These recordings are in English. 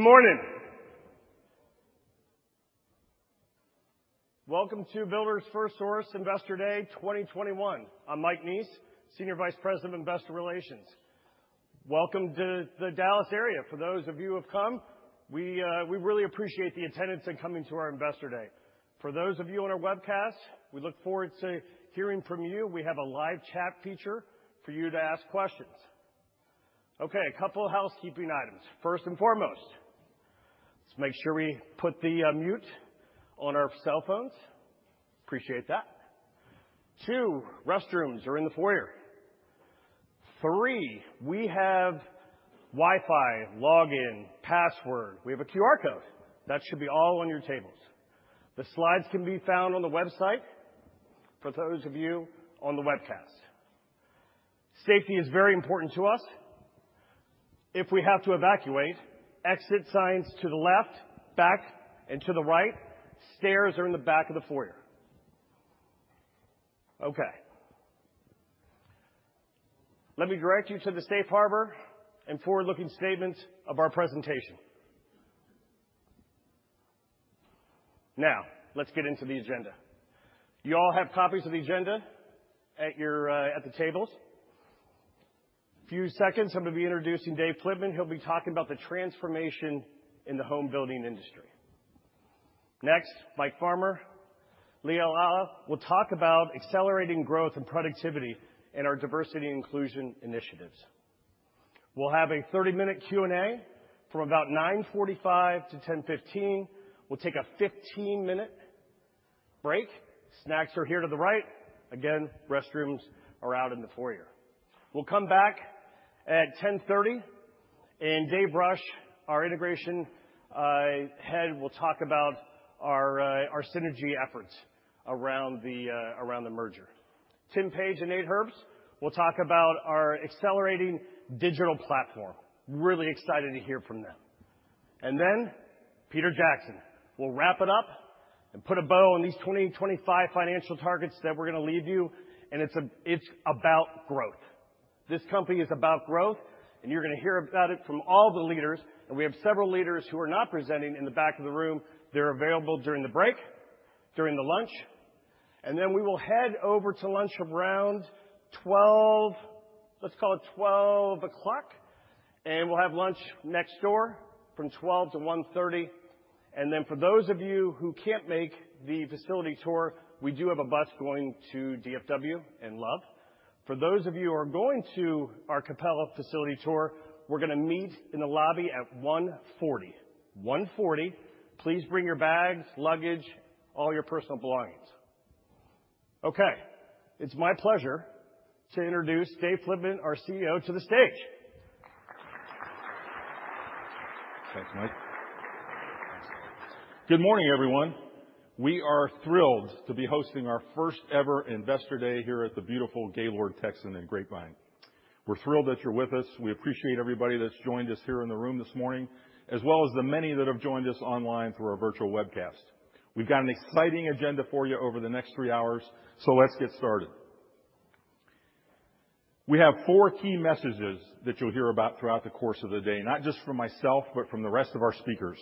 Good morning. Welcome to Builders FirstSource Investor Day 2021. I'm Mike Neese, Senior Vice President of Investor Relations. Welcome to the Dallas area. For those of you who have come, we really appreciate the attendance and coming to our Investor Day. For those of you on our webcast, we look forward to hearing from you. We have a live chat feature for you to ask questions. Okay, a couple housekeeping items. First and foremost, let's make sure we put the mute on our cell phones. Appreciate that. Two, restrooms are in the foyer. Three, we have Wi-Fi, login, password. We have a QR code. That should be all on your tables. The slides can be found on the website for those of you on the webcast. Safety is very important to us. If we have to evacuate, exit sign's to the left, back, and to the right. Stairs are in the back of the foyer. Okay. Let me direct you to the safe harbor and forward-looking statements of our presentation. Now, let's get into the agenda. You all have copies of the agenda at your tables. A few seconds, I'm gonna be introducing Dave Flitman. He'll be talking about the transformation in the home building industry. Next, Mike Farmer, Lea Allah will talk about accelerating growth and productivity in our diversity inclusion initiatives. We'll have a 30-minute Q&A from about 9:45 A.M. to 10:15 A.M. We'll take a 15-minute break. Snacks are here to the right. Again, restrooms are out in the foyer. We'll come back at 10:30 A.M., and Dave Rush, our integration head, will talk about our synergy efforts around the merger. Tim Page and Nate Herbst will talk about our accelerating digital platform. Really excited to hear from them. Then Peter Jackson will wrap it up and put a bow on these 2025 financial targets that we're gonna leave you, and it's about growth. This company is about growth, and you're gonna hear about it from all the leaders. We have several leaders who are not presenting in the back of the room. They're available during the break, during the lunch. Then we will head over to lunch around 12. Let's call it 12:00 P.M., and we'll have lunch next door from 12:00 P.M. to 1:30 P.M. Then for those of you who can't make the facility tour, we do have a bus going to DFW and Love. For those of you who are going to our Coppell facility tour, we're gonna meet in the lobby at 1:40 P.M. 1:40 P.M., please bring your bags, luggage, all your personal belongings. Okay, it's my pleasure to introduce Dave Flitman, our CEO, to the stage. Thanks, Mike. Good morning, everyone. We are thrilled to be hosting our first ever Investor Day here at the beautiful Gaylord Texan in Grapevine. We're thrilled that you're with us. We appreciate everybody that's joined us here in the room this morning, as well as the many that have joined us online through our virtual webcast. We've got an exciting agenda for you over the next three hours, so let's get started. We have four key messages that you'll hear about throughout the course of the day, not just from myself, but from the rest of our speakers.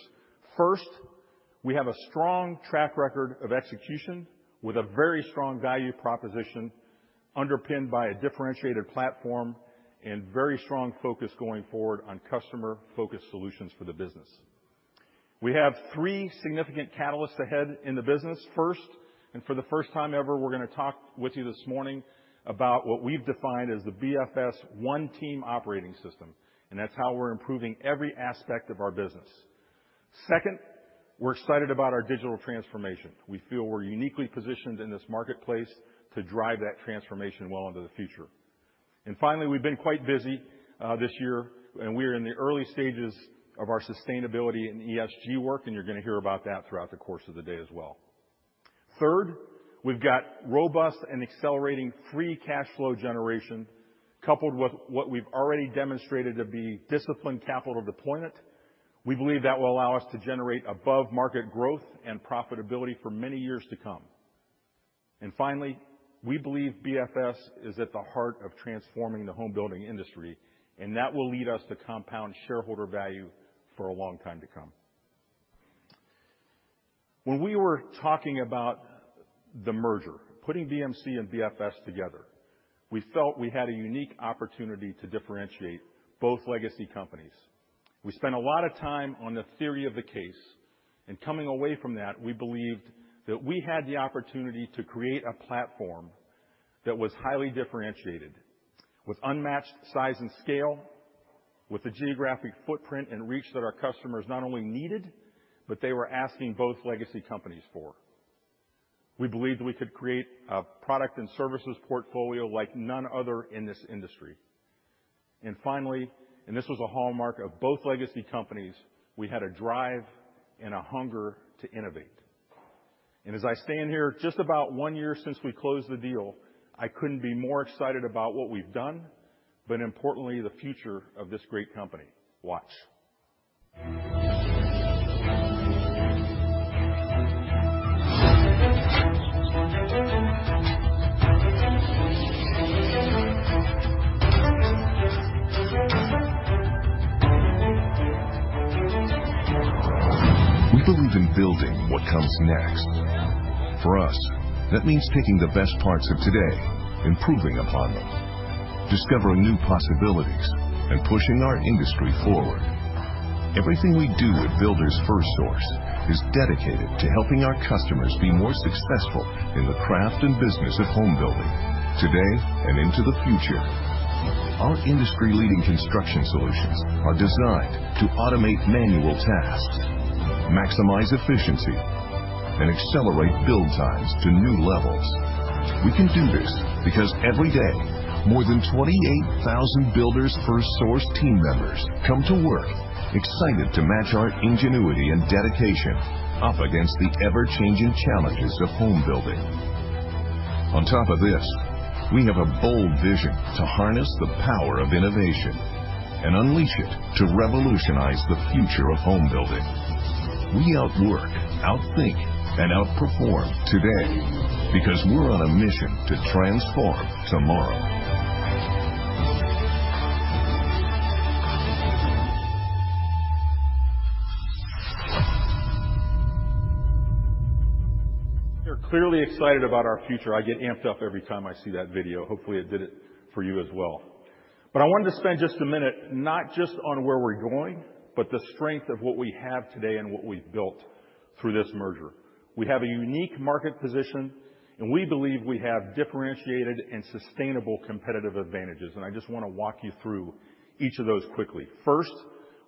First, we have a strong track record of execution with a very strong value proposition underpinned by a differentiated platform and very strong focus going forward on customer-focused solutions for the business. We have three significant catalysts ahead in the business. First, for the first time ever, we're gonna talk with you this morning about what we've defined as the BFS One Team Operating System, and that's how we're improving every aspect of our business. Second, we're excited about our digital transformation. We feel we're uniquely positioned in this marketplace to drive that transformation well into the future. Finally, we've been quite busy this year, and we're in the early stages of our sustainability and ESG work, and you're gonna hear about that throughout the course of the day as well. Third, we've got robust and accelerating free cash flow generation coupled with what we've already demonstrated to be disciplined capital deployment. We believe that will allow us to generate above-market growth and profitability for many years to come. Finally, we believe BFS is at the heart of transforming the home building industry, and that will lead us to compound shareholder value for a long time to come. When we were talking about the merger, putting BMC and BFS together, we felt we had a unique opportunity to differentiate both legacy companies. We spent a lot of time on the theory of the case, and coming away from that, we believed that we had the opportunity to create a platform that was highly differentiated, with unmatched size and scale, with the geographic footprint and reach that our customers not only needed, but they were asking both legacy companies for. We believed we could create a product and services portfolio like none other in this industry. Finally, and this was a hallmark of both legacy companies, we had a drive and a hunger to innovate. As I stand here just about one year since we closed the deal, I couldn't be more excited about what we've done, but importantly, the future of this great company. Watch. We believe in building what comes next. For us, that means taking the best parts of today, improving upon them, discovering new possibilities, and pushing our industry forward. Everything we do at Builders FirstSource is dedicated to helping our customers be more successful in the craft and business of home building today and into the future. Our industry-leading construction solutions are designed to automate manual tasks, maximize efficiency, and accelerate build times to new levels. We can do this because every day, more than 28,000 Builders FirstSource team members come to work excited to match our ingenuity and dedication up against the ever-changing challenges of home building. On top of this, we have a bold vision to harness the power of innovation and unleash it to revolutionize the future of home building. We outwork, outthink, and outperform today because we're on a mission to transform tomorrow. We are clearly excited about our future. I get amped up every time I see that video. Hopefully it did it for you as well. But I wanted to spend just a minute, not just on where we're going, but the strength of what we have today and what we've built through this merger. We have a unique market position, and we believe we have differentiated and sustainable competitive advantages. I just wanna walk you through each of those quickly. First,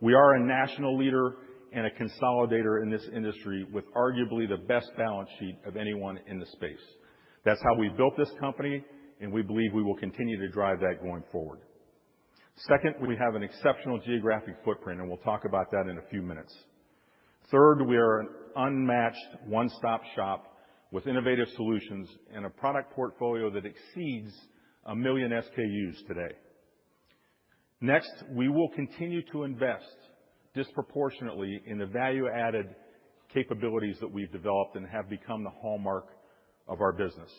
we are a national leader and a consolidator in this industry with arguably the best balance sheet of anyone in the space. That's how we built this company, and we believe we will continue to drive that going forward. Second, we have an exceptional geographic footprint, and we'll talk about that in a few minutes. Third, we are an unmatched one-stop shop with innovative solutions and a product portfolio that exceeds 1 million SKUs today. Next, we will continue to invest disproportionately in the value-added capabilities that we've developed and have become the hallmark of our business.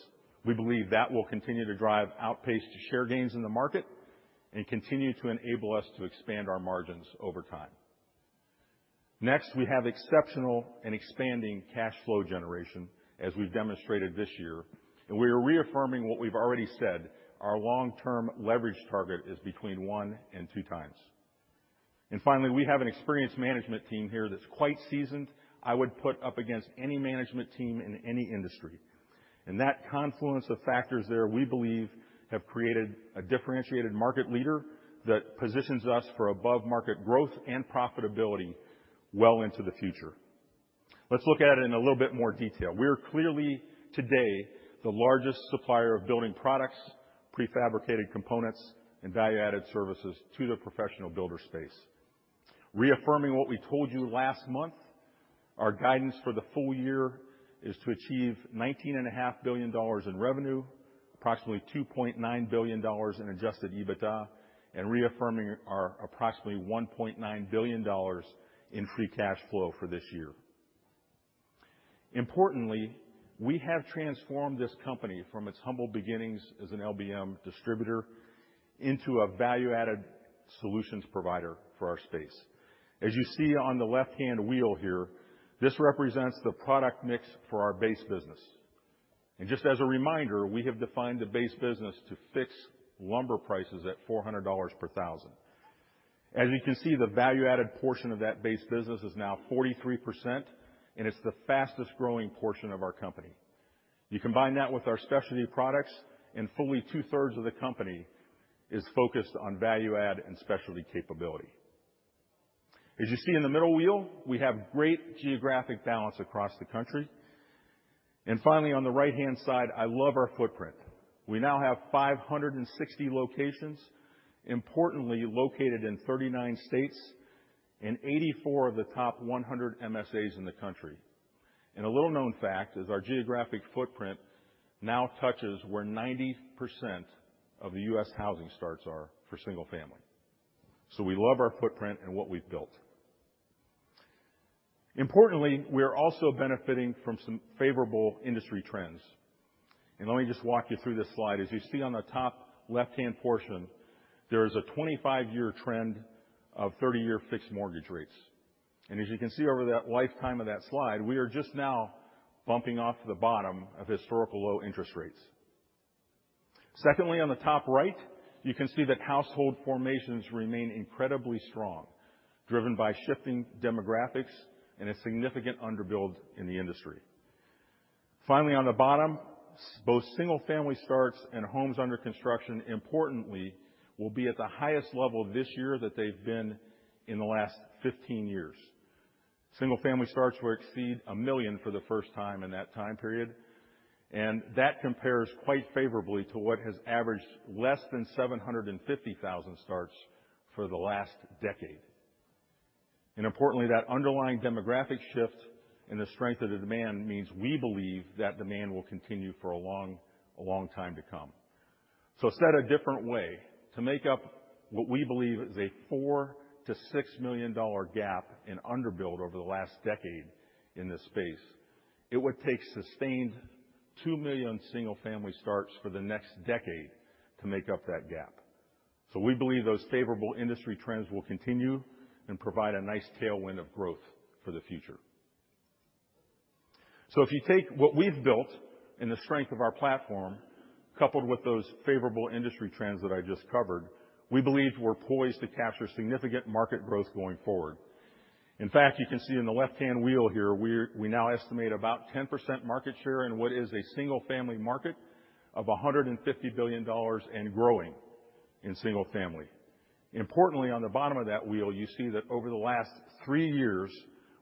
We believe that will continue to drive outperformance and share gains in the market and continue to enable us to expand our margins over time. Next, we have exceptional and expanding cash flow generation, as we've demonstrated this year. We are reaffirming what we've already said. Our long-term leverage target is between 1x and 2x. Finally, we have an experienced management team here that's quite seasoned. I would put up against any management team in any industry. That confluence of factors there, we believe, have created a differentiated market leader that positions us for above market growth and profitability well into the future. Let's look at it in a little bit more detail. We are clearly, today, the largest supplier of building products, prefabricated components, and value-added services to the professional builder space. Reaffirming what we told you last month, our guidance for the full year is to achieve $19.5 billion in revenue, approximately $2.9 billion in adjusted EBITDA, and reaffirming our approximately $1.9 billion in free cash flow for this year. Importantly, we have transformed this company from its humble beginnings as an LBM distributor into a value-added solutions provider for our space. As you see on the left-hand wheel here, this represents the product mix for our base business. Just as a reminder, we have defined the base business to fix lumber prices at $400 per thousand. As you can see, the value-added portion of that base business is now 43%, and it's the fastest-growing portion of our company. You combine that with our specialty products and fully 2/3 of the company is focused on value add and specialty capability. As you see in the middle wheel, we have great geographic balance across the country. Finally, on the right-hand side, I love our footprint. We now have 560 locations, importantly located in 39 states and 84 of the top 100 MSAs in the country. A little known fact is our geographic footprint now touches where 90% of the U.S. housing starts are for single-family. We love our footprint and what we've built. Importantly, we are also benefiting from some favorable industry trends. Let me just walk you through this slide. As you see on the top left-hand portion, there is a 25-year trend of 30-year fixed mortgage rates. As you can see over that lifetime of that slide, we are just now bumping off the bottom of historical low interest rates. Secondly, on the top right, you can see that household formations remain incredibly strong, driven by shifting demographics and a significant underbuild in the industry. Finally, on the bottom, both single-family starts and homes under construction importantly will be at the highest level this year that they've been in the last 15 years. Single-family starts will exceed 1 million for the first time in that time period, and that compares quite favorably to what has averaged less than 750,000 starts for the last decade. Importantly, that underlying demographic shift and the strength of the demand means we believe that demand will continue for a long time to come. Said a different way, to make up what we believe is a $4 million-$6 million gap in underbuild over the last decade in this space, it would take sustained 2 million single-family starts for the next decade to make up that gap. We believe those favorable industry trends will continue and provide a nice tailwind of growth for the future. If you take what we've built and the strength of our platform, coupled with those favorable industry trends that I just covered, we believe we're poised to capture significant market growth going forward. In fact, you can see in the left-hand wheel here, we now estimate about 10% market share in what is a single-family market of $150 billion and growing in single family. Importantly, on the bottom of that wheel, you see that over the last three years,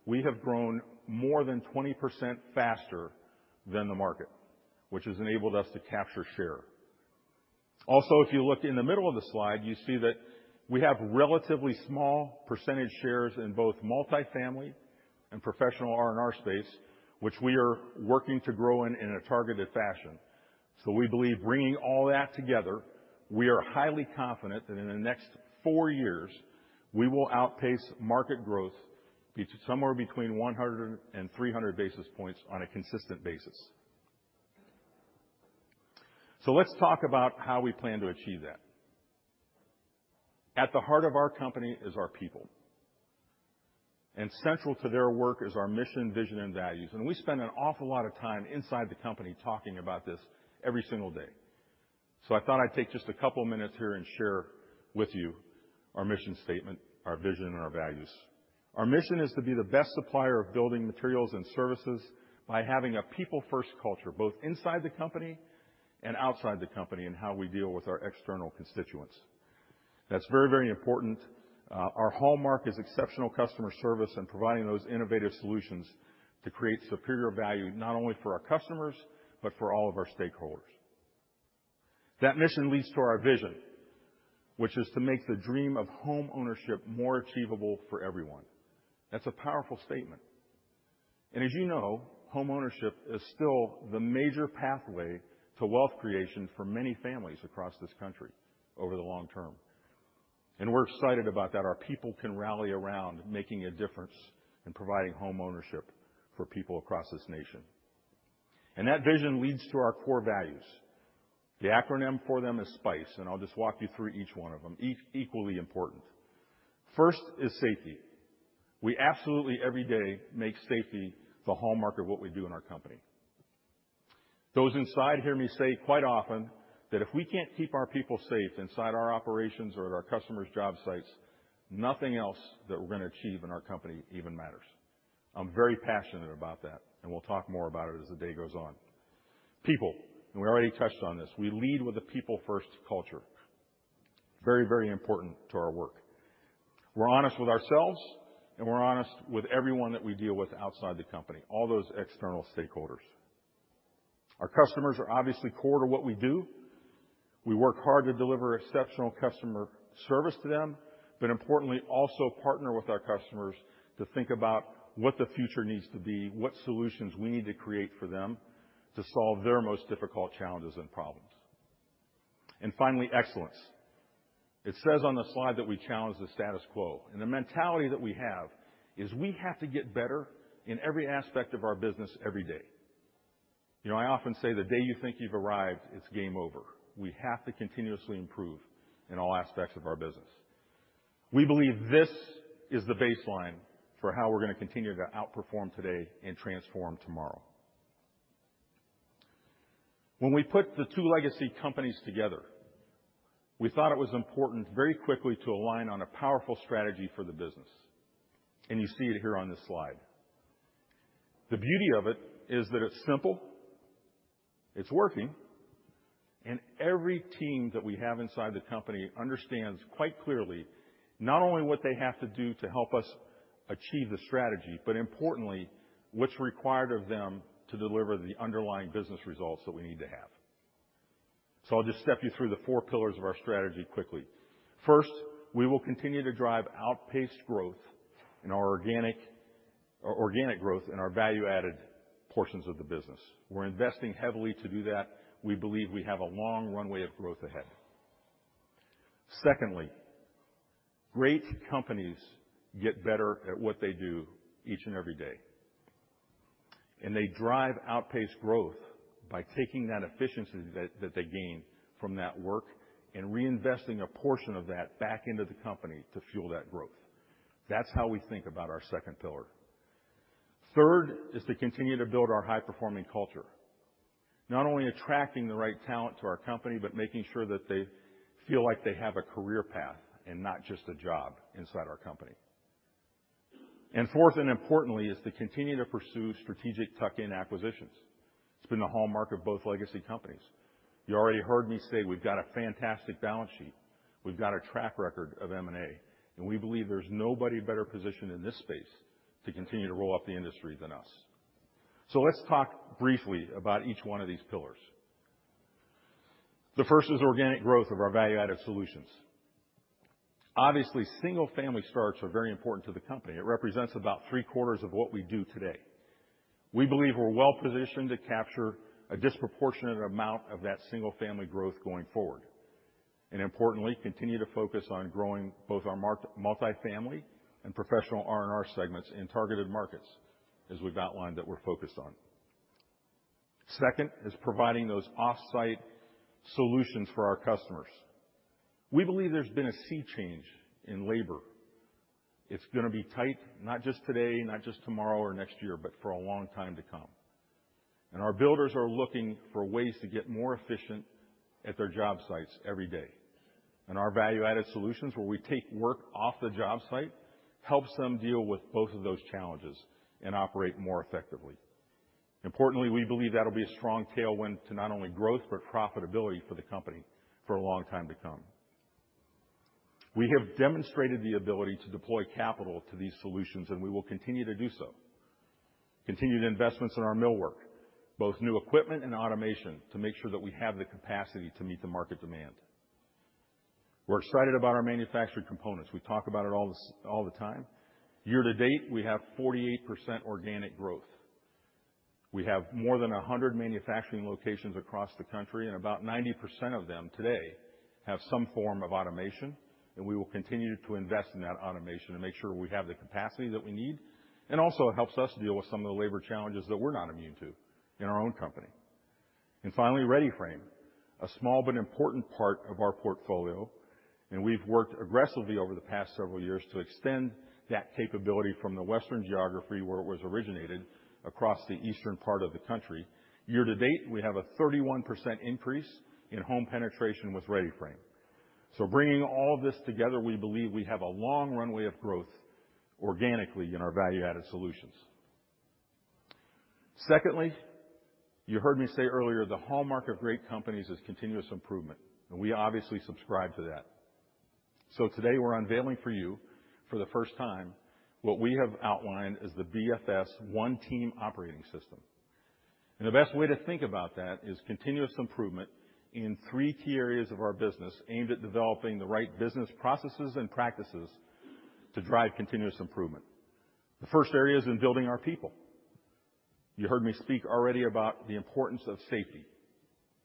we have grown more than 20% faster than the market, which has enabled us to capture share. Also, if you look in the middle of the slide, you see that we have relatively small percentage shares in both multifamily and professional R&R space, which we are working to grow in a targeted fashion. We believe bringing all that together, we are highly confident that in the next four years, we will outpace market growth by somewhere between 100 and 300 basis points on a consistent basis. Let's talk about how we plan to achieve that. At the heart of our company is our people. Central to their work is our mission, vision, and values. We spend an awful lot of time inside the company talking about this every single day. I thought I'd take just a couple minutes here and share with you our mission statement, our vision, and our values. Our mission is to be the best supplier of building materials and services by having a people-first culture, both inside the company and outside the company, in how we deal with our external constituents. That's very, very important. Our hallmark is exceptional customer service and providing those innovative solutions to create superior value, not only for our customers, but for all of our stakeholders. That mission leads to our vision, which is to make the dream of homeownership more achievable for everyone. That's a powerful statement. As you know, homeownership is still the major pathway to wealth creation for many families across this country over the long term. We're excited about that. Our people can rally around making a difference in providing homeownership for people across this nation. That vision leads to our core values. The acronym for them is SPICE, and I'll just walk you through each one of them, equally important. First is safety. We absolutely every day make safety the hallmark of what we do in our company. Those inside hear me say quite often that if we can't keep our people safe inside our operations or at our customers' job sites, nothing else that we're gonna achieve in our company even matters. I'm very passionate about that, and we'll talk more about it as the day goes on. People. We already touched on this. We lead with a people-first culture. Very, very important to our work. We're honest with ourselves, and we're honest with everyone that we deal with outside the company, all those external stakeholders. Our customers are obviously core to what we do. We work hard to deliver exceptional customer service to them, but importantly, also partner with our customers to think about what the future needs to be, what solutions we need to create for them to solve their most difficult challenges and problems. Finally, excellence. It says on the slide that we challenge the status quo, and the mentality that we have is we have to get better in every aspect of our business every day. You know, I often say the day you think you've arrived, it's game over. We have to continuously improve in all aspects of our business. We believe this is the baseline for how we're gonna continue to outperform today and transform tomorrow. When we put the two legacy companies together, we thought it was important very quickly to align on a powerful strategy for the business, and you see it here on this slide. The beauty of it is that it's simple, it's working, and every team that we have inside the company understands quite clearly not only what they have to do to help us achieve the strategy, but importantly, what's required of them to deliver the underlying business results that we need to have. I'll just step you through the four pillars of our strategy quickly. First, we will continue to drive outpaced growth in our organic growth in our value-added portions of the business. We're investing heavily to do that. We believe we have a long runway of growth ahead. Secondly, great companies get better at what they do each and every day. They drive outpaced growth by taking that efficiency that they gain from that work and reinvesting a portion of that back into the company to fuel that growth. That's how we think about our second pillar. Third is to continue to build our high-performing culture. Not only attracting the right talent to our company, but making sure that they feel like they have a career path and not just a job inside our company. Fourth, and importantly, is to continue to pursue strategic tuck-in acquisitions. It's been the hallmark of both legacy companies. You already heard me say we've got a fantastic balance sheet. We've got a track record of M&A. We believe there's nobody better positioned in this space to continue to roll up the industry than us. Let's talk briefly about each one of these pillars. The first is organic growth of our value-added solutions. Obviously, single-family starts are very important to the company. It represents about three-quarters of what we do today. We believe we're well-positioned to capture a disproportionate amount of that single-family growth going forward, and importantly, continue to focus on growing both our multifamily and professional R&R segments in targeted markets as we've outlined that we're focused on. Second is providing those off-site solutions for our customers. We believe there's been a sea change in labor. It's gonna be tight, not just today, not just tomorrow or next year, but for a long time to come. Our builders are looking for ways to get more efficient at their job sites every day. Our value-added solutions, where we take work off the job site, helps them deal with both of those challenges and operate more effectively. Importantly, we believe that'll be a strong tailwind to not only growth, but profitability for the company for a long time to come. We have demonstrated the ability to deploy capital to these solutions, and we will continue to do so. Continued investments in our millwork, both new equipment and automation, to make sure that we have the capacity to meet the market demand. We're excited about our manufactured components. We talk about it all the time. Year-to-date, we have 48% organic growth. We have more than 100 manufacturing locations across the country, and about 90% of them today have some form of automation, and we will continue to invest in that automation to make sure we have the capacity that we need. Also it helps us deal with some of the labor challenges that we're not immune to in our own company. Finally, READY-FRAME®, a small but important part of our portfolio, and we've worked aggressively over the past several years to extend that capability from the Western geography, where it was originated across the eastern part of the country. Year-to-date, we have a 31% increase in home penetration with READY-FRAME®. Bringing all this together, we believe we have a long runway of growth organically in our value-added solutions. Secondly, you heard me say earlier, the hallmark of great companies is continuous improvement, and we obviously subscribe to that. Today we're unveiling for you for the first time what we have outlined as the BFS One Team Operating System. The best way to think about that is continuous improvement in three key areas of our business aimed at developing the right business processes and practices to drive continuous improvement. The first area is in building our people. You heard me speak already about the importance of safety,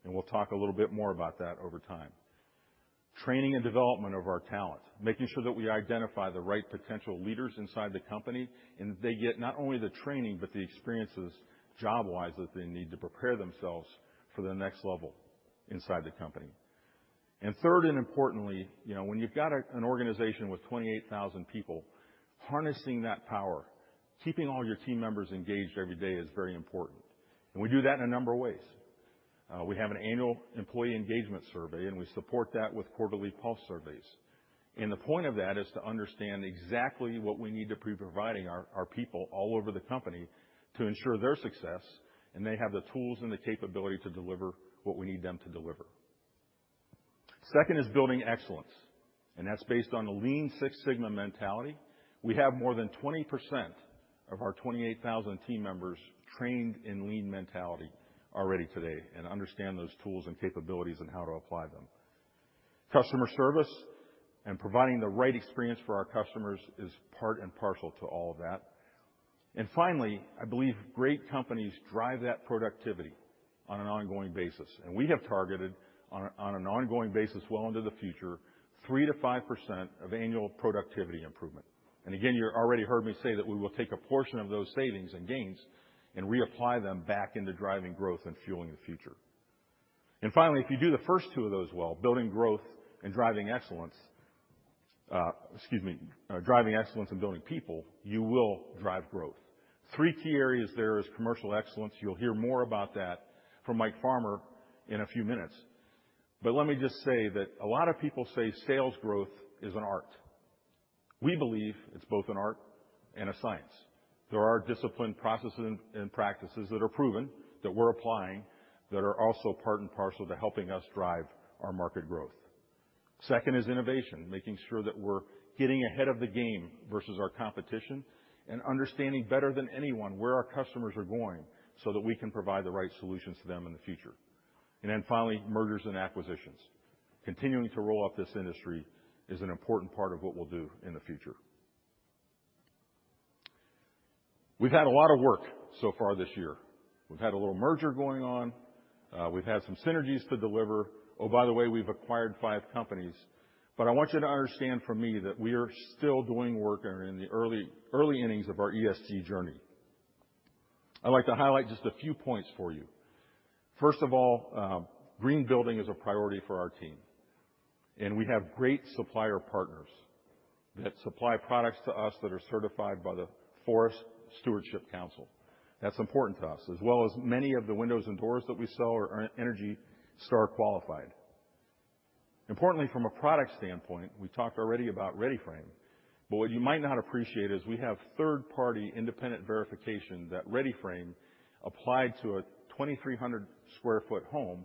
and we'll talk a little bit more about that over time. Training and development of our talent, making sure that we identify the right potential leaders inside the company, and they get not only the training, but the experiences job-wise that they need to prepare themselves for the next level inside the company. Third, and importantly, you know, when you've got an organization with 28,000 people, harnessing that power, keeping all your team members engaged every day is very important. We do that in a number of ways. We have an annual employee engagement survey, and we support that with quarterly pulse surveys. The point of that is to understand exactly what we need to be providing our people all over the company to ensure their success, and they have the tools and the capability to deliver what we need them to deliver. Second is building excellence, and that's based on the Lean Six Sigma mentality. We have more than 20% of our 28,000 team members trained in lean mentality already today and understand those tools and capabilities and how to apply them. Customer service and providing the right experience for our customers is part and parcel to all of that. Finally, I believe great companies drive that productivity on an ongoing basis. We have targeted on an ongoing basis well into the future, 3%-5% of annual productivity improvement. Again, you already heard me say that we will take a portion of those savings and gains and reapply them back into driving growth and fueling the future. Finally, if you do the first two of those well, driving excellence and building people, you will drive growth. Three key areas. There is commercial excellence. You'll hear more about that from Mike Farmer in a few minutes. Let me just say that a lot of people say sales growth is an art. We believe it's both an art and a science. There are disciplined processes and practices that are proven that we're applying that are also part and parcel to helping us drive our market growth. Second is innovation, making sure that we're getting ahead of the game versus our competition, and understanding better than anyone where our customers are going so that we can provide the right solutions to them in the future. Finally, mergers and acquisitions. Continuing to roll up this industry is an important part of what we'll do in the future. We've had a lot of work so far this year. We've had a little merger going on. We've had some synergies to deliver. Oh, by the way, we've acquired five companies. I want you to understand from me that we are still doing work and are in the early innings of our ESG journey. I'd like to highlight just a few points for you. First of all, green building is a priority for our team, and we have great supplier partners that supply products to us that are certified by the Forest Stewardship Council. That's important to us, as well as many of the windows and doors that we sell are ENERGY STAR qualified. Importantly, from a product standpoint, we talked already about READY-FRAME®, but what you might not appreciate is we have third-party independent verification that READY-FRAME® applied to a 2,300 sq ft home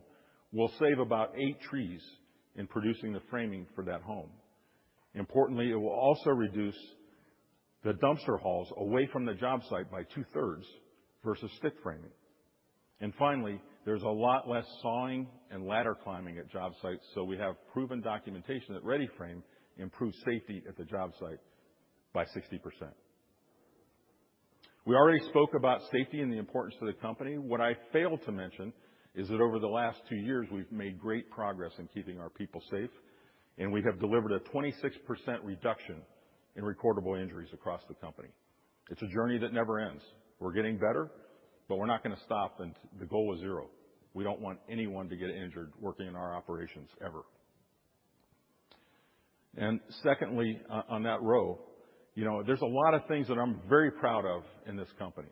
will save about eight trees in producing the framing for that home. Importantly, it will also reduce the dumpster hauls away from the job site by t2/3 versus stick framing. Finally, there's a lot less sawing and ladder climbing at job sites, so we have proven documentation that READY-FRAME® improves safety at the job site by 60%. We already spoke about safety and the importance to the company. What I failed to mention is that over the last two years, we've made great progress in keeping our people safe, and we have delivered a 26% reduction in recordable injuries across the company. It's a journey that never ends. We're getting better, but we're not gonna stop, and the goal is zero. We don't want anyone to get injured working in our operations, ever. Secondly, on that note, you know, there's a lot of things that I'm very proud of in this company,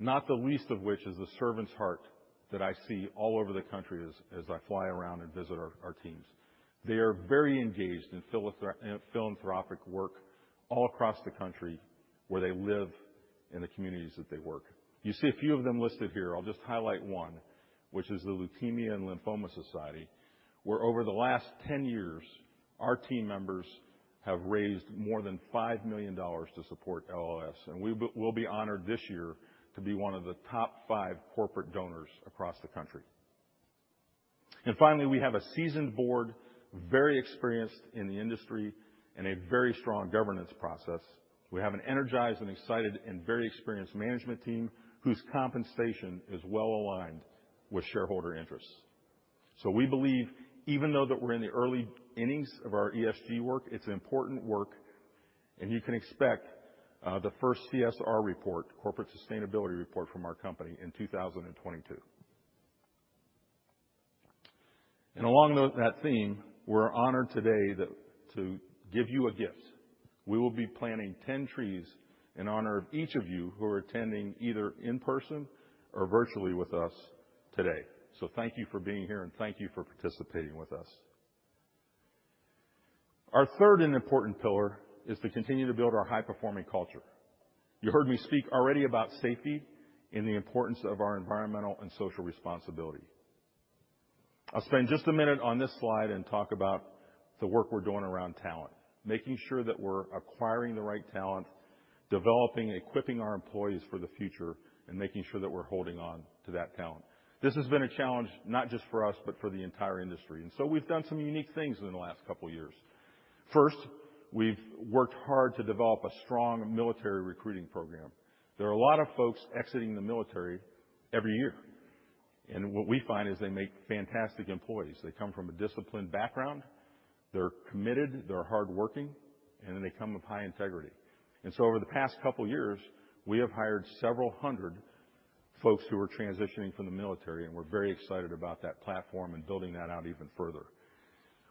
not the least of which is the servant's heart that I see all over the country as I fly around and visit our teams. They are very engaged in philanthropic work all across the country where they live in the communities that they work. You see a few of them listed here. I'll just highlight one, which is the Leukemia & Lymphoma Society, where over the last 10 years, our team members have raised more than $5 million to support LLS. We'll be honored this year to be one of the top five corporate donors across the country. Finally, we have a seasoned board, very experienced in the industry, and a very strong governance process. We have an energized and excited and very experienced management team whose compensation is well aligned with shareholder interests. We believe even though that we're in the early innings of our ESG work, it's important work, and you can expect the first CSR report, corporate sustainability report, from our company in 2022. Along that theme, we're honored today to give you a gift. We will be planting 10 trees in honor of each of you who are attending either in person or virtually with us today. Thank you for being here, and thank you for participating with us. Our third and important pillar is to continue to build our high-performing culture. You heard me speak already about safety and the importance of our environmental and social responsibility. I'll spend just a minute on this slide and talk about the work we're doing around talent, making sure that we're acquiring the right talent, developing and equipping our employees for the future, and making sure that we're holding on to that talent. This has been a challenge not just for us, but for the entire industry, and so we've done some unique things in the last couple years. First, we've worked hard to develop a strong military recruiting program. There are a lot of folks exiting the military every year, and what we find is they make fantastic employees. They come from a disciplined background, they're committed, they're hardworking, and they come with high integrity. Over the past couple years, we have hired several hundred folks who are transitioning from the military, and we're very excited about that platform and building that out even further.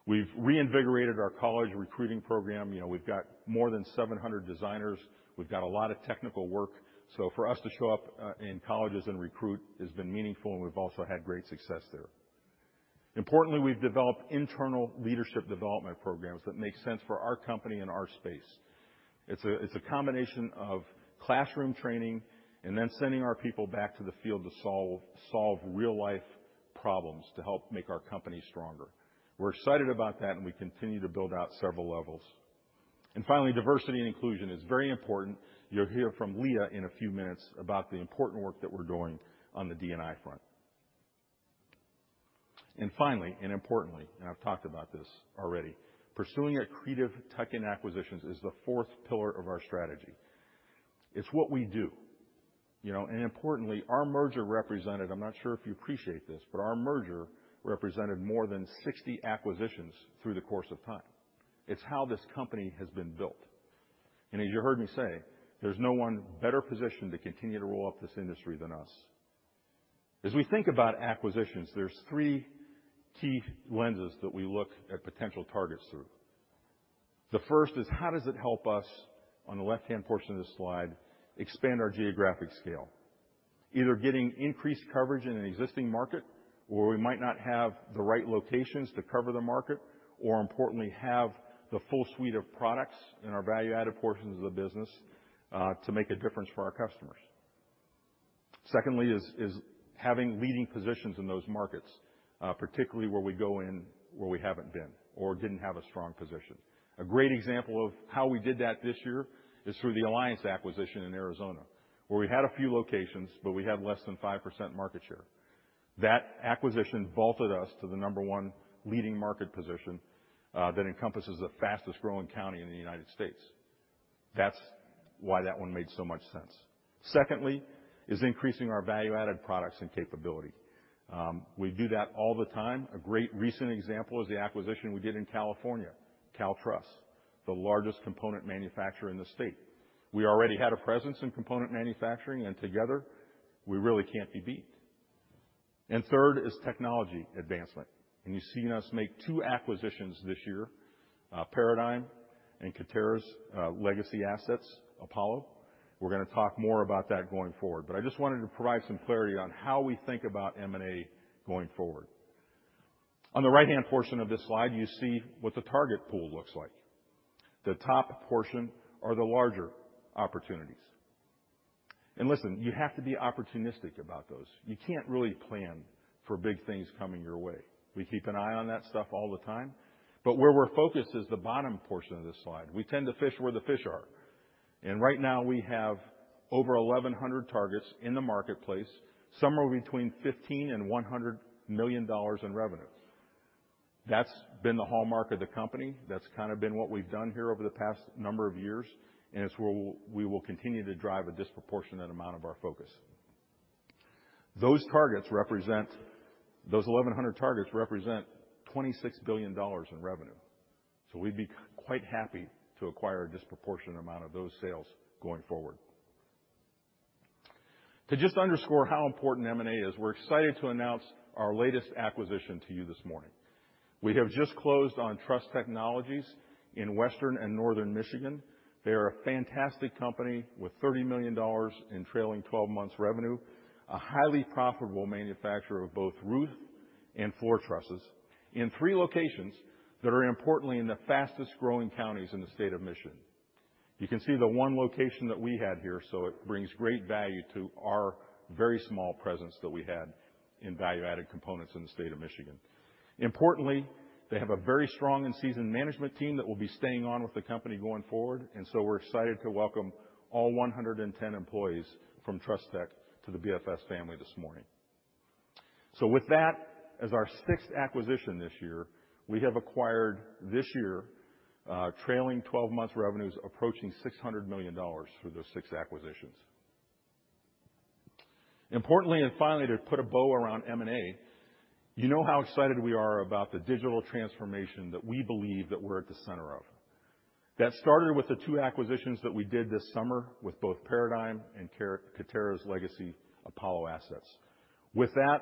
We've reinvigorated our college recruiting program. You know, we've got more than 700 designers. We've got a lot of technical work. For us to show up in colleges and recruit has been meaningful, and we've also had great success there. Importantly, we've developed internal leadership development programs that make sense for our company and our space. It's a combination of classroom training and then sending our people back to the field to solve real-life problems to help make our company stronger. We're excited about that, and we continue to build out several levels. Finally, diversity and inclusion is very important. You'll hear from Lea in a few minutes about the important work that we're doing on the D&I front. Finally, and importantly, and I've talked about this already, pursuing accretive tuck-in acquisitions is the fourth pillar of our strategy. It's what we do. You know, and importantly, our merger represented. I'm not sure if you appreciate this, but our merger represented more than 60 acquisitions through the course of time. It's how this company has been built. As you heard me say, there's no one better positioned to continue to roll up this industry than us. As we think about acquisitions, there are three key lenses that we look at potential targets through. The first is how does it help us, on the left-hand portion of this slide, expand our geographic scale? Either getting increased coverage in an existing market where we might not have the right locations to cover the market or, importantly, have the full suite of products in our value-added portions of the business, to make a difference for our customers. Second is having leading positions in those markets, particularly where we go in where we haven't been or didn't have a strong position. A great example of how we did that this year is through the Alliance acquisition in Arizona, where we had a few locations but we had less than 5% market share. That acquisition vaulted us to the number one leading market position that encompasses the fastest growing county in the United States. That's why that one made so much sense. Secondly is increasing our value-added products and capability. We do that all the time. A great recent example is the acquisition we did in California, CA Truss, the largest component manufacturer in the state. We already had a presence in component manufacturing, and together, we really can't be beat. Third is technology advancement, and you've seen us make two acquisitions this year, Paradigm and Katerra's legacy assets, Apollo. We're gonna talk more about that going forward, but I just wanted to provide some clarity on how we think about M&A going forward. On the right-hand portion of this slide, you see what the target pool looks like. The top portion are the larger opportunities. Listen, you have to be opportunistic about those. You can't really plan for big things coming your way. We keep an eye on that stuff all the time, but where we're focused is the bottom portion of this slide. We tend to fish where the fish are. Right now we have over 1,100 targets in the marketplace, somewhere between $15 million and $100 million in revenue. That's been the hallmark of the company. That's kinda been what we've done here over the past number of years, and it's where we will continue to drive a disproportionate amount of our focus. Those 1,100 targets represent $26 billion in revenue. So we'd be quite happy to acquire a disproportionate amount of those sales going forward. To just underscore how important M&A is, we're excited to announce our latest acquisition to you this morning. We have just closed on Truss Technologies in Western and Northern Michigan. They are a fantastic company with $30 million in trailing 12 months revenue, a highly profitable manufacturer of both roof and floor trusses in three locations that are importantly in the fastest-growing counties in the state of Michigan. You can see the one location that we had here, so it brings great value to our very small presence that we had in value-added components in the state of Michigan. Importantly, they have a very strong and seasoned management team that will be staying on with the company going forward, and so we're excited to welcome all 110 employees from Truss Tech to the BFS family this morning. With that, as our sixth acquisition this year, we have acquired this year trailing 12-month revenues approaching $600 million through those six acquisitions. Importantly, and finally, to put a bow around M&A, you know how excited we are about the digital transformation that we believe that we're at the center of. That started with the two acquisitions that we did this summer with both Paradigm and Katerra's legacy Apollo assets. With that,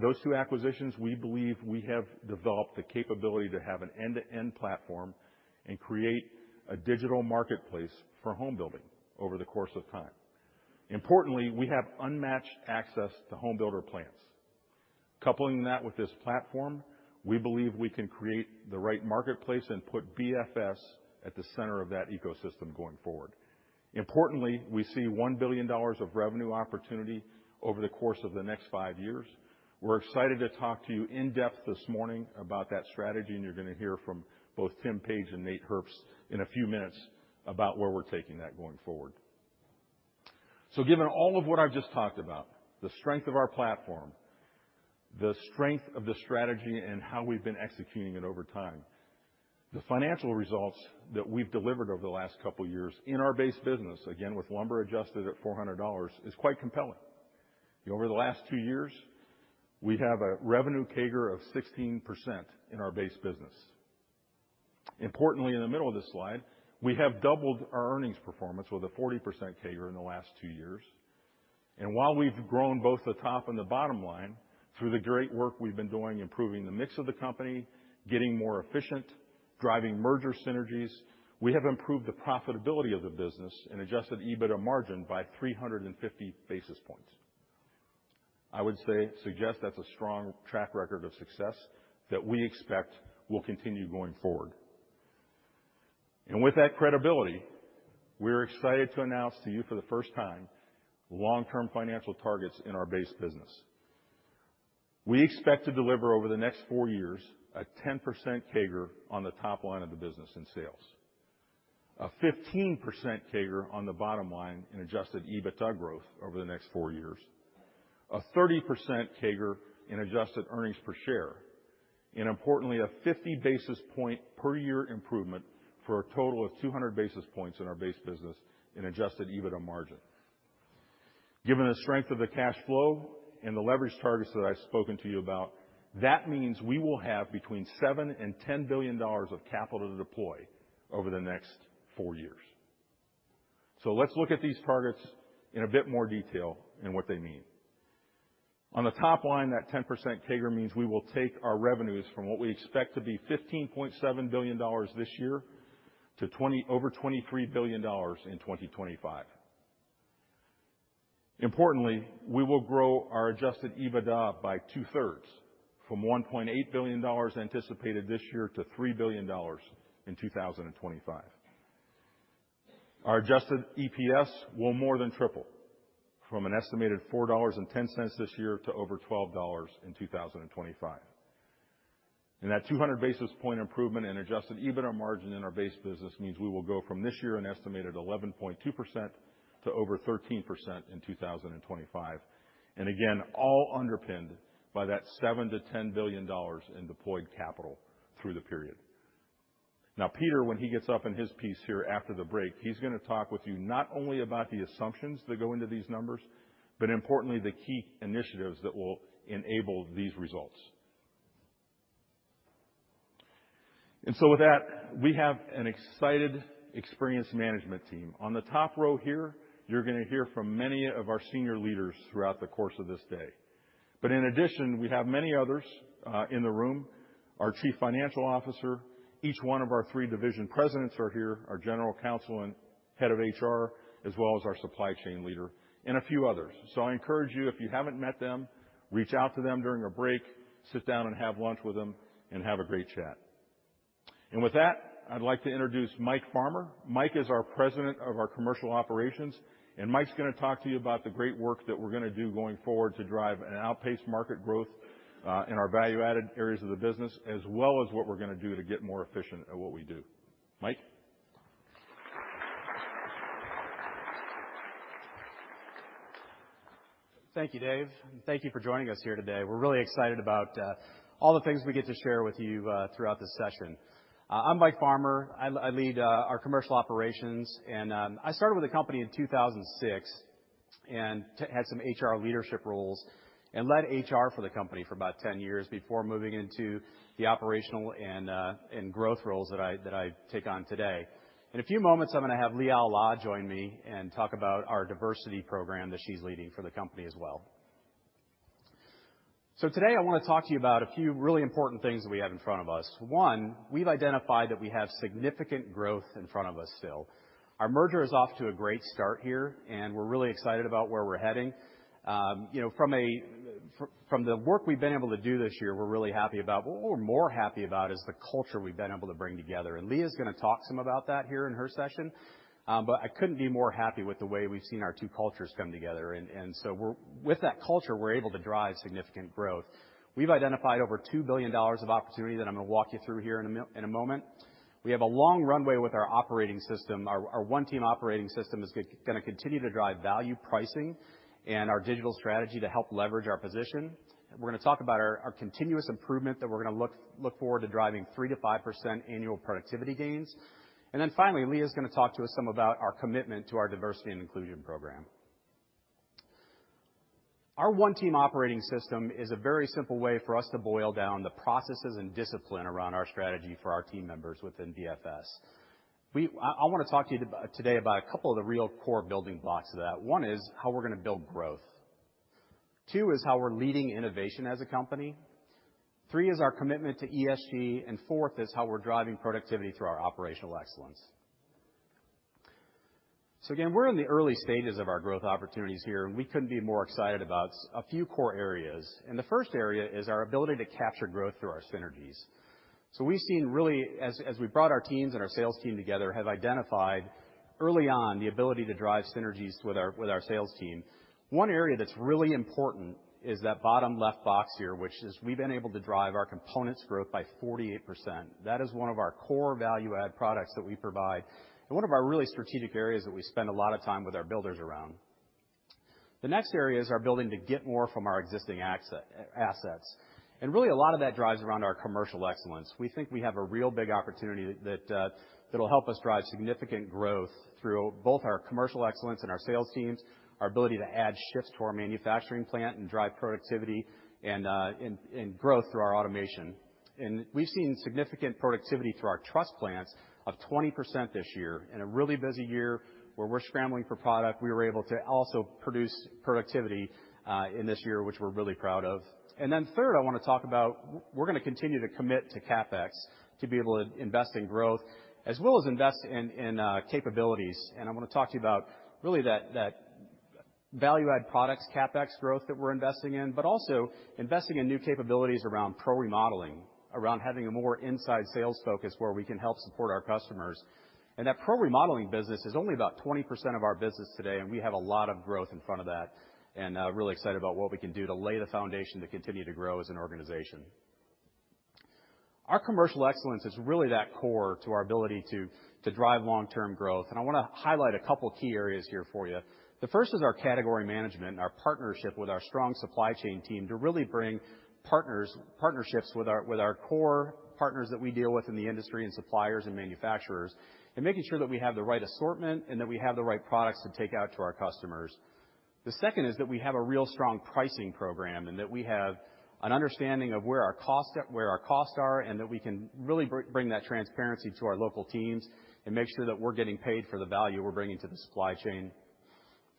those two acquisitions, we believe we have developed the capability to have an end-to-end platform and create a digital marketplace for home building over the course of time. Importantly, we have unmatched access to home builder plans. Coupling that with this platform, we believe we can create the right marketplace and put BFS at the center of that ecosystem going forward. Importantly, we see $1 billion of revenue opportunity over the course of the next five years. We're excited to talk to you in depth this morning about that strategy, and you're gonna hear from both Tim Page and Nate Herbst in a few minutes about where we're taking that going forward. Given all of what I've just talked about, the strength of our platform, the strength of the strategy and how we've been executing it over time, the financial results that we've delivered over the last couple of years in our base business, again, with lumber adjusted at $400, is quite compelling. Over the last two years, we have a revenue CAGR of 16% in our base business. Importantly, in the middle of this slide, we have doubled our earnings performance with a 40% CAGR in the last two years. While we've grown both the top and the bottom line through the great work we've been doing, improving the mix of the company, getting more efficient, driving merger synergies, we have improved the profitability of the business and adjusted EBITDA margin by 350 basis points. I would say this suggests that's a strong track record of success that we expect will continue going forward. With that credibility, we're excited to announce to you for the first time long-term financial targets in our base business. We expect to deliver over the next four years a 10% CAGR on the top line of the business in sales. A 15% CAGR on the bottom line in adjusted EBITDA growth over the next four years. A 30% CAGR in adjusted earnings per share, and importantly, a 50 basis points per year improvement for a total of 200 basis points in our base business in adjusted EBITDA margin. Given the strength of the cash flow and the leverage targets that I've spoken to you about, that means we will have between $7 billion and $10 billion of capital to deploy over the next four years. Let's look at these targets in a bit more detail and what they mean. On the top line, that 10% CAGR means we will take our revenues from what we expect to be $15.7 billion this year to over $23 billion in 2025. Importantly, we will grow our adjusted EBITDA by 2/3from $1.8 billion anticipated this year to $3 billion in 2025. Our adjusted EPS will more than triple from an estimated $4.10 this year to over $12 in 2025. That 200 basis points improvement in adjusted EBITDA margin in our base business means we will go from this year an estimated 11.2% to over 13% in 2025. Again, all underpinned by that $7 billion-$10 billion in deployed capital through the period. Now, Peter, when he gets up in his piece here after the break, he's gonna talk with you not only about the assumptions that go into these numbers, but importantly, the key initiatives that will enable these results. With that, we have an excited, experienced management team. On the top row here, you're gonna hear from many of our senior leaders throughout the course of this day. In addition, we have many others in the room, our Chief Financial Officer, each one of our three Division Presidents are here, our General Counsel and Head of HR, as well as our Supply Chain Leader and a few others. I encourage you, if you haven't met them, reach out to them during a break, sit down and have lunch with them and have a great chat. With that, I'd like to introduce Mike Farmer. Mike is our President of our Commercial Operations, and Mike's gonna talk to you about the great work that we're gonna do going forward to drive and outpace market growth in our value-added areas of the business, as well as what we're gonna do to get more efficient at what we do. Mike. Thank you, Dave, and thank you for joining us here today. We're really excited about all the things we get to share with you throughout the session. I'm Mike Farmer. I lead our commercial operations, and I started with the company in 2006 and had some HR leadership roles and led HR for the company for about 10 years before moving into the operational and growth roles that I take on today. In a few moments, I'm gonna have Lea Allah join me and talk about our diversity program that she's leading for the company as well. Today I wanna talk to you about a few really important things that we have in front of us. One, we've identified that we have significant growth in front of us still. Our merger is off to a great start here, and we're really excited about where we're heading. You know, from the work we've been able to do this year, we're really happy about. What we're more happy about is the culture we've been able to bring together. Lea is gonna talk some about that here in her session. I couldn't be more happy with the way we've seen our two cultures come together. With that culture, we're able to drive significant growth. We've identified over $2 billion of opportunity that I'm gonna walk you through here in a moment. We have a long runway with our operating system. Our One Team Operating System is gonna continue to drive value pricing and our digital strategy to help leverage our position. We're gonna talk about our continuous improvement that we're gonna look forward to driving 3%-5% annual productivity gains. Then finally, Lea's gonna talk to us some about our commitment to our diversity and inclusion program. Our BFS One Team Operating System is a very simple way for us to boil down the processes and discipline around our strategy for our team members within BFS. I wanna talk to you today about a couple of the real core building blocks of that. One is how we're gonna build growth. Two is how we're leading innovation as a company. Three is our commitment to ESG, and fourth is how we're driving productivity through our operational excellence. Again, we're in the early stages of our growth opportunities here, and we couldn't be more excited about a few core areas. The first area is our ability to capture growth through our synergies. We've seen as we brought our teams and our sales team together, have identified early on the ability to drive synergies with our sales team. One area that's really important is that bottom left box here, which is we've been able to drive our components growth by 48%. That is one of our core value add products that we provide and one of our really strategic areas that we spend a lot of time with our builders around. The next area is our ability to get more from our existing assets. Really a lot of that drives around our commercial excellence. We think we have a real big opportunity that that'll help us drive significant growth through both our commercial excellence and our sales teams, our ability to add shifts to our manufacturing plant and drive productivity and growth through our automation. We've seen significant productivity through our truss plants of 20% this year. In a really busy year where we're scrambling for product, we were able to also improve productivity in this year, which we're really proud of. Third, I wanna talk about we're gonna continue to commit to CapEx to be able to invest in growth as well as invest in capabilities. I wanna talk to you about really that value add products CapEx growth that we're investing in, but also investing in new capabilities around pro remodeling, around having a more inside sales focus where we can help support our customers. That pro remodeling business is only about 20% of our business today, and we have a lot of growth in front of that, and really excited about what we can do to lay the foundation to continue to grow as an organization. Our commercial excellence is really that core to our ability to drive long-term growth, and I wanna highlight a couple key areas here for you. The first is our category management and our partnership with our strong supply chain team to really bring partnerships with our core partners that we deal with in the industry and suppliers and manufacturers, and making sure that we have the right assortment and that we have the right products to take out to our customers. The second is that we have a real strong pricing program, and that we have an understanding of where our costs are, and that we can really bring that transparency to our local teams and make sure that we're getting paid for the value we're bringing to the supply chain.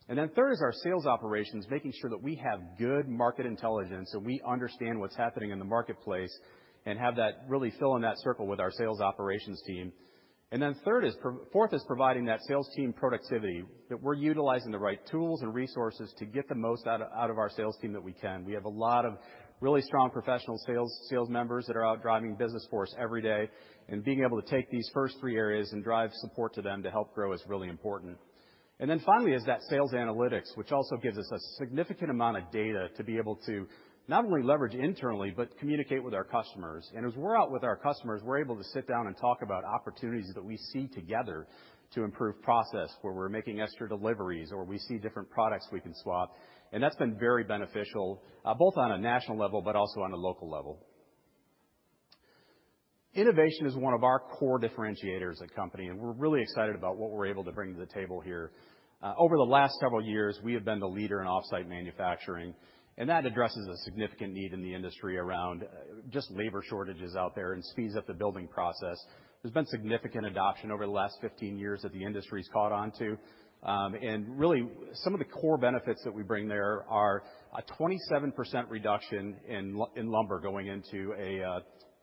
Then third is our sales operations, making sure that we have good market intelligence, so we understand what's happening in the marketplace and have that really fill in that circle with our sales operations team. Third is fourth is providing that sales team productivity, that we're utilizing the right tools and resources to get the most out of our sales team that we can. We have a lot of really strong professional sales members that are out driving business for us every day, and being able to take these first three areas and drive support to them to help grow is really important. Finally is that sales analytics, which also gives us a significant amount of data to be able to not only leverage internally, but communicate with our customers. As we're out with our customers, we're able to sit down and talk about opportunities that we see together to improve process, where we're making extra deliveries or we see different products we can swap. That's been very beneficial, both on a national level but also on a local level. Innovation is one of our core differentiators as a company, and we're really excited about what we're able to bring to the table here. Over the last several years, we have been the leader in off-site manufacturing, and that addresses a significant need in the industry around just labor shortages out there and speeds up the building process. There's been significant adoption over the last 15 years that the industry's caught on to. Really some of the core benefits that we bring there are a 27% reduction in lumber going into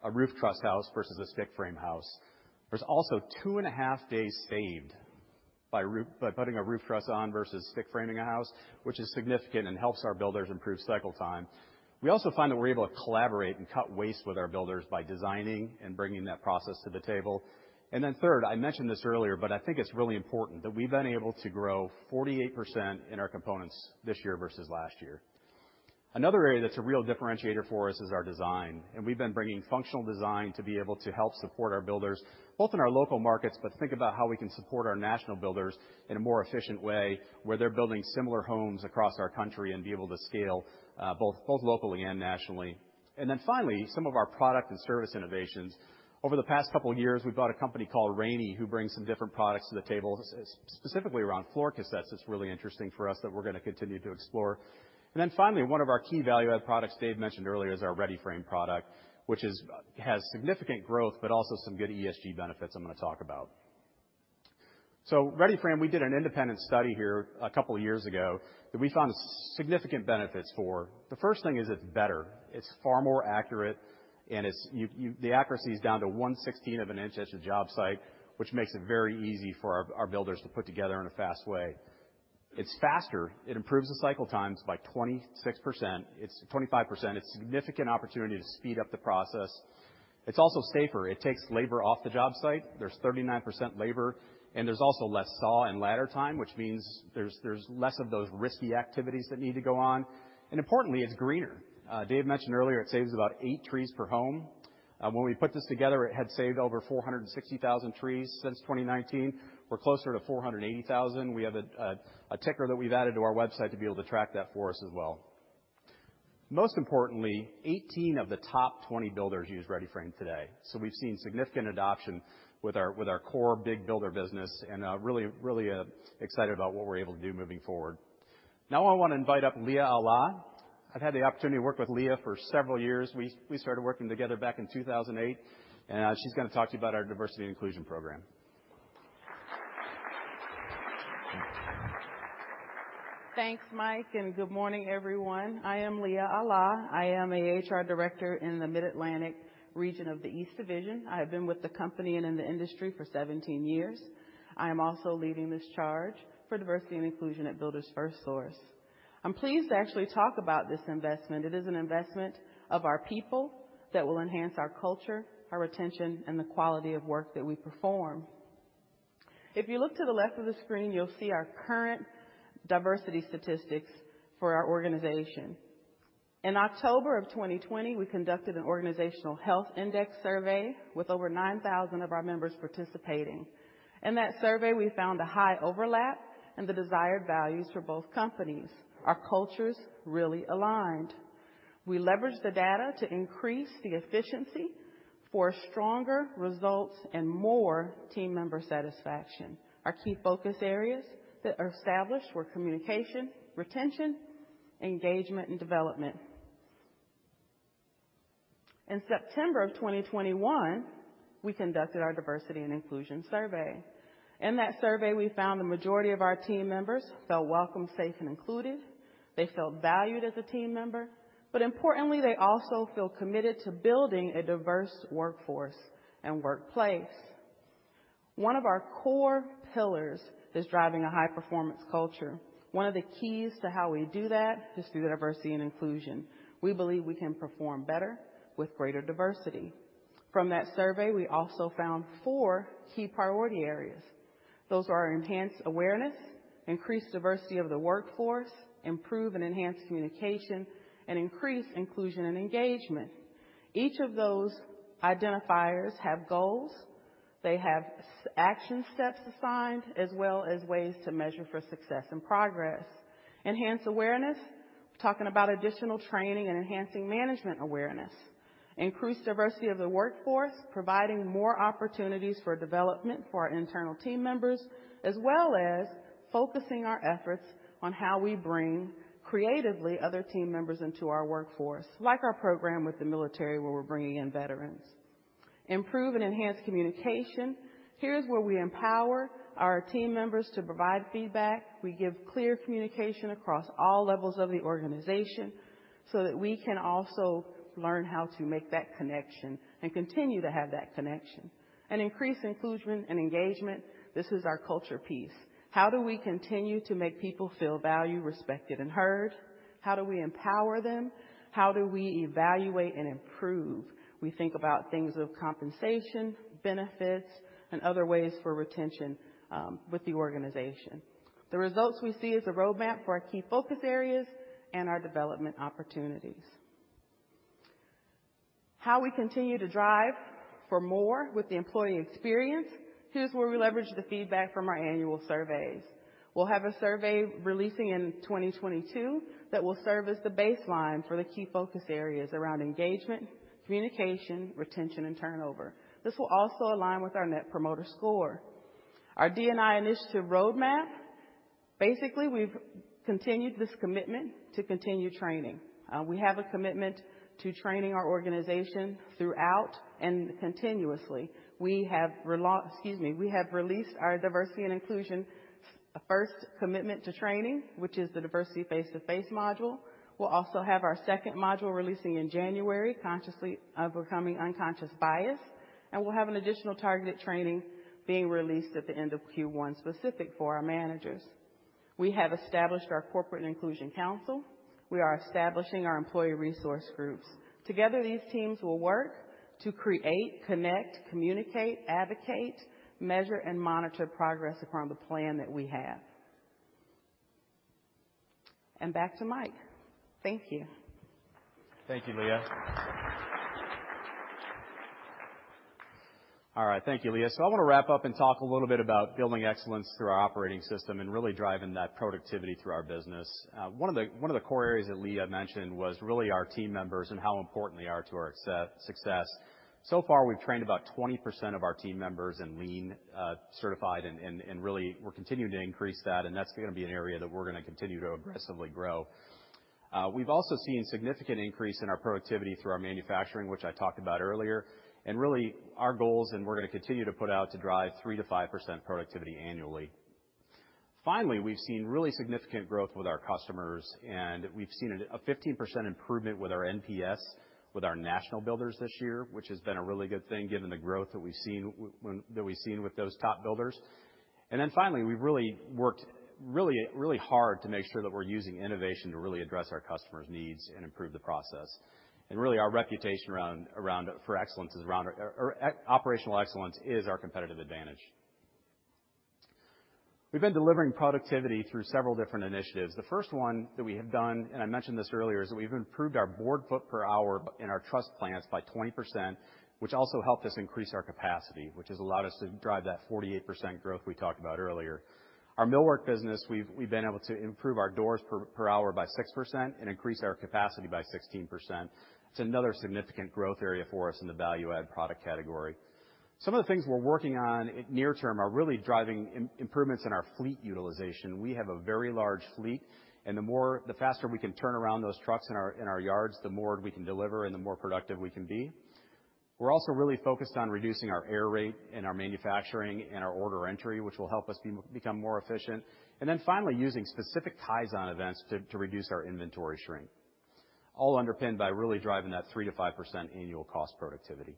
a roof truss house versus a stick frame house. There's also 2.5 days saved by putting a roof truss on versus stick framing a house, which is significant and helps our builders improve cycle time. We also find that we're able to collaborate and cut waste with our builders by designing and bringing that process to the table. Third, I mentioned this earlier, but I think it's really important that we've been able to grow 48% in our components this year versus last year. Another area that's a real differentiator for us is our design, and we've been bringing functional design to be able to help support our builders, both in our local markets. Think about how we can support our national builders in a more efficient way, where they're building similar homes across our country and be able to scale, both locally and nationally. Finally, some of our product and service innovations. Over the past couple of years, we bought a company called Raney, who brings some different products to the table, specifically around floor cassettes. It's really interesting for us that we're gonna continue to explore. Finally, one of our key value-add products Dave mentioned earlier is our READY-FRAME® product, which has significant growth, but also some good ESG benefits I'm gonna talk about. READY-FRAME®, we did an independent study here a couple years ago that we found significant benefits for. The first thing is it's better. It's far more accurate, and it's the accuracy is down to 1/16 of an inch at your job site, which makes it very easy for our builders to put together in a fast way. It's faster. It improves the cycle times by 26%. It's 25%. It's a significant opportunity to speed up the process. It's also safer. It takes labor off the job site. There's 39% labor, and there's also less saw and ladder time, which means there's less of those risky activities that need to go on. Importantly, it's greener. Dave mentioned earlier it saves about eight trees per home. When we put this together, it had saved over 460,000 trees since 2019. We're closer to 480,000. We have a ticker that we've added to our website to be able to track that for us as well. Most importantly, 18 of the top 20 builders use READY-FRAME® today. We've seen significant adoption with our core big builder business and really excited about what we're able to do moving forward. Now I wanna invite up Lea Allah. I've had the opportunity to work with Lea for several years. We started working together back in 2008. She's gonna talk to you about our diversity and inclusion program. Thanks, Mike, and good morning, everyone. I am Lea Allah. I am an HR director in the Mid-Atlantic region of the East Division. I have been with the company and in the industry for 17 years. I am also leading this charge for diversity and inclusion at Builders FirstSource. I'm pleased to actually talk about this investment. It is an investment of our people that will enhance our culture, our retention, and the quality of work that we perform. If you look to the left of the screen, you'll see our current diversity statistics for our organization. In October of 2020, we conducted an organizational health index survey with over 9,000 of our members participating. In that survey, we found a high overlap in the desired values for both companies. Our cultures really aligned. We leveraged the data to increase the efficiency for stronger results and more team member satisfaction. Our key focus areas that are established were communication, retention, engagement, and development. In September 2021, we conducted our diversity and inclusion survey. In that survey, we found the majority of our team members felt welcome, safe, and included. They felt valued as a team member, but importantly, they also feel committed to building a diverse workforce and workplace. One of our core pillars is driving a high-performance culture. One of the keys to how we do that is through diversity and inclusion. We believe we can perform better with greater diversity. From that survey, we also found four key priority areas. Those are enhanced awareness, increased diversity of the workforce, improve and enhance communication, and increase inclusion and engagement. Each of those identifiers have goals. They have action steps assigned as well as ways to measure for success and progress. Enhance awareness, talking about additional training and enhancing management awareness. Increase diversity of the workforce, providing more opportunities for development for our internal team members, as well as focusing our efforts on how we bring creatively other team members into our workforce, like our program with the military, where we're bringing in veterans. Improve and enhance communication. Here's where we empower our team members to provide feedback. We give clear communication across all levels of the organization so that we can also learn how to make that connection and continue to have that connection. Increase inclusion and engagement. This is our culture piece. How do we continue to make people feel valued, respected, and heard? How do we empower them? How do we evaluate and improve? We think about things of compensation, benefits, and other ways for retention with the organization. The results we see is a roadmap for our key focus areas and our development opportunities. How we continue to drive for more with the employee experience. Here's where we leverage the feedback from our annual surveys. We'll have a survey releasing in 2022 that will serve as the baseline for the key focus areas around engagement, communication, retention, and turnover. This will also align with our Net Promoter Score. Our D&I initiative roadmap. Basically, we've continued this commitment to continue training. We have a commitment to training our organization throughout and continuously. We have released our diversity and inclusion The first commitment to training, which is the diversity face-to-face module. We'll also have our second module releasing in January, consciously becoming unconscious bias. We'll have an additional targeted training being released at the end of Q1, specific for our managers. We have established our corporate inclusion council. We are establishing our employee resource groups. Together, these teams will work to create, connect, communicate, advocate, measure, and monitor progress upon the plan that we have. Back to Mike. Thank you. Thank you, Lea. All right. Thank you, Lea. I wanna wrap up and talk a little bit about building excellence through our operating system and really driving that productivity through our business. One of the core areas that Lea mentioned was really our team members and how important they are to our success. So far, we've trained about 20% of our team members and Lean certified, and really we're continuing to increase that, and that's gonna be an area that we're gonna continue to aggressively grow. We've also seen significant increase in our productivity through our manufacturing, which I talked about earlier. Really our goals, and we're gonna continue to put out to drive 3%-5% productivity annually. Finally, we've seen really significant growth with our customers, and we've seen a 15% improvement with our NPS with our national builders this year, which has been a really good thing given the growth that we've seen with those top builders. Finally, we've really worked really hard to make sure that we're using innovation to really address our customers' needs and improve the process. Really, our reputation around operational excellence is our competitive advantage. We've been delivering productivity through several different initiatives. The first one that we have done, and I mentioned this earlier, is we've improved our board foot per hour in our truss plants by 20%, which also helped us increase our capacity, which has allowed us to drive that 48% growth we talked about earlier. Our millwork business, we've been able to improve our doors per hour by 6% and increase our capacity by 16%. It's another significant growth area for us in the value-add product category. Some of the things we're working on in the near term are really driving improvements in our fleet utilization. We have a very large fleet, and the faster we can turn around those trucks in our yards, the more we can deliver and the more productive we can be. We're also really focused on reducing our error rate in our manufacturing and our order entry, which will help us become more efficient. Finally, using specific ties on events to reduce our inventory shrink, all underpinned by really driving that 3%-5% annual cost productivity.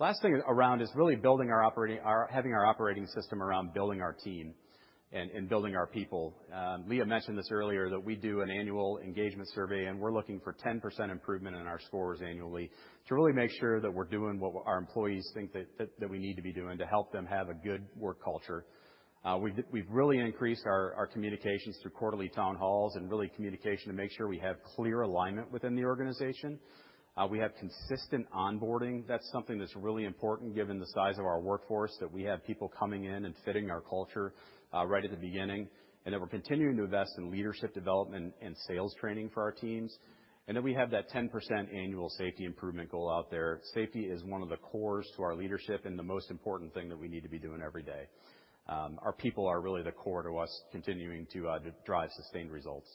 Last thing around is really having our operating system around building our team and building our people. Lea mentioned this earlier, that we do an annual engagement survey, and we're looking for 10% improvement in our scores annually to really make sure that we're doing what our employees think that we need to be doing to help them have a good work culture. We've really increased our communications through quarterly town halls and really communication to make sure we have clear alignment within the organization. We have consistent onboarding. That's something that's really important given the size of our workforce, that we have people coming in and fitting our culture right at the beginning, and that we're continuing to invest in leadership development and sales training for our teams. We have that 10% annual safety improvement goal out there. Safety is one of the cores to our leadership and the most important thing that we need to be doing every day. Our people are really the core to us continuing to drive sustained results.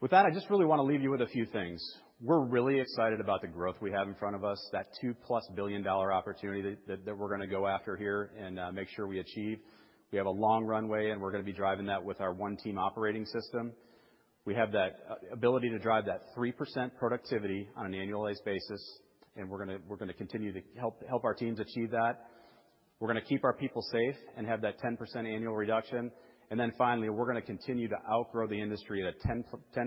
With that, I just really wanna leave you with a few things. We're really excited about the growth we have in front of us, that $2+ billion opportunity that we're gonna go after here and make sure we achieve. We have a long runway, and we're gonna be driving that with our One Team Operating System. We have that ability to drive that 3% productivity on an annualized basis, and we're gonna continue to help our teams achieve that. We're gonna keep our people safe and have that 10% annual reduction. Then finally, we're gonna continue to outgrow the industry at a 10-10+%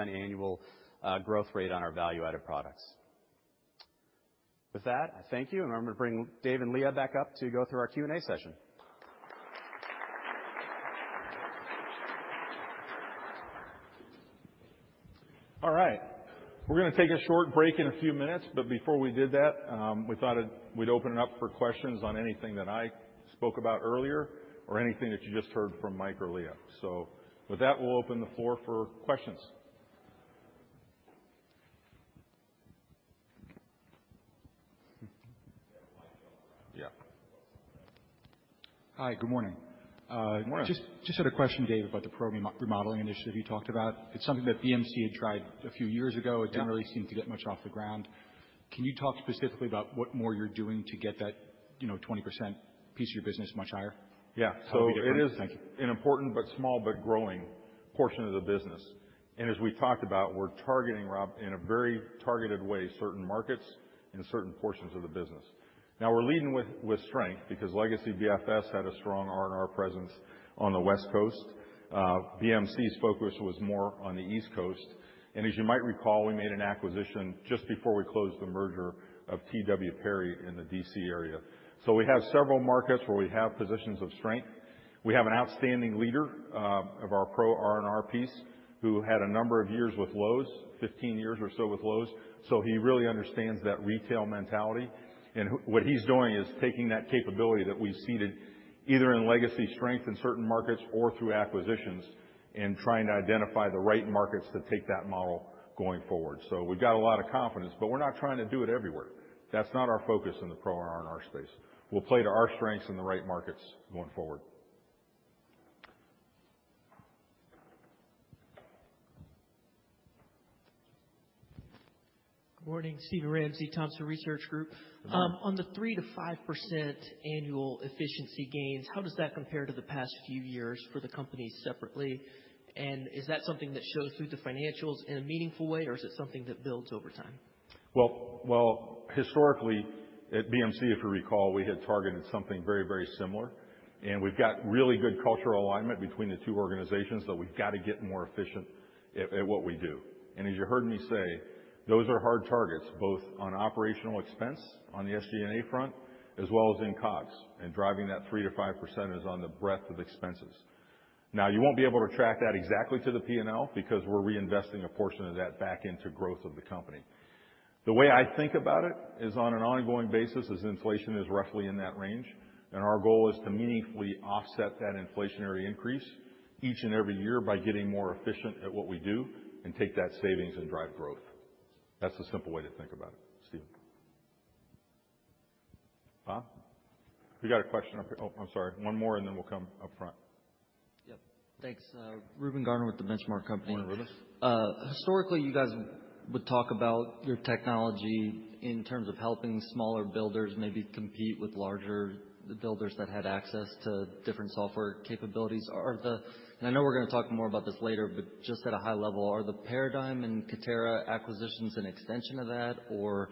annual growth rate on our value-added products. With that, I thank you and I'm gonna bring Dave and Lea back up to go through our Q&A session. All right. We're gonna take a short break in a few minutes, but before we did that, we thought we'd open it up for questions on anything that I spoke about earlier or anything that you just heard from Mike or Lea. With that, we'll open the floor for questions. Yeah. Hi, good morning. Good morning. Just had a question, Dave, about the pro remodeling initiative you talked about. It's something that BMC had tried a few years ago. Yeah. It didn't really seem to get much off the ground. Can you talk specifically about what more you're doing to get that, you know, 20% piece of your business much higher? Yeah. That'd be different. Thank you. It is an important but small but growing portion of the business. As we talked about, we're targeting, Rob, in a very targeted way, certain markets and certain portions of the business. Now, we're leading with strength because Legacy BFS had a strong R&R presence on the West Coast. BMC's focus was more on the East Coast. As you might recall, we made an acquisition just before we closed the merger of TW Perry in the D.C. area. We have several markets where we have positions of strength. We have an outstanding leader of our pro R&R piece who had a number of years with Lowe's, 15 years or so with Lowe's. He really understands that retail mentality. What he's doing is taking that capability that we've seeded either in legacy strength in certain markets or through acquisitions, and trying to identify the right markets to take that model going forward. We've got a lot of confidence, but we're not trying to do it everywhere. That's not our focus in the pro R&R space. We'll play to our strengths in the right markets going forward. Good morning. Steven Ramsey, Thompson Research Group. On the 3%-5% annual efficiency gains, how does that compare to the past few years for the company separately? Is that something that shows through the financials in a meaningful way, or is it something that builds over time? Well, historically, at BMC, if you recall, we had targeted something very, very similar. We've got really good cultural alignment between the two organizations that we've got to get more efficient at what we do. As you heard me say, those are hard targets, both on operational expense on the SG&A front as well as in COGS. Driving that 3%-5% is on the breadth of expenses. Now, you won't be able to track that exactly to the P&L because we're reinvesting a portion of that back into growth of the company. The way I think about it is on an ongoing basis as inflation is roughly in that range, and our goal is to meaningfully offset that inflationary increase each and every year by getting more efficient at what we do and take that savings and drive growth. That's the simple way to think about it, Steven. Bob? We got a question up here. Oh, I'm sorry. One more, and then we'll come up front. Yep. Thanks. Reuben Garner with The Benchmark Company. Morning, Reuben. Historically, you guys would talk about your technology in terms of helping smaller builders maybe compete with larger builders that had access to different software capabilities. I know we're gonna talk more about this later, but just at a high level, are the Paradigm and Katerra acquisitions an extension of that, or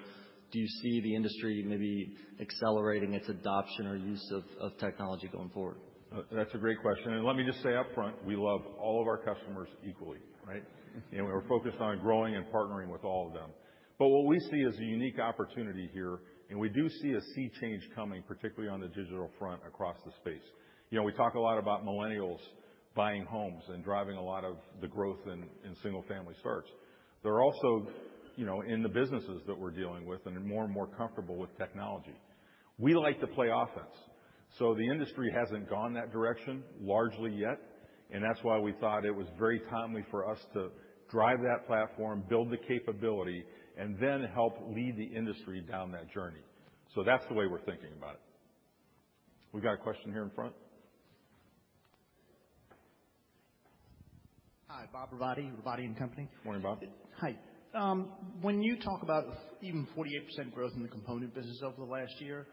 do you see the industry maybe accelerating its adoption or use of technology going forward? That's a great question. Let me just say up front, we love all of our customers equally, right? We're focused on growing and partnering with all of them. What we see is a unique opportunity here, and we do see a sea change coming, particularly on the digital front across the space. You know, we talk a lot about millennials buying homes and driving a lot of the growth in single-family starts. They're also, you know, in the businesses that we're dealing with and are more and more comfortable with technology. We like to play offense. The industry hasn't gone that direction largely yet, and that's why we thought it was very timely for us to drive that platform, build the capability, and then help lead the industry down that journey. That's the way we're thinking about it. We got a question here in front. Hi. Bob Robotti, Robotti & Company. Morning, Bob. Hi. When you talk about even 48% growth in the component business over the last year,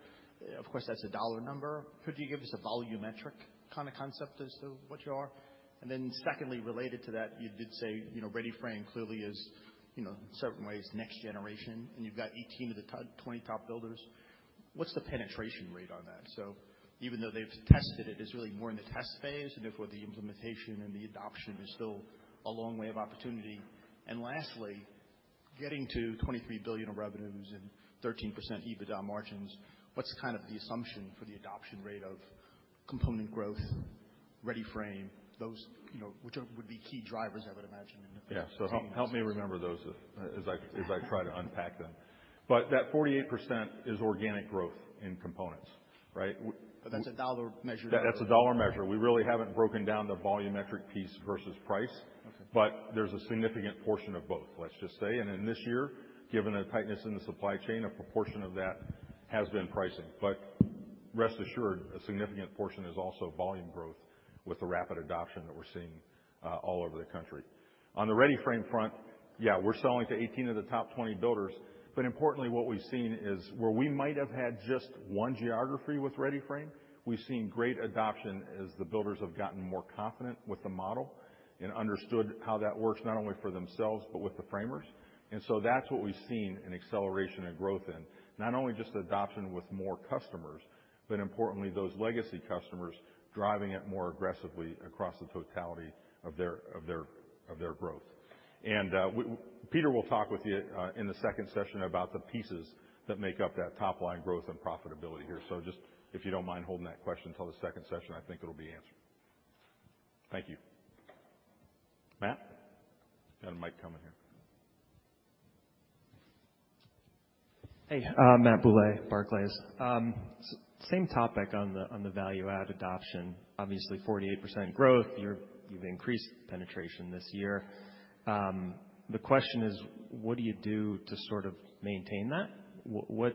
of course, that's a dollar number. Could you give us a volumetric kinda concept as to what you are? Secondly, related to that, you did say, you know, READY-FRAME® clearly is, you know, in certain ways next generation, and you've got 18 of the top 20 builders. What's the penetration rate on that? Even though they've tested it's really more in the test phase and therefore the implementation and the adoption is still a long way of opportunity. Lastly, getting to $23 billion of revenues and 13% EBITDA margins, what's kind of the assumption for the adoption rate of component growth, READY-FRAME®, those, you know, which would be key drivers, I would imagine in the Yeah. Help me remember those as I try to unpack them. That 48% is organic growth in components, right? We- That's a dollar measure. That's a dollar measure. We really haven't broken down the volumetric piece versus price. Okay. There's a significant portion of both, let's just say. In this year, given the tightness in the supply chain, a proportion of that has been pricing. Rest assured, a significant portion is also volume growth with the rapid adoption that we're seeing all over the country. On the READY-FRAME® front, yeah, we're selling to 18 of the top 20 builders. Importantly, what we've seen is where we might have had just one geography with READY-FRAME®, we've seen great adoption as the builders have gotten more confident with the model and understood how that works, not only for themselves but with the framers. That's what we've seen an acceleration and growth in. Not only just adoption with more customers, but importantly, those legacy customers driving it more aggressively across the totality of their growth. Peter will talk with you in the second session about the pieces that make up that top-line growth and profitability here. Just if you don't mind holding that question till the second session, I think it'll be answered. Thank you. Matt? Got a mic coming here. Hey, Matt Bouley, Barclays. Same topic on the value-add adoption. Obviously, 48% growth. You've increased penetration this year. The question is, what do you do to sort of maintain that? What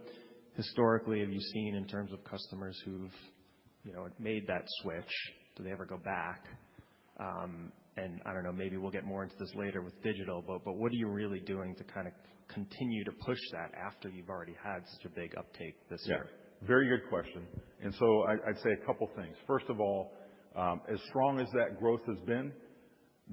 historically have you seen in terms of customers who've, you know, made that switch? Do they ever go back? I don't know, maybe we'll get more into this later with digital, but what are you really doing to kinda continue to push that after you've already had such a big uptake this year? Yeah. Very good question. I'd say a couple things. First of all, as strong as that growth has been,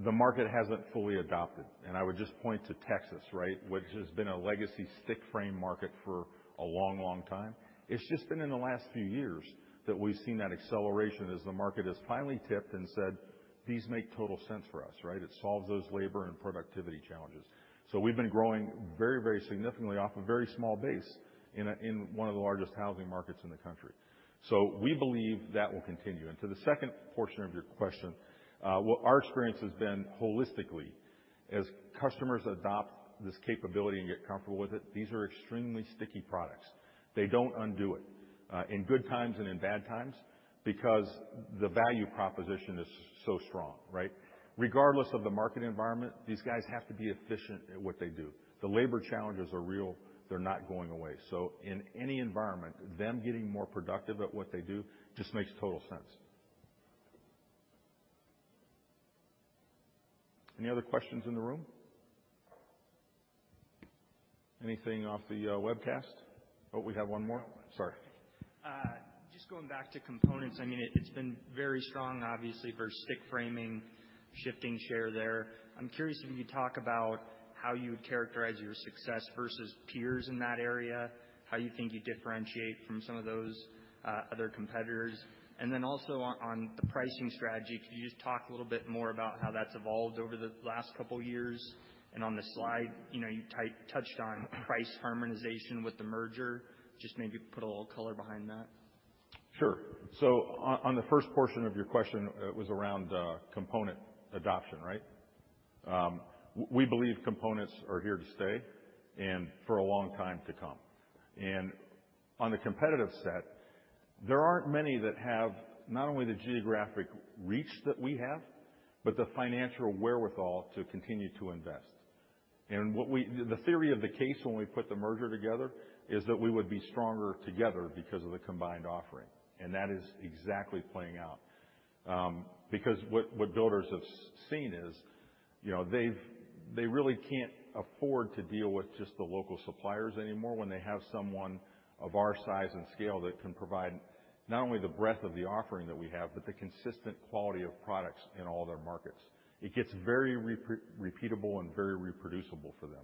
the market hasn't fully adopted. I would just point to Texas, right? Which has been a legacy stick frame market for a long, long time. It's just been in the last few years that we've seen that acceleration as the market has finally tipped and said, "These make total sense for us, right? It solves those labor and productivity challenges." We've been growing very, very significantly off a very small base in one of the largest housing markets in the country. We believe that will continue. To the second portion of your question, what our experience has been holistically, as customers adopt this capability and get comfortable with it, these are extremely sticky products. They don't undo it in good times and in bad times because the value proposition is so strong, right? Regardless of the market environment, these guys have to be efficient at what they do. The labor challenges are real. They're not going away. In any environment, them getting more productive at what they do just makes total sense. Any other questions in the room? Anything off the webcast? Oh, we have one more. Sorry. Just going back to components, I mean, it's been very strong, obviously, for stick framing, shifting share there. I'm curious if you could talk about how you would characterize your success versus peers in that area, how you think you differentiate from some of those other competitors. Then also on the pricing strategy, could you just talk a little bit more about how that's evolved over the last couple years? On the slide, you know, you touched on price harmonization with the merger. Just maybe put a little color behind that. Sure. So on the first portion of your question, it was around component adoption, right? We believe components are here to stay and for a long time to come. On the competitive set, there aren't many that have not only the geographic reach that we have, but the financial wherewithal to continue to invest. The theory of the case when we put the merger together is that we would be stronger together because of the combined offering, and that is exactly playing out. Because what builders have seen is, you know, they really can't afford to deal with just the local suppliers anymore when they have someone of our size and scale that can provide not only the breadth of the offering that we have, but the consistent quality of products in all their markets. It gets very repeatable and very reproducible for them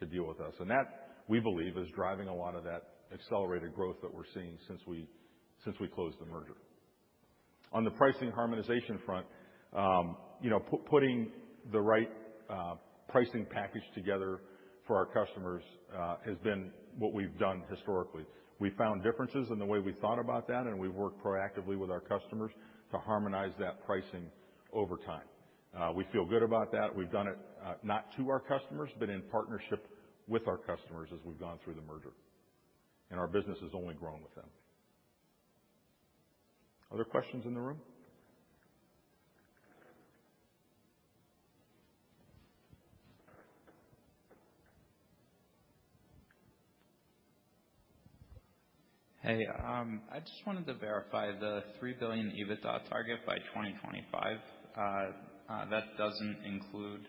to deal with us. That, we believe, is driving a lot of that accelerated growth that we're seeing since we closed the merger. On the pricing harmonization front, you know, putting the right pricing package together for our customers has been what we've done historically. We found differences in the way we thought about that, and we've worked proactively with our customers to harmonize that pricing over time. We feel good about that. We've done it, not to our customers, but in partnership with our customers as we've gone through the merger, and our business has only grown with them. Other questions in the room? Hey, I just wanted to verify the $3 billion EBITDA target by 2025. That doesn't include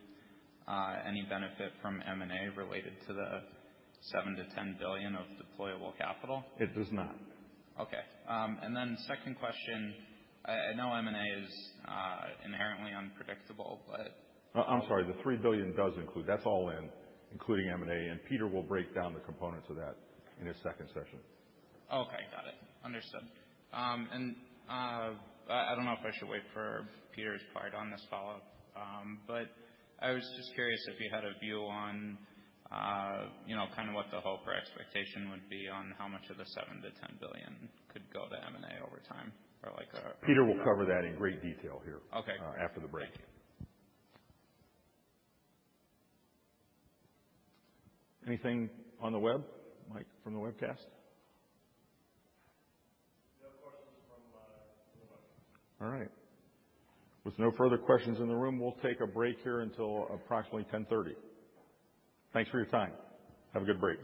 any benefit from M&A related to the $7 billion-$10 billion of deployable capital? It does not. Okay. Second question. I know M&A is inherently unpredictable, but- I'm sorry. The $3 billion does include. That's all in, including M&A, and Peter will break down the components of that in his second session. Okay. Got it. Understood. I don't know if I should wait for Peter's part on this follow-up. I was just curious if you had a view on, you know, kind of what the hope or expectation would be on how much of the $7 billion-$10 billion could go to M&A over time or like, Peter will cover that in great detail here. Okay. after the break. Thank you. Anything on the web, Mike, from the webcast? No questions from the webcast. All right. With no further questions in the room, we'll take a break here until approximately 10:30. Thanks for your time. Have a good break.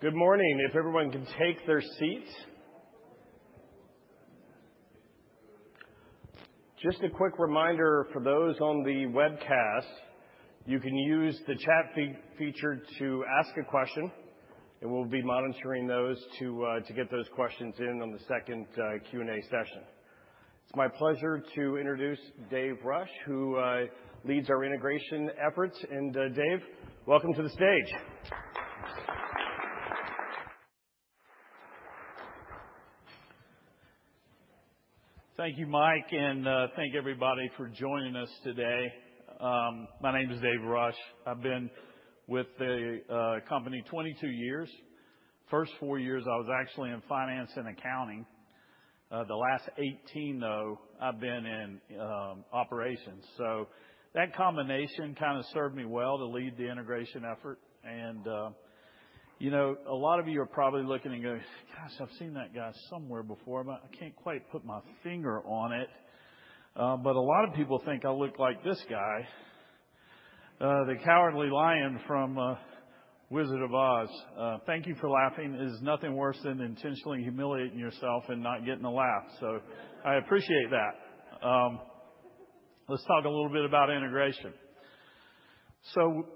Good morning. If everyone can take their seats. Just a quick reminder for those on the webcast, you can use the chat feature to ask a question, and we'll be monitoring those to get those questions in on the second Q&A session. It's my pleasure to introduce Dave Rush, who leads our integration efforts. Dave, welcome to the stage. Thank you, Mike, and thank everybody for joining us today. My name is Dave Rush. I've been with the company 22 years. First four years, I was actually in Finance and Accounting. The last 18, though, I've been in operations. That combination kinda served me well to lead the integration effort. You know, a lot of you are probably looking and going, "Gosh, I've seen that guy somewhere before, but I can't quite put my finger on it." But a lot of people think I look like this guy, the Cowardly Lion from Wizard of Oz. Thank you for laughing. There's nothing worse than intentionally humiliating yourself and not getting a laugh. I appreciate that. Let's talk a little bit about integration.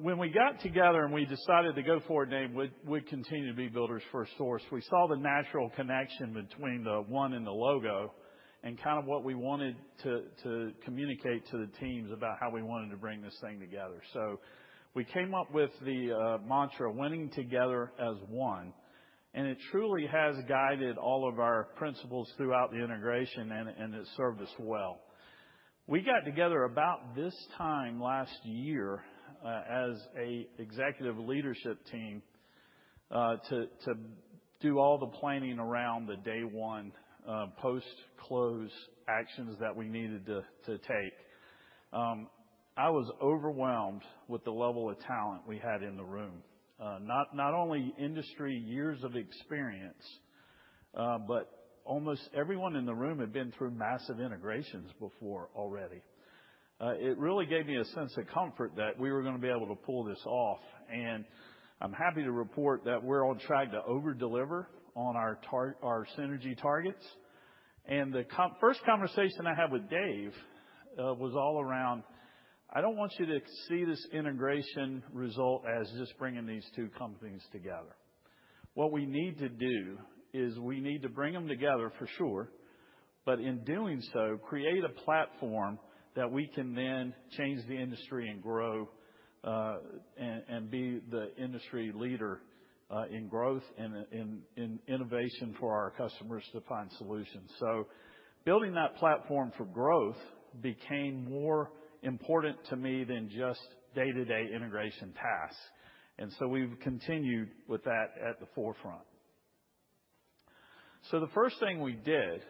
When we got together, and we decided to go forward, Dave, we'd continue to be Builders FirstSource, we saw the natural connection between the one and the logo. Kind of what we wanted to communicate to the teams about how we wanted to bring this thing together. We came up with the mantra, "Winning together as one." It truly has guided all of our principles throughout the integration, and it served us well. We got together about this time last year as an executive leadership team to do all the planning around the day one post-close actions that we needed to take. I was overwhelmed with the level of talent we had in the room. Not only industry years of experience, but almost everyone in the room had been through massive integrations before already. It really gave me a sense of comfort that we were gonna be able to pull this off. I'm happy to report that we're on track to over-deliver on our synergy targets. First conversation I had with Dave was all around, "I don't want you to see this integration result as just bringing these two companies together. What we need to do is we need to bring them together for sure, but in doing so, create a platform that we can then change the industry and grow, and be the industry leader in growth and in innovation for our customers to find solutions." Building that platform for growth became more important to me than just day-to-day integration tasks. We've continued with that at the forefront. The first thing we did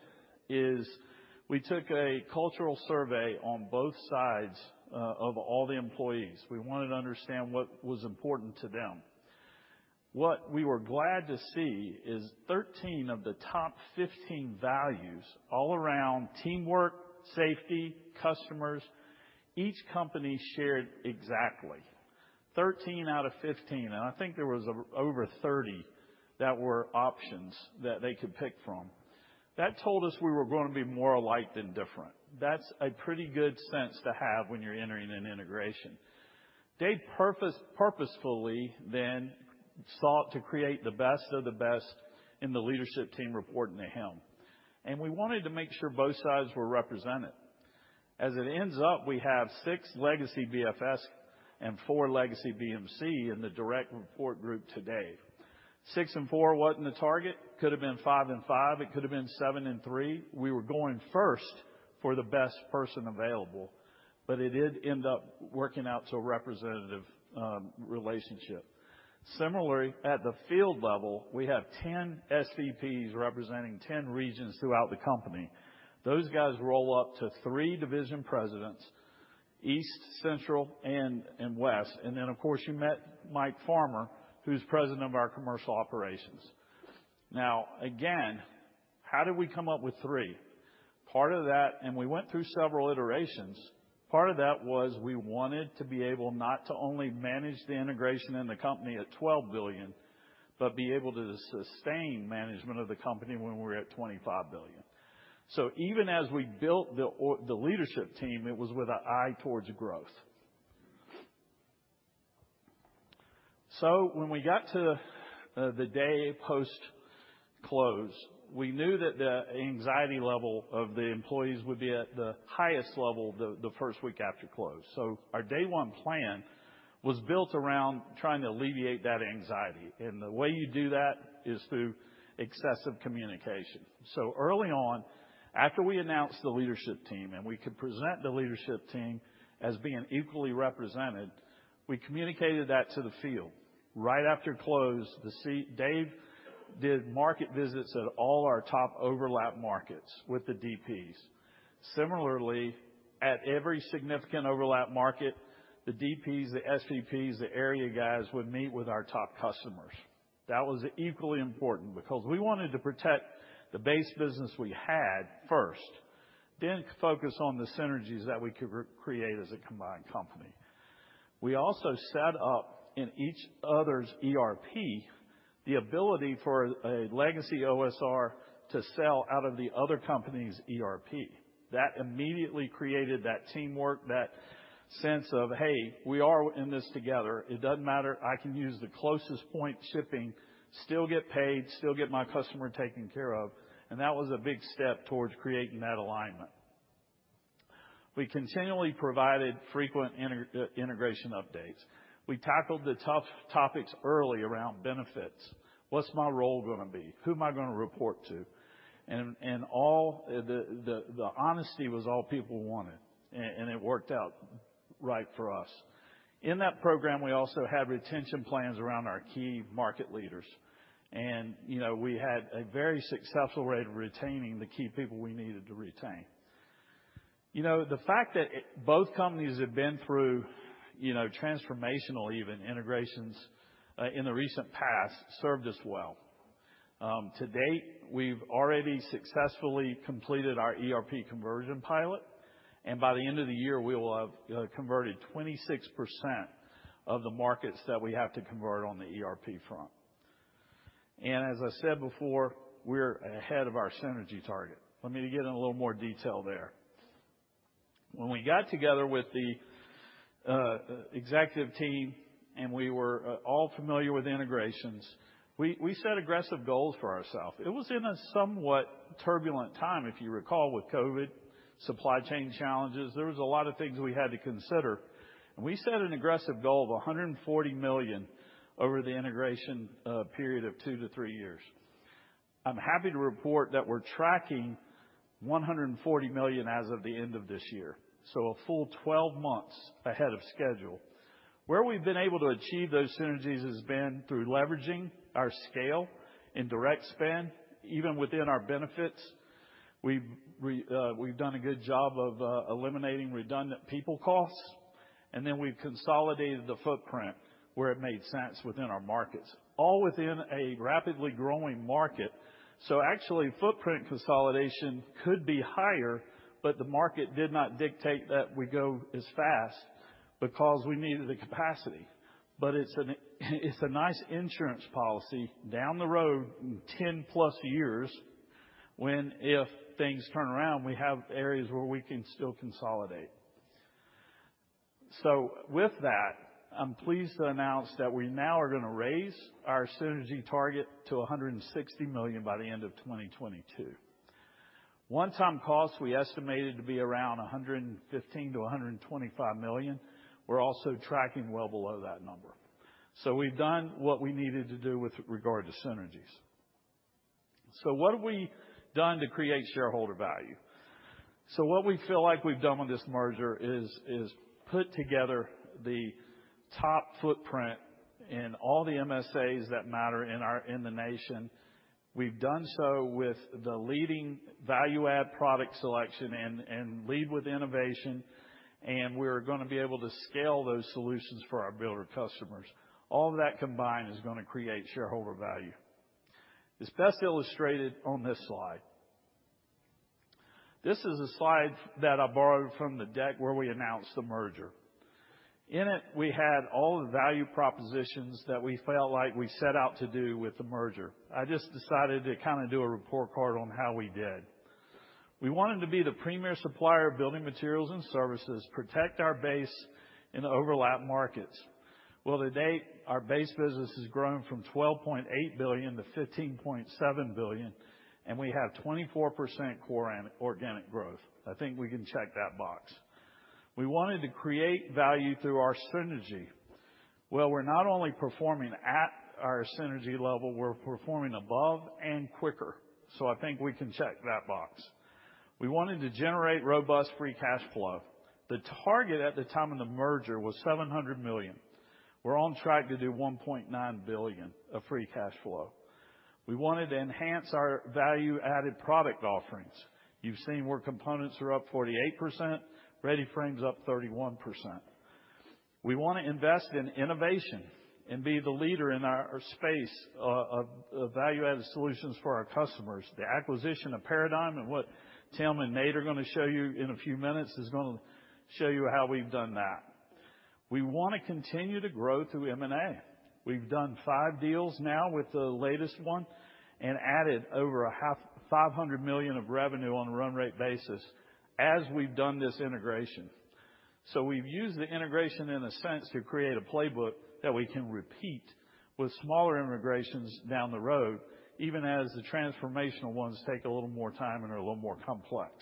is we took a cultural survey on both sides of all the employees. We wanted to understand what was important to them. What we were glad to see is 13 of the top 15 values all around teamwork, safety, customers, each company shared exactly. 13 out of 15, and I think there was over 30 that were options that they could pick from. That told us we were going to be more alike than different. That's a pretty good sense to have when you're entering an integration. Dave purposefully then sought to create the best of the best in the leadership team reporting to him. We wanted to make sure both sides were represented. As it ends up, we have six legacy BFS and four legacy BMC in the direct report group today. six and four wasn't the target. Could have been five and five, it could have been seven and three. We were going first for the best person available, but it did end up working out to a representative relationship. Similarly, at the field level, we have 10 SVPs representing 10 regions throughout the company. Those guys roll up to three Division Presidents: East, Central, and West. Then, of course, you met Mike Farmer, who's President of our Commercial Operations. Now, again, how did we come up with three? Part of that was we went through several iterations. Part of that was we wanted to be able not to only manage the integration in the company at $12 billion, but be able to sustain management of the company when we're at $25 billion. Even as we built the leadership team, it was with an eye towards growth. When we got to the day post-close, we knew that the anxiety level of the employees would be at the highest level the first week after close. Our day one plan was built around trying to alleviate that anxiety. The way you do that is through excessive communication. Early on, after we announced the leadership team, and we could present the leadership team as being equally represented, we communicated that to the field. Right after close, Dave did market visits at all our top overlap markets with the DPs. Similarly, at every significant overlap market, the DPs, the SVPs, the area guys would meet with our top customers. That was equally important because we wanted to protect the base business we had first, then focus on the synergies that we could re-create as a combined company. We also set up in each other's ERP the ability for a legacy OSR to sell out of the other company's ERP. That immediately created that teamwork, that sense of, "Hey, we are in this together. It doesn't matter. I can use the closest point shipping, still get paid, still get my customer taken care of." That was a big step towards creating that alignment. We continually provided frequent inter-integration updates. We tackled the tough topics early around benefits. What's my role gonna be? Who am I gonna report to? All the honesty was all people wanted, and it worked out right for us. In that program, we also had retention plans around our key market leaders. You know, we had a very successful rate of retaining the key people we needed to retain. You know, the fact that both companies had been through, you know, transformational even integrations in the recent past served us well. To date, we've already successfully completed our ERP conversion pilot, and by the end of the year, we will have converted 26% of the markets that we have to convert on the ERP front. As I said before, we're ahead of our synergy target. Let me get in a little more detail there. When we got together with the executive team and we were all familiar with integrations, we set aggressive goals for ourselves. It was in a somewhat turbulent time, if you recall, with COVID, supply chain challenges. There was a lot of things we had to consider. We set an aggressive goal of $140 million over the integration period of two to three years. I'm happy to report that we're tracking $140 million as of the end of this year. A full 12 months ahead of schedule. Where we've been able to achieve those synergies has been through leveraging our scale in direct spend, even within our benefits. We've done a good job of eliminating redundant people costs. Then we've consolidated the footprint where it made sense within our markets, all within a rapidly growing market. Actually, footprint consolidation could be higher, but the market did not dictate that we go as fast because we needed the capacity. It's a nice insurance policy down the road, 10+ years, when, if things turn around, we have areas where we can still consolidate. With that, I'm pleased to announce that we now are gonna raise our synergy target to $160 million by the end of 2022. One-time costs we estimated to be around $115 million-$125 million. We're also tracking well below that number. We've done what we needed to do with regard to synergies. What have we done to create shareholder value? What we feel like we've done with this merger is put together the top footprint in all the MSAs that matter in the nation. We've done so with the leading value-add product selection and lead with innovation, and we're gonna be able to scale those solutions for our builder customers. All of that combined is gonna create shareholder value. It's best illustrated on this slide. This is a slide that I borrowed from the deck where we announced the merger. In it, we had all the value propositions that we felt like we set out to do with the merger. I just decided to kinda do a report card on how we did. We wanted to be the premier supplier of building materials and services, protect our base in the overlap markets. Well, to date, our base business has grown from $12.8 billion-$15.7 billion, and we have 24% core organic growth. I think we can check that box. We wanted to create value through our synergy. Well, we're not only performing at our synergy level, we're performing above and quicker. I think we can check that box. We wanted to generate robust free cash flow. The target at the time of the merger was $700 million. We're on track to do $1.9 billion of free cash flow. We wanted to enhance our value-added product offerings. You've seen where components are up 48%, READY-FRAME® up 31%. We wanna invest in innovation and be the leader in our space of value-added solutions for our customers. The acquisition of Paradigm and what Tim and Nate are gonna show you in a few minutes is gonna show you how we've done that. We wanna continue to grow through M&A. We've done five deals now with the latest one and added over $500 million of revenue on a run rate basis as we've done this integration. We've used the integration in a sense to create a playbook that we can repeat with smaller integrations down the road, even as the transformational ones take a little more time and are a little more complex.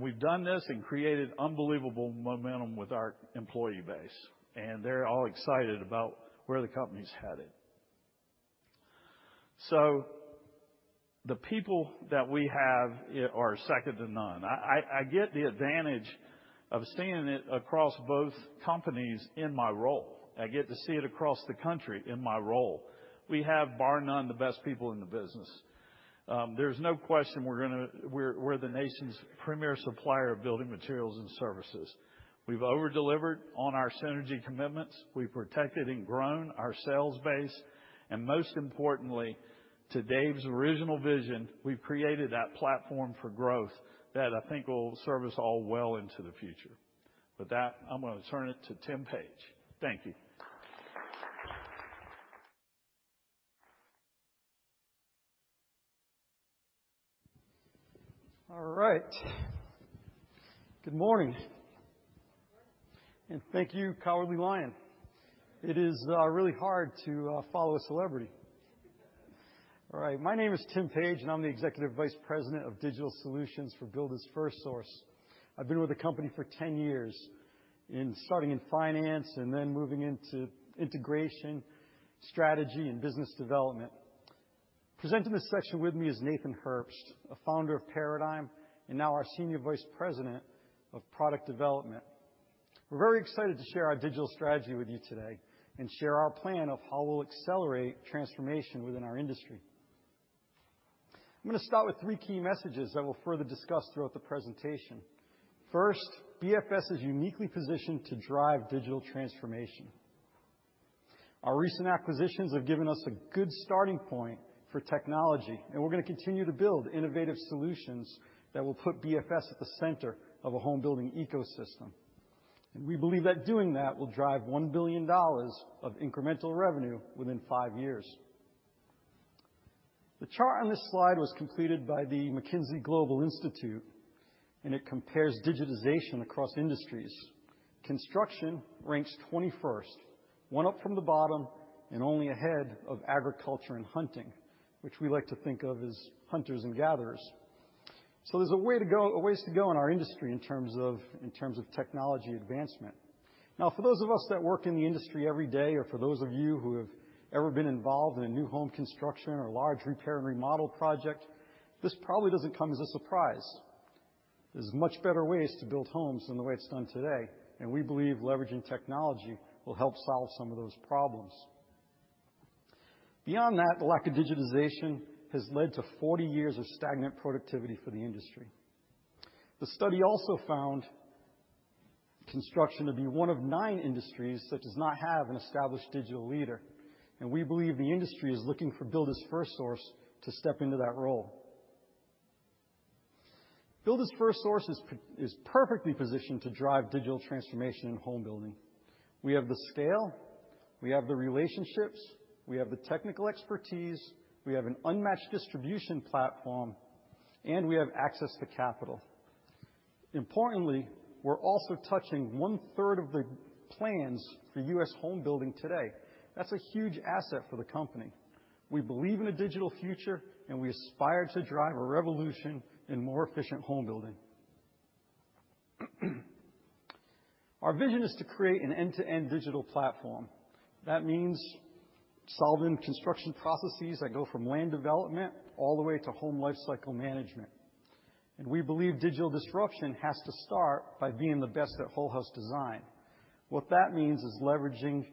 We've done this and created unbelievable momentum with our employee base, and they're all excited about where the company's headed. The people that we have are second to none. I get the advantage of seeing it across both companies in my role. I get to see it across the country in my role. We have bar none the best people in the business. There's no question we're the nation's premier supplier of building materials and services. We've over-delivered on our synergy commitments. We've protected and grown our sales base, and most importantly, to Dave's original vision, we've created that platform for growth that I think will serve us all well into the future. With that, I'm gonna turn it to Tim Page. Thank you. All right. Good morning. Good morning. Thank you, Cowardly Lion. It is really hard to follow a celebrity. All right. My name is Tim Page, and I'm the Executive Vice President of Digital Solutions for Builders FirstSource. I've been with the company for 10 years, starting in finance and then moving into integration, strategy, and business development. Presenting this section with me is Nathan Herbst, a founder of Paradigm and now our Senior Vice President of Product Development. We're very excited to share our digital strategy with you today and share our plan of how we'll accelerate transformation within our industry. I'm gonna start with three key messages that we'll further discuss throughout the presentation. First, BFS is uniquely positioned to drive digital transformation. Our recent acquisitions have given us a good starting point for technology, and we're gonna continue to build innovative solutions that will put BFS at the center of a home building ecosystem. We believe that doing that will drive $1 billion of incremental revenue within five years. The chart on this slide was completed by the McKinsey Global Institute, and it compares digitization across industries. Construction ranks 21st, one up from the bottom, and only ahead of agriculture and hunting, which we like to think of as hunters and gatherers. There's a ways to go in our industry in terms of technology advancement. Now, for those of us that work in the industry every day, or for those of you who have ever been involved in a new home construction or large repair and remodel project, this probably doesn't come as a surprise. There's much better ways to build homes than the way it's done today, and we believe leveraging technology will help solve some of those problems. Beyond that, the lack of digitization has led to 40 years of stagnant productivity for the industry. The study also found construction to be one of nine industries that does not have an established digital leader, and we believe the industry is looking for Builders FirstSource to step into that role. Builders FirstSource is perfectly positioned to drive digital transformation in home building. We have the scale, we have the relationships, we have the technical expertise, we have an unmatched distribution platform, and we have access to capital. Importantly, we're also touching 1/3 of the plans for U.S. home building today. That's a huge asset for the company. We believe in a digital future, and we aspire to drive a revolution in more efficient home building. Our vision is to create an end-to-end digital platform. That means solving construction processes that go from land development all the way to home lifecycle management. We believe digital disruption has to start by being the best at whole house design. What that means is leveraging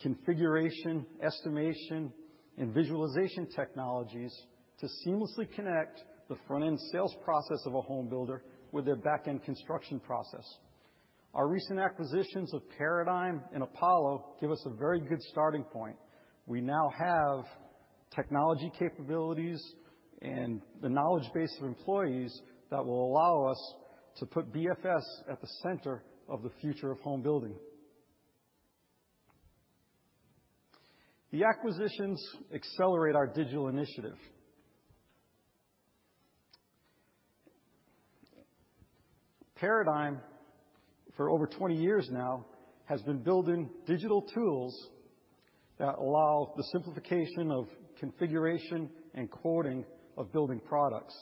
configuration, estimation, and visualization technologies to seamlessly connect the front-end sales process of a home builder with their back-end construction process. Our recent acquisitions of Paradigm and Apollo give us a very good starting point. We now have technology capabilities and the knowledge base of employees that will allow us to put BFS at the center of the future of home building. The acquisitions accelerate our digital initiative. Paradigm, for over 20 years now, has been building digital tools that allow the simplification of configuration and quoting of building products.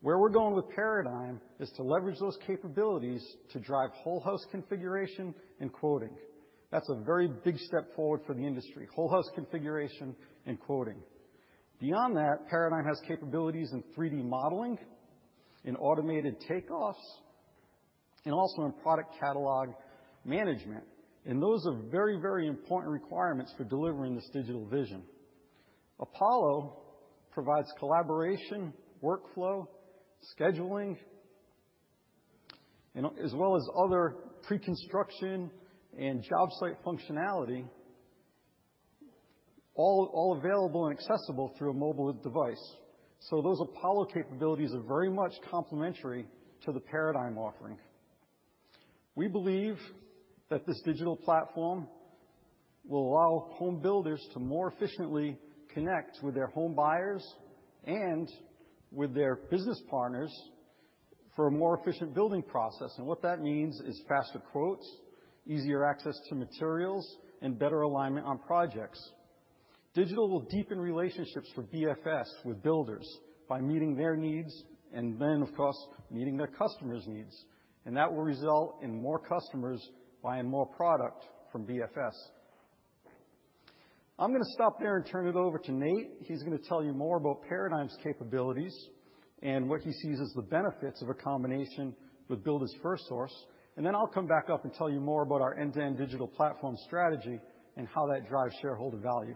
Where we're going with Paradigm is to leverage those capabilities to drive whole house configuration and quoting. That's a very big step forward for the industry, whole house configuration and quoting. Beyond that, Paradigm has capabilities in 3D modeling, in automated takeoffs, and also in product catalog management. Those are very, very important requirements for delivering this digital vision. Apollo provides collaboration, workflow, scheduling, as well as other pre-construction and job site functionality, all available and accessible through a mobile device. Those Apollo capabilities are very much complementary to the Paradigm offering. We believe that this digital platform will allow home builders to more efficiently connect with their home buyers and with their business partners for a more efficient building process. What that means is faster quotes, easier access to materials, and better alignment on projects. Digital will deepen relationships for BFS with builders by meeting their needs and then, of course, meeting their customers' needs, and that will result in more customers buying more product from BFS. I'm gonna stop there and turn it over to Nate. He's gonna tell you more about Paradigm's capabilities and what he sees as the benefits of a combination with Builders FirstSource. I'll come back up and tell you more about our end-to-end digital platform strategy and how that drives shareholder value.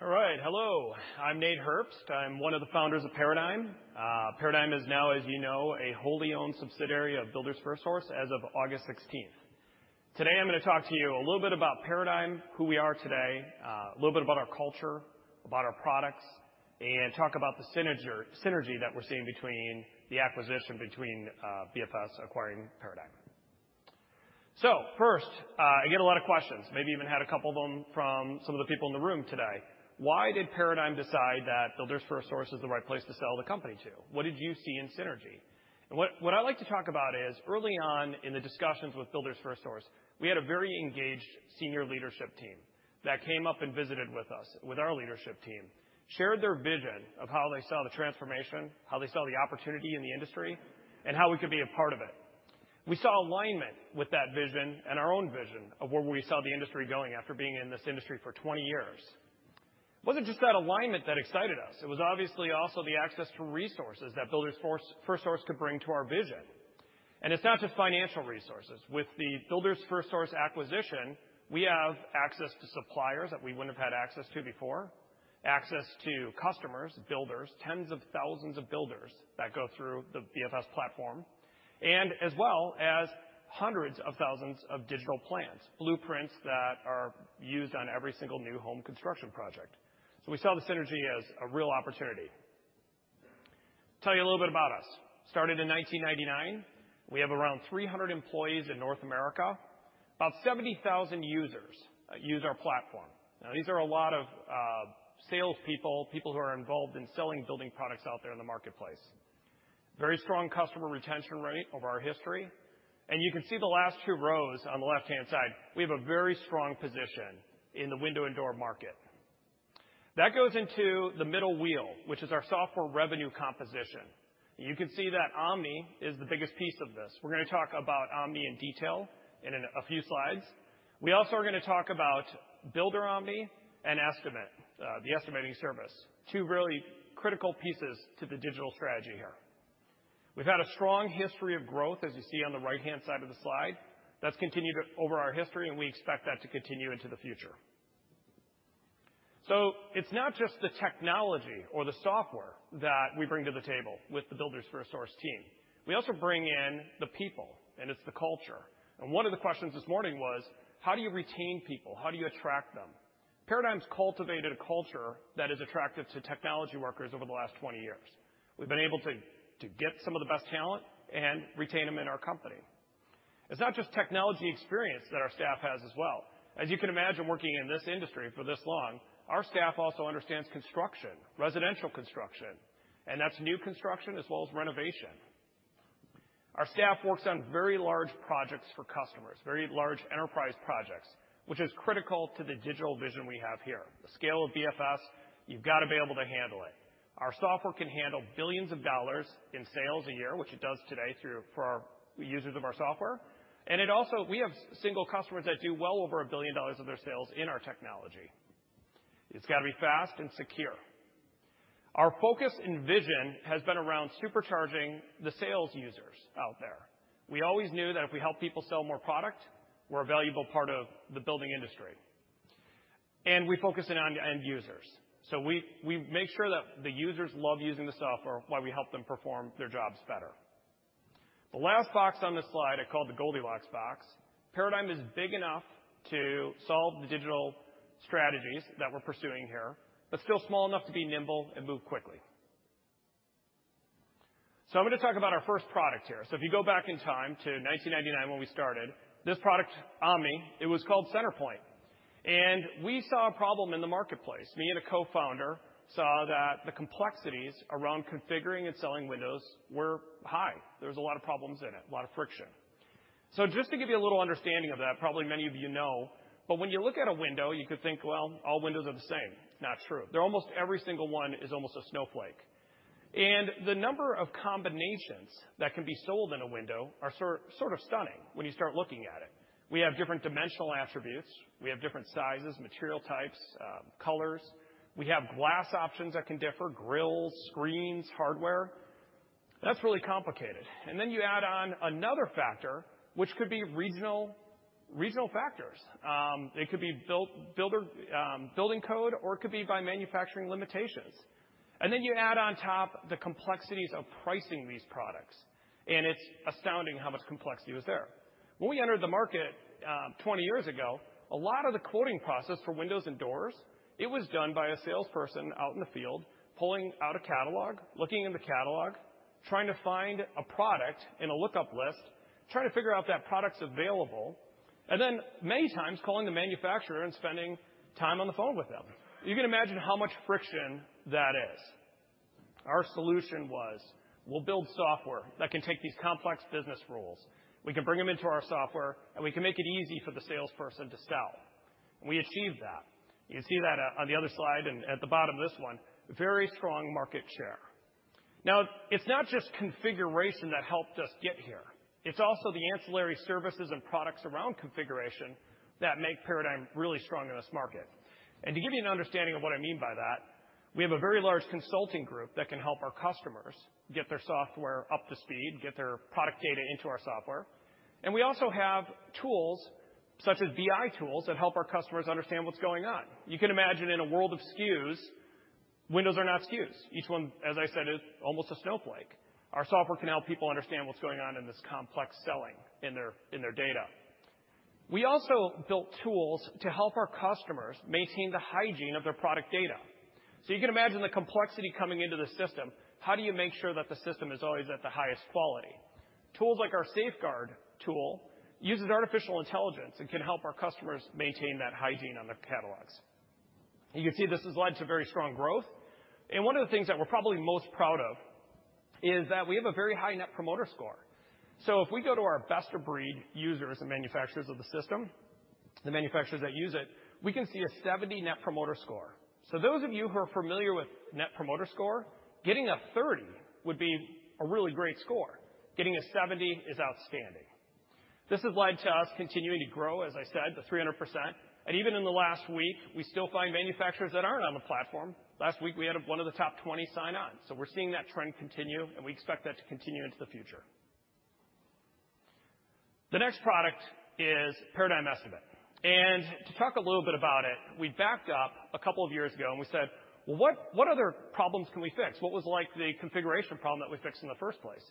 All right. Hello, I'm Nate Herbst. I'm one of the founders of Paradigm. Paradigm is now, as you know, a wholly owned subsidiary of Builders FirstSource as of August 16th. Today, I'm gonna talk to you a little bit about Paradigm, who we are today, a little bit about our culture, about our products, and talk about the synergy that we're seeing between the acquisition between BFS acquiring Paradigm. First, I get a lot of questions, maybe even had a couple of them from some of the people in the room today. Why did Paradigm decide that Builders FirstSource is the right place to sell the company to? What did you see in synergy? What I like to talk about is early on in the discussions with Builders FirstSource, we had a very engaged senior leadership team that came up and visited with us, with our leadership team, shared their vision of how they saw the transformation, how they saw the opportunity in the industry, and how we could be a part of it. We saw alignment with that vision and our own vision of where we saw the industry going after being in this industry for 20 years. It wasn't just that alignment that excited us. It was obviously also the access to resources that Builders FirstSource could bring to our vision. It's not just financial resources. With the Builders FirstSource acquisition, we have access to suppliers that we wouldn't have had access to before, access to customers, builders, tens of thousands of builders that go through the BFS platform, and as well as hundreds of thousands of digital plans, blueprints that are used on every single new home construction project. We saw the synergy as a real opportunity. Let me tell you a little bit about us. We started in 1999. We have around 300 employees in North America. About 70,000 users use our platform. Now these are a lot of salespeople, people who are involved in selling building products out there in the marketplace. Very strong customer retention rate over our history. You can see the last two rows on the left-hand side, we have a very strong position in the window and door market. That goes into the middle wheel, which is our software revenue composition. You can see that Omni is the biggest piece of this. We're gonna talk about Omni in detail in a few slides. We also are gonna talk about Builder Omni and Estimate, the estimating service. Two really critical pieces to the digital strategy here. We've had a strong history of growth, as you see on the right-hand side of the slide. That's continued over our history, and we expect that to continue into the future. It's not just the technology or the software that we bring to the table with the Builders FirstSource team. We also bring in the people, and it's the culture. One of the questions this morning was, how do you retain people? How do you attract them? Paradigm's cultivated a culture that is attractive to technology workers over the last 20 years. We've been able to get some of the best talent and retain them in our company. It's not just technology experience that our staff has as well. As you can imagine working in this industry for this long, our staff also understands construction, residential construction, and that's new construction as well as renovation. Our staff works on very large projects for customers, very large enterprise projects, which is critical to the digital vision we have here. The scale of BFS, you've gotta be able to handle it. Our software can handle billions of dollars in sales a year, which it does today for our users of our software. It also. We have single customers that do well over $1 billion of their sales in our technology. It's gotta be fast and secure. Our focus and vision has been around supercharging the sales users out there. We always knew that if we help people sell more product, we're a valuable part of the building industry. We focus it on the end users. We make sure that the users love using the software while we help them perform their jobs better. The last box on this slide I call the Goldilocks box. Paradigm is big enough to solve the digital strategies that we're pursuing here, but still small enough to be nimble and move quickly. I'm gonna talk about our first product here. If you go back in time to 1999 when we started, this product, Omni, it was called Centerpoint. We saw a problem in the marketplace. Me and a Co-founder saw that the complexities around configuring and selling windows were high. There was a lot of problems in it, a lot of friction. Just to give you a little understanding of that, probably many of you know, but when you look at a window, you could think, "Well, all windows are the same." Not true. They're almost every single one is almost a snowflake. The number of combinations that can be sold in a window are sort of stunning when you start looking at it. We have different dimensional attributes. We have different sizes, material types, colors. We have glass options that can differ, grilles, screens, hardware. That's really complicated. Then you add on another factor, which could be regional factors. It could be builder, building code, or it could be by manufacturing limitations. You add on top the complexities of pricing these products, and it's astounding how much complexity was there. When we entered the market, 20 years ago, a lot of the quoting process for windows and doors, it was done by a salesperson out in the field, pulling out a catalog, looking in the catalog, trying to find a product in a lookup list, trying to figure out if that product's available, and then many times calling the manufacturer and spending time on the phone with them. You can imagine how much friction that is. Our solution was, we'll build software that can take these complex business rules, we can bring them into our software, and we can make it easy for the salesperson to sell. We achieved that. You can see that, on the other slide and at the bottom of this one, very strong market share. Now, it's not just configuration that helped us get here. It's also the ancillary services and products around configuration that make Paradigm really strong in this market. To give you an understanding of what I mean by that, we have a very large consulting group that can help our customers get their software up to speed, get their product data into our software. We also have tools such as BI tools that help our customers understand what's going on. You can imagine in a world of SKUs, windows are not SKUs. Each one, as I said, is almost a snowflake. Our software can help people understand what's going on in this complex selling in their data. We also built tools to help our customers maintain the hygiene of their product data. You can imagine the complexity coming into the system. How do you make sure that the system is always at the highest quality? Tools like our Safeguard tool uses artificial intelligence and can help our customers maintain that hygiene on their catalogs. You can see this has led to very strong growth. One of the things that we're probably most proud of is that we have a very high Net Promoter Score. If we go to our best-of-breed users and manufacturers of the system, the manufacturers that use it, we can see a 70 Net Promoter Score. Those of you who are familiar with Net Promoter Score, getting a 30 would be a really great score. Getting a 70 is outstanding. This has led to us continuing to grow, as I said, 300%. Even in the last week, we still find manufacturers that aren't on the platform. Last week, we had one of the top 20 sign on. We're seeing that trend continue, and we expect that to continue into the future. The next product is Paradigm Estimate. To talk a little bit about it, we backed up a couple of years ago, and we said, "Well, what other problems can we fix? What was like the configuration problem that we fixed in the first place?"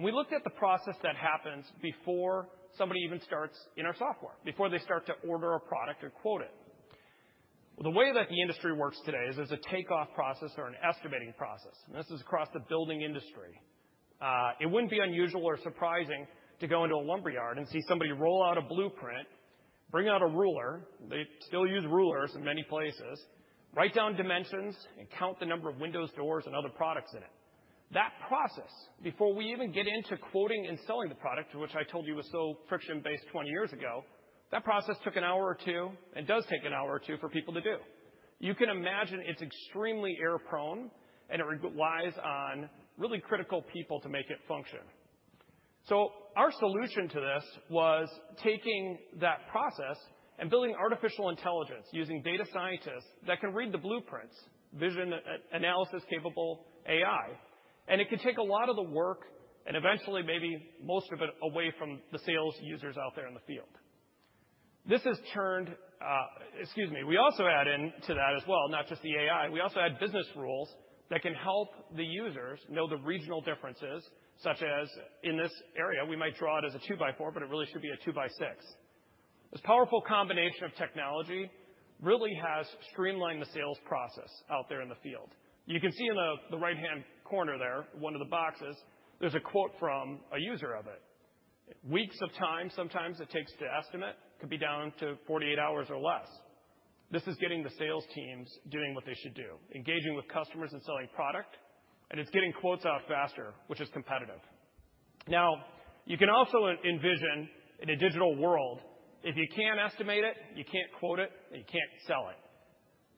We looked at the process that happens before somebody even starts in our software, before they start to order a product or quote it. Well, the way that the industry works today is there's a takeoff process or an estimating process, and this is across the building industry. It wouldn't be unusual or surprising to go into a lumber yard and see somebody roll out a blueprint, bring out a ruler. They still use rulers in many places, write down dimensions, and count the number of windows, doors, and other products in it. That process, before we even get into quoting and selling the product, which I told you was so friction-based 20 years ago, took an hour or two and does take an hour or two for people to do. You can imagine it's extremely error-prone, and it relies on really critical people to make it function. Our solution to this was taking that process and building artificial intelligence using data scientists that can read the blueprints, vision-analysis-capable AI, and it can take a lot of the work, and eventually maybe most of it away from the sales users out there in the field. We also add in to that as well, not just the AI, we also add business rules that can help the users know the regional differences, such as in this area, we might draw it as a two-by-four, but it really should be a two-by-six. This powerful combination of technology really has streamlined the sales process out there in the field. You can see in the right-hand corner there, one of the boxes, there's a quote from a user of it. Weeks of time sometimes it takes to estimate could be down to 48 hours or less. This is getting the sales teams doing what they should do, engaging with customers and selling product, and it's getting quotes out faster, which is competitive. Now, you can also envision in a digital world if you can't estimate it, you can't quote it, and you can't sell it.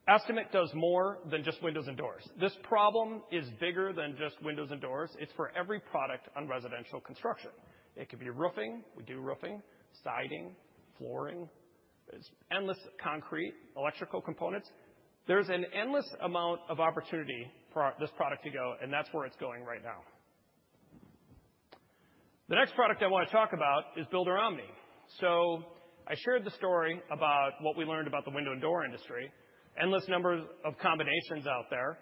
Estimate does more than just windows and doors. This problem is bigger than just windows and doors. It's for every product on residential construction. It could be roofing. We do roofing, siding, flooring. It's endless. Concrete, electrical components. There's an endless amount of opportunity for this product to go, and that's where it's going right now. The next product I wanna talk about is Builder Omni. I shared the story about what we learned about the window and door industry, endless number of combinations out there.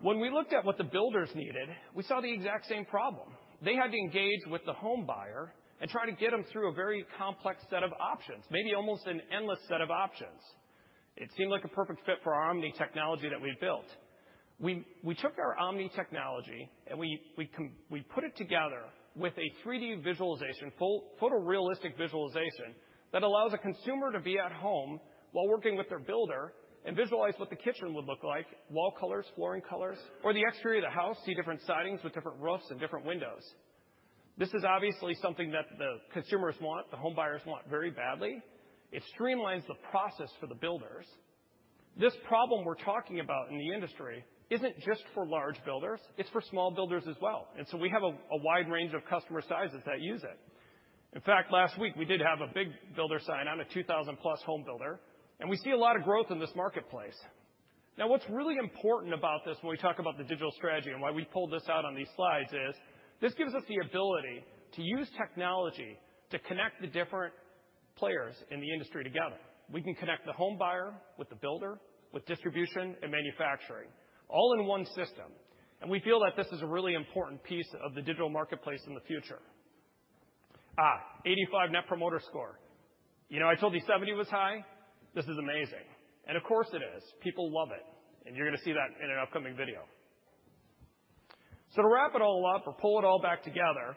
When we looked at what the builders needed, we saw the exact same problem. They had to engage with the home buyer and try to get them through a very complex set of options, maybe almost an endless set of options. It seemed like a perfect fit for our Omni technology that we'd built. We took our Omni technology and we put it together with a 3D visualization, full photorealistic visualization that allows a consumer to be at home while working with their builder and visualize what the kitchen would look like, wall colors, flooring colors or the exterior of the house, see different sidings with different roofs and different windows. This is obviously something that the consumers want, the home buyers want very badly. It streamlines the process for the builders. This problem we're talking about in the industry isn't just for large builders, it's for small builders as well, and we have a wide range of customer sizes that use it. In fact, last week we did have a big builder sign on, a 2,000+ home builder, and we see a lot of growth in this marketplace. Now, what's really important about this when we talk about the digital strategy and why we pulled this out on these slides is this gives us the ability to use technology to connect the different players in the industry together. We can connect the home buyer with the builder, with distribution and manufacturing all in one system, and we feel that this is a really important piece of the digital marketplace in the future. 85 Net Promoter Score. You know, I told you 70 was high. This is amazing. Of course, it is. People love it. You're gonna see that in an upcoming video. To wrap it all up or pull it all back together,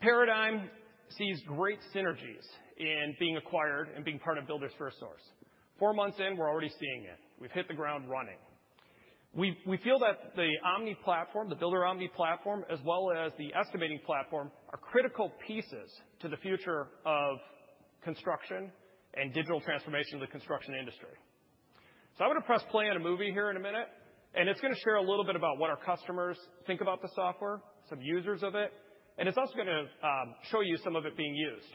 Paradigm sees great synergies in being acquired and being part of Builders FirstSource. Four months in, we're already seeing it. We've hit the ground running. We feel that the Omni platform, the Builder Omni platform, as well as the estimating platform, are critical pieces to the future of construction and digital transformation in the construction industry. I'm gonna press play on a movie here in a minute, and it's gonna share a little bit about what our customers think about the software, some users of it, and it's also gonna show you some of it being used.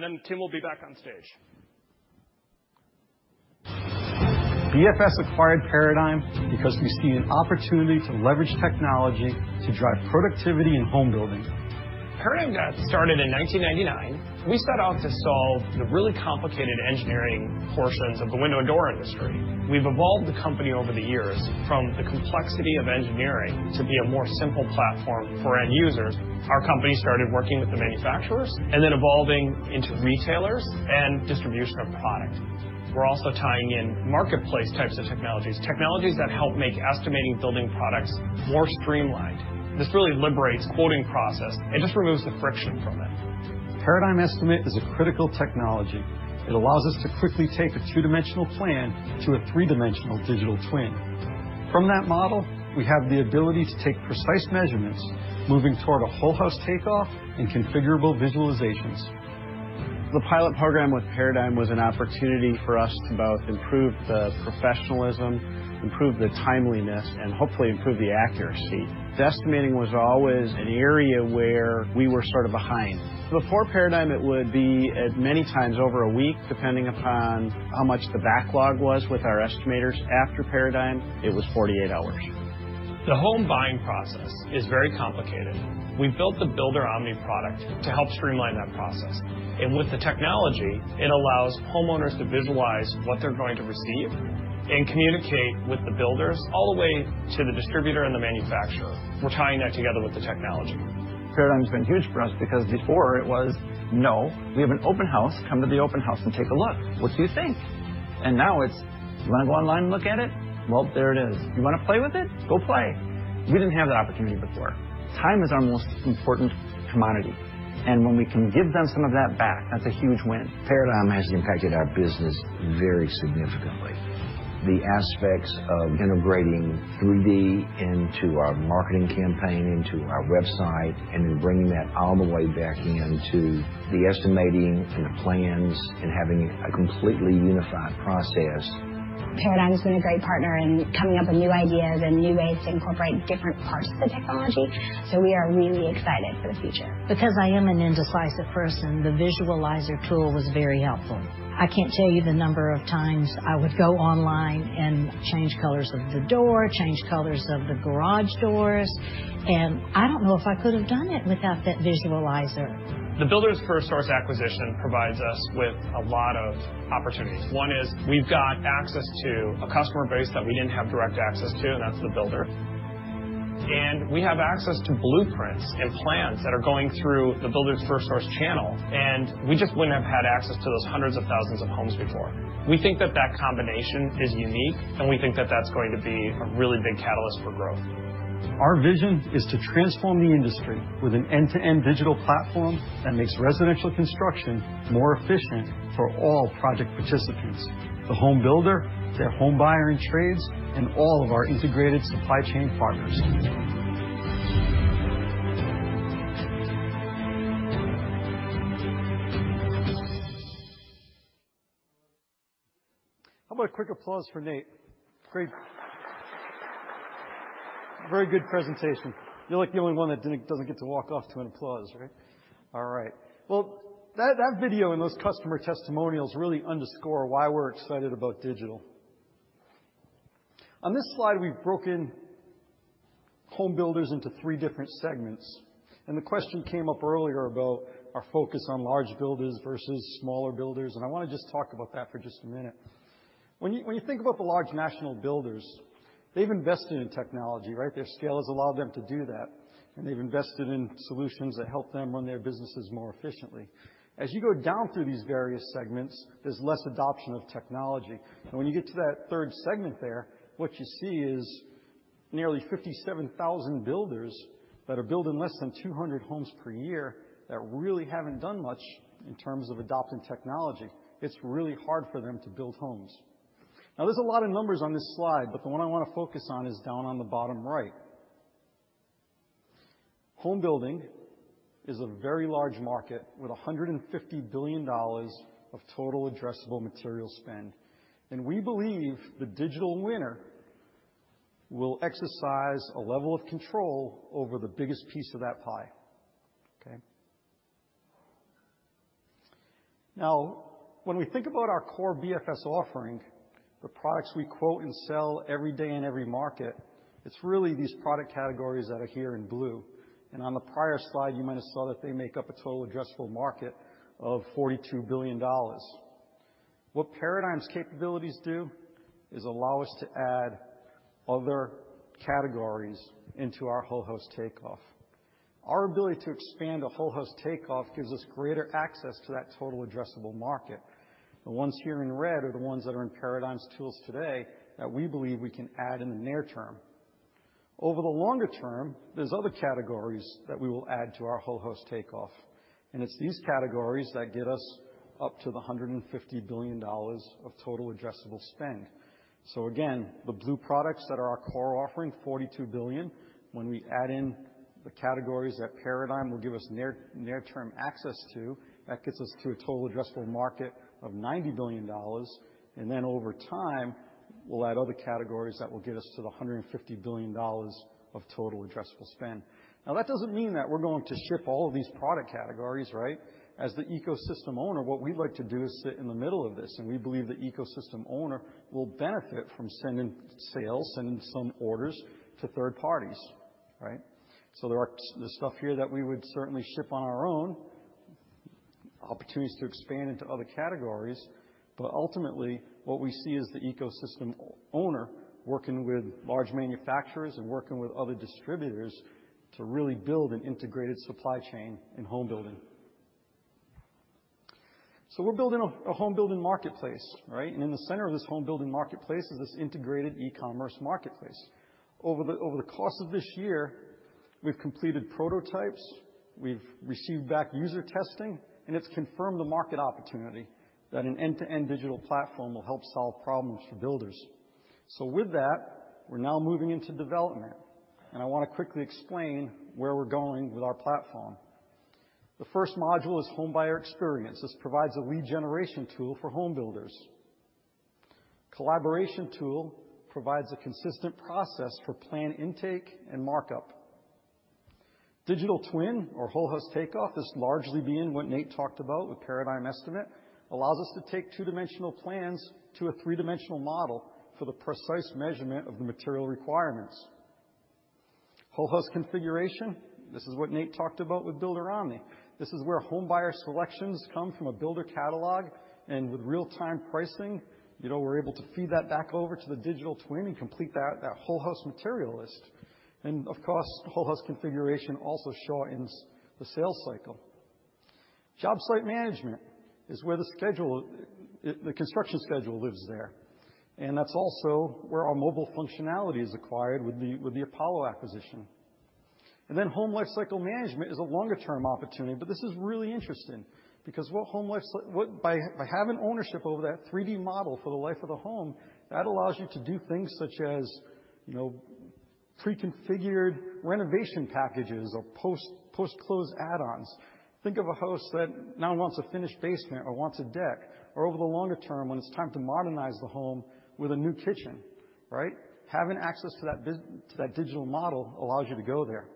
Then Tim will be back on stage. BFS acquired Paradigm because we see an opportunity to leverage technology to drive productivity in home building. Paradigm got started in 1999. We set out to solve the really complicated engineering portions of the window and door industry. We've evolved the company over the years from the complexity of engineering to be a more simple platform for end users. Our company started working with the manufacturers and then evolving into retailers and distribution of product. We're also tying in marketplace types of technologies that help make estimating building products more streamlined. This really liberates quoting process. It just removes the friction from it. Paradigm Estimate is a critical technology. It allows us to quickly take a two-dimensional plan to a three-dimensional digital twin. From that model, we have the ability to take precise measurements, moving toward a whole house takeoff and configurable visualizations. The pilot program with Paradigm was an opportunity for us to both improve the professionalism, improve the timeliness, and hopefully improve the accuracy. The estimating was always an area where we were sort of behind. Before Paradigm, it would be at many times over a week, depending upon how much the backlog was with our estimators. After Paradigm, it was 48 hours. The home buying process is very complicated. We built the Builder Omni product to help streamline that process. With the technology, it allows homeowners to visualize what they're going to receive and communicate with the builders all the way to the distributor and the manufacturer. We're tying that together with the technology. Paradigm's been huge for us because before it was, "No, we have an open house. Come to the open house and take a look. What do you think? Now it's, you want to go online and look at it? Well, there it is. You want to play with it? Go play. We didn't have that opportunity before. Time is our most important commodity, and when we can give them some of that back, that's a huge win. Paradigm has impacted our business very significantly. The aspects of integrating 3D into our marketing campaign, into our website, and then bringing that all the way back into the estimating and the plans and having a completely unified process. Paradigm has been a great partner in coming up with new ideas and new ways to incorporate different parts of the technology. We are really excited for the future. Because I am an indecisive person, the visualizer tool was very helpful. I can't tell you the number of times I would go online and change colors of the door, change colors of the garage doors, and I don't know if I could have done it without that visualizer. The Builders FirstSource acquisition provides us with a lot of opportunities. One is we've got access to a customer base that we didn't have direct access to, and that's the builder. We have access to blueprints and plans that are going through the Builders FirstSource channel, and we just wouldn't have had access to those hundreds of thousands of homes before. We think that that combination is unique, and we think that that's going to be a really big catalyst for growth. Our vision is to transform the industry with an end-to-end digital platform that makes residential construction more efficient for all project participants, the home builder, their home buyer and trades, and all of our integrated supply chain partners. How about a quick applause for Nate? Great. Very good presentation. You're like the only one that doesn't get to walk off to an applause, right? All right. Well, that video and those customer testimonials really underscore why we're excited about digital. On this slide, we've broken home builders into three different segments. The question came up earlier about our focus on large builders versus smaller builders. I want to just talk about that for just a minute. When you think about the large national builders, they've invested in technology, right? Their scale has allowed them to do that. They've invested in solutions that help them run their businesses more efficiently. As you go down through these various segments, there's less adoption of technology. When you get to that third segment there, what you see is nearly 57,000 builders that are building less than 200 homes per year that really haven't done much in terms of adopting technology. It's really hard for them to build homes. Now, there's a lot of numbers on this slide, but the one I want to focus on is down on the bottom right. Home building is a very large market with $150 billion of total addressable material spend. We believe the digital winner will exercise a level of control over the biggest piece of that pie, okay? Now, when we think about our core BFS offering, the products we quote and sell every day in every market, it's really these product categories that are here in blue. On the prior slide, you might have saw that they make up a total addressable market of $42 billion. What Paradigm's capabilities do is allow us to add other categories into our whole house takeoff. Our ability to expand a whole house takeoff gives us greater access to that total addressable market. The ones here in red are the ones that are in Paradigm's tools today that we believe we can add in the near term. Over the longer term, there's other categories that we will add to our whole house takeoff. It's these categories that get us up to the $150 billion of total addressable spend. Again, the blue products that are our core offering, $42 billion. When we add in the categories that Paradigm will give us near-term access to, that gets us to a total addressable market of $90 billion. Over time, we'll add other categories that will get us to the $150 billion of total addressable spend. Now, that doesn't mean that we're going to ship all of these product categories, right? As the ecosystem owner, what we'd like to do is sit in the middle of this. We believe the ecosystem owner will benefit from sending sales and some orders to third parties, right? There are the stuff here that we would certainly ship on our own, opportunities to expand into other categories. Ultimately, what we see is the ecosystem owner working with large manufacturers and working with other distributors to really build an integrated supply chain in home building. We're building a home building marketplace, right? In the center of this home building marketplace is this integrated e-commerce marketplace. Over the course of this year, we've completed prototypes, we've received back user testing, and it's confirmed the market opportunity that an end-to-end digital platform will help solve problems for builders. With that, we're now moving into development. I want to quickly explain where we're going with our platform. The first module is home buyer experience. This provides a lead generation tool for home builders. Collaboration tool provides a consistent process for plan intake and markup. Digital twin or whole house takeoff is largely being what Nate talked about with Paradigm Estimate, allows us to take two-dimensional plans to a three-dimensional model for the precise measurement of the material requirements. Whole house configuration, this is what Nate talked about with Builder Omni. This is where home buyer selections come from a builder catalog. With real-time pricing, you know, we're able to feed that back over to the digital twin and complete that whole house material list. Of course, whole house configuration also show in the sales cycle. Job site management is where the construction schedule lives there. That's also where our mobile functionality is acquired with the Apollo acquisition. Home life cycle management is a longer-term opportunity, but this is really interesting because, by having ownership over that 3D model for the life of the home, that allows you to do things such as, you know, pre-configured renovation packages or post-close add-ons. Think of a house that now wants a finished basement or wants a deck, or over the longer term, when it's time to modernize the home with a new kitchen, right? Having access to that digital model allows you to go there.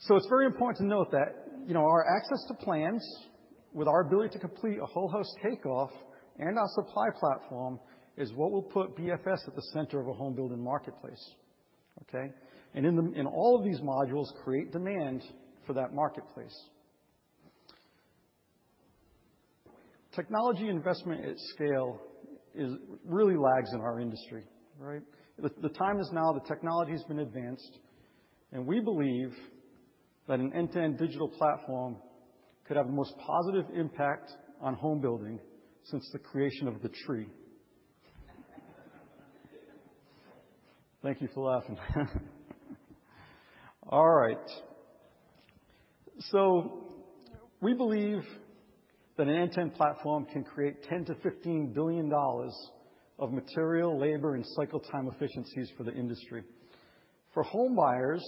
So it's very important to note that, you know, our access to plans with our ability to complete a whole house takeoff and our supply platform is what will put BFS at the center of a home building marketplace, okay? In all of these modules, create demand for that marketplace. Technology investment at scale really lags in our industry, right? The time is now, the technology's been advanced, and we believe that an end-to-end digital platform could have the most positive impact on home building since the creation of the tree. Thank you for laughing. All right. We believe that an end-to-end platform can create $10 billion-$15 billion of material, labor, and cycle time efficiencies for the industry. For homebuyers,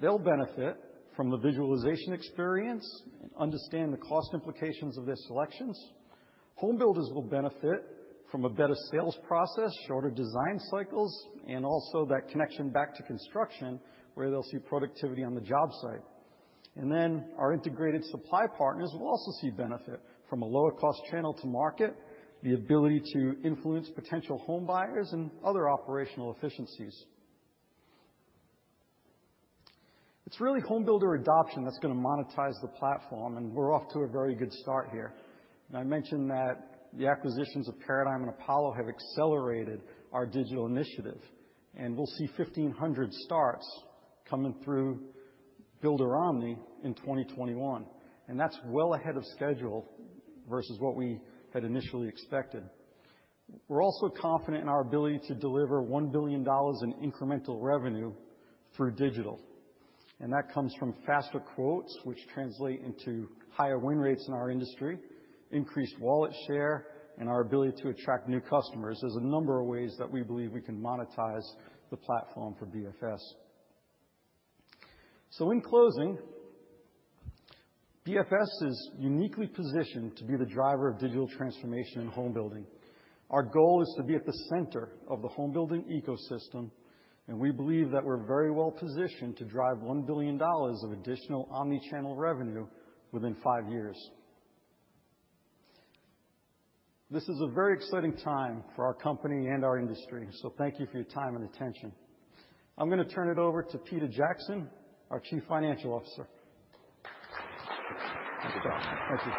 they'll benefit from the visualization experience and understand the cost implications of their selections. Home builders will benefit from a better sales process, shorter design cycles, and also that connection back to construction, where they'll see productivity on the job site. Then our integrated supply partners will also see benefit from a lower cost channel to market, the ability to influence potential homebuyers and other operational efficiencies. It's really home builder adoption that's gonna monetize the platform, and we're off to a very good start here. I mentioned that the acquisitions of Paradigm and Apollo have accelerated our digital initiative, and we'll see 1,500 starts coming through Builder Omni in 2021. That's well ahead of schedule versus what we had initially expected. We're also confident in our ability to deliver $1 billion in incremental revenue through digital. That comes from faster quotes, which translate into higher win rates in our industry, increased wallet share, and our ability to attract new customers. There's a number of ways that we believe we can monetize the platform for BFS. In closing, BFS is uniquely positioned to be the driver of digital transformation in home building. Our goal is to be at the center of the home building ecosystem, and we believe that we're very well positioned to drive $1 billion of additional omnichannel revenue within five years. This is a very exciting time for our company and our industry, so thank you for your time and attention. I'm gonna turn it over to Peter Jackson, our Chief Financial Officer. Good job. Thank you.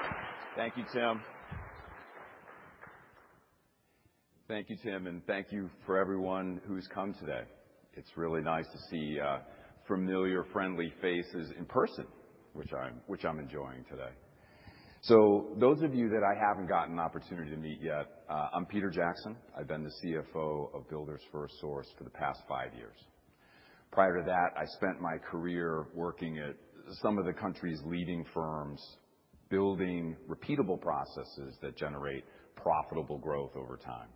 Thank you, Tim. Thank you, Tim, and thank you for everyone who's come today. It's really nice to see familiar, friendly faces in person, which I'm enjoying today. Those of you that I haven't gotten an opportunity to meet yet, I'm Peter Jackson. I've been the CFO of Builders FirstSource for the past five years. Prior to that, I spent my career working at some of the country's leading firms, building repeatable processes that generate profitable growth over time.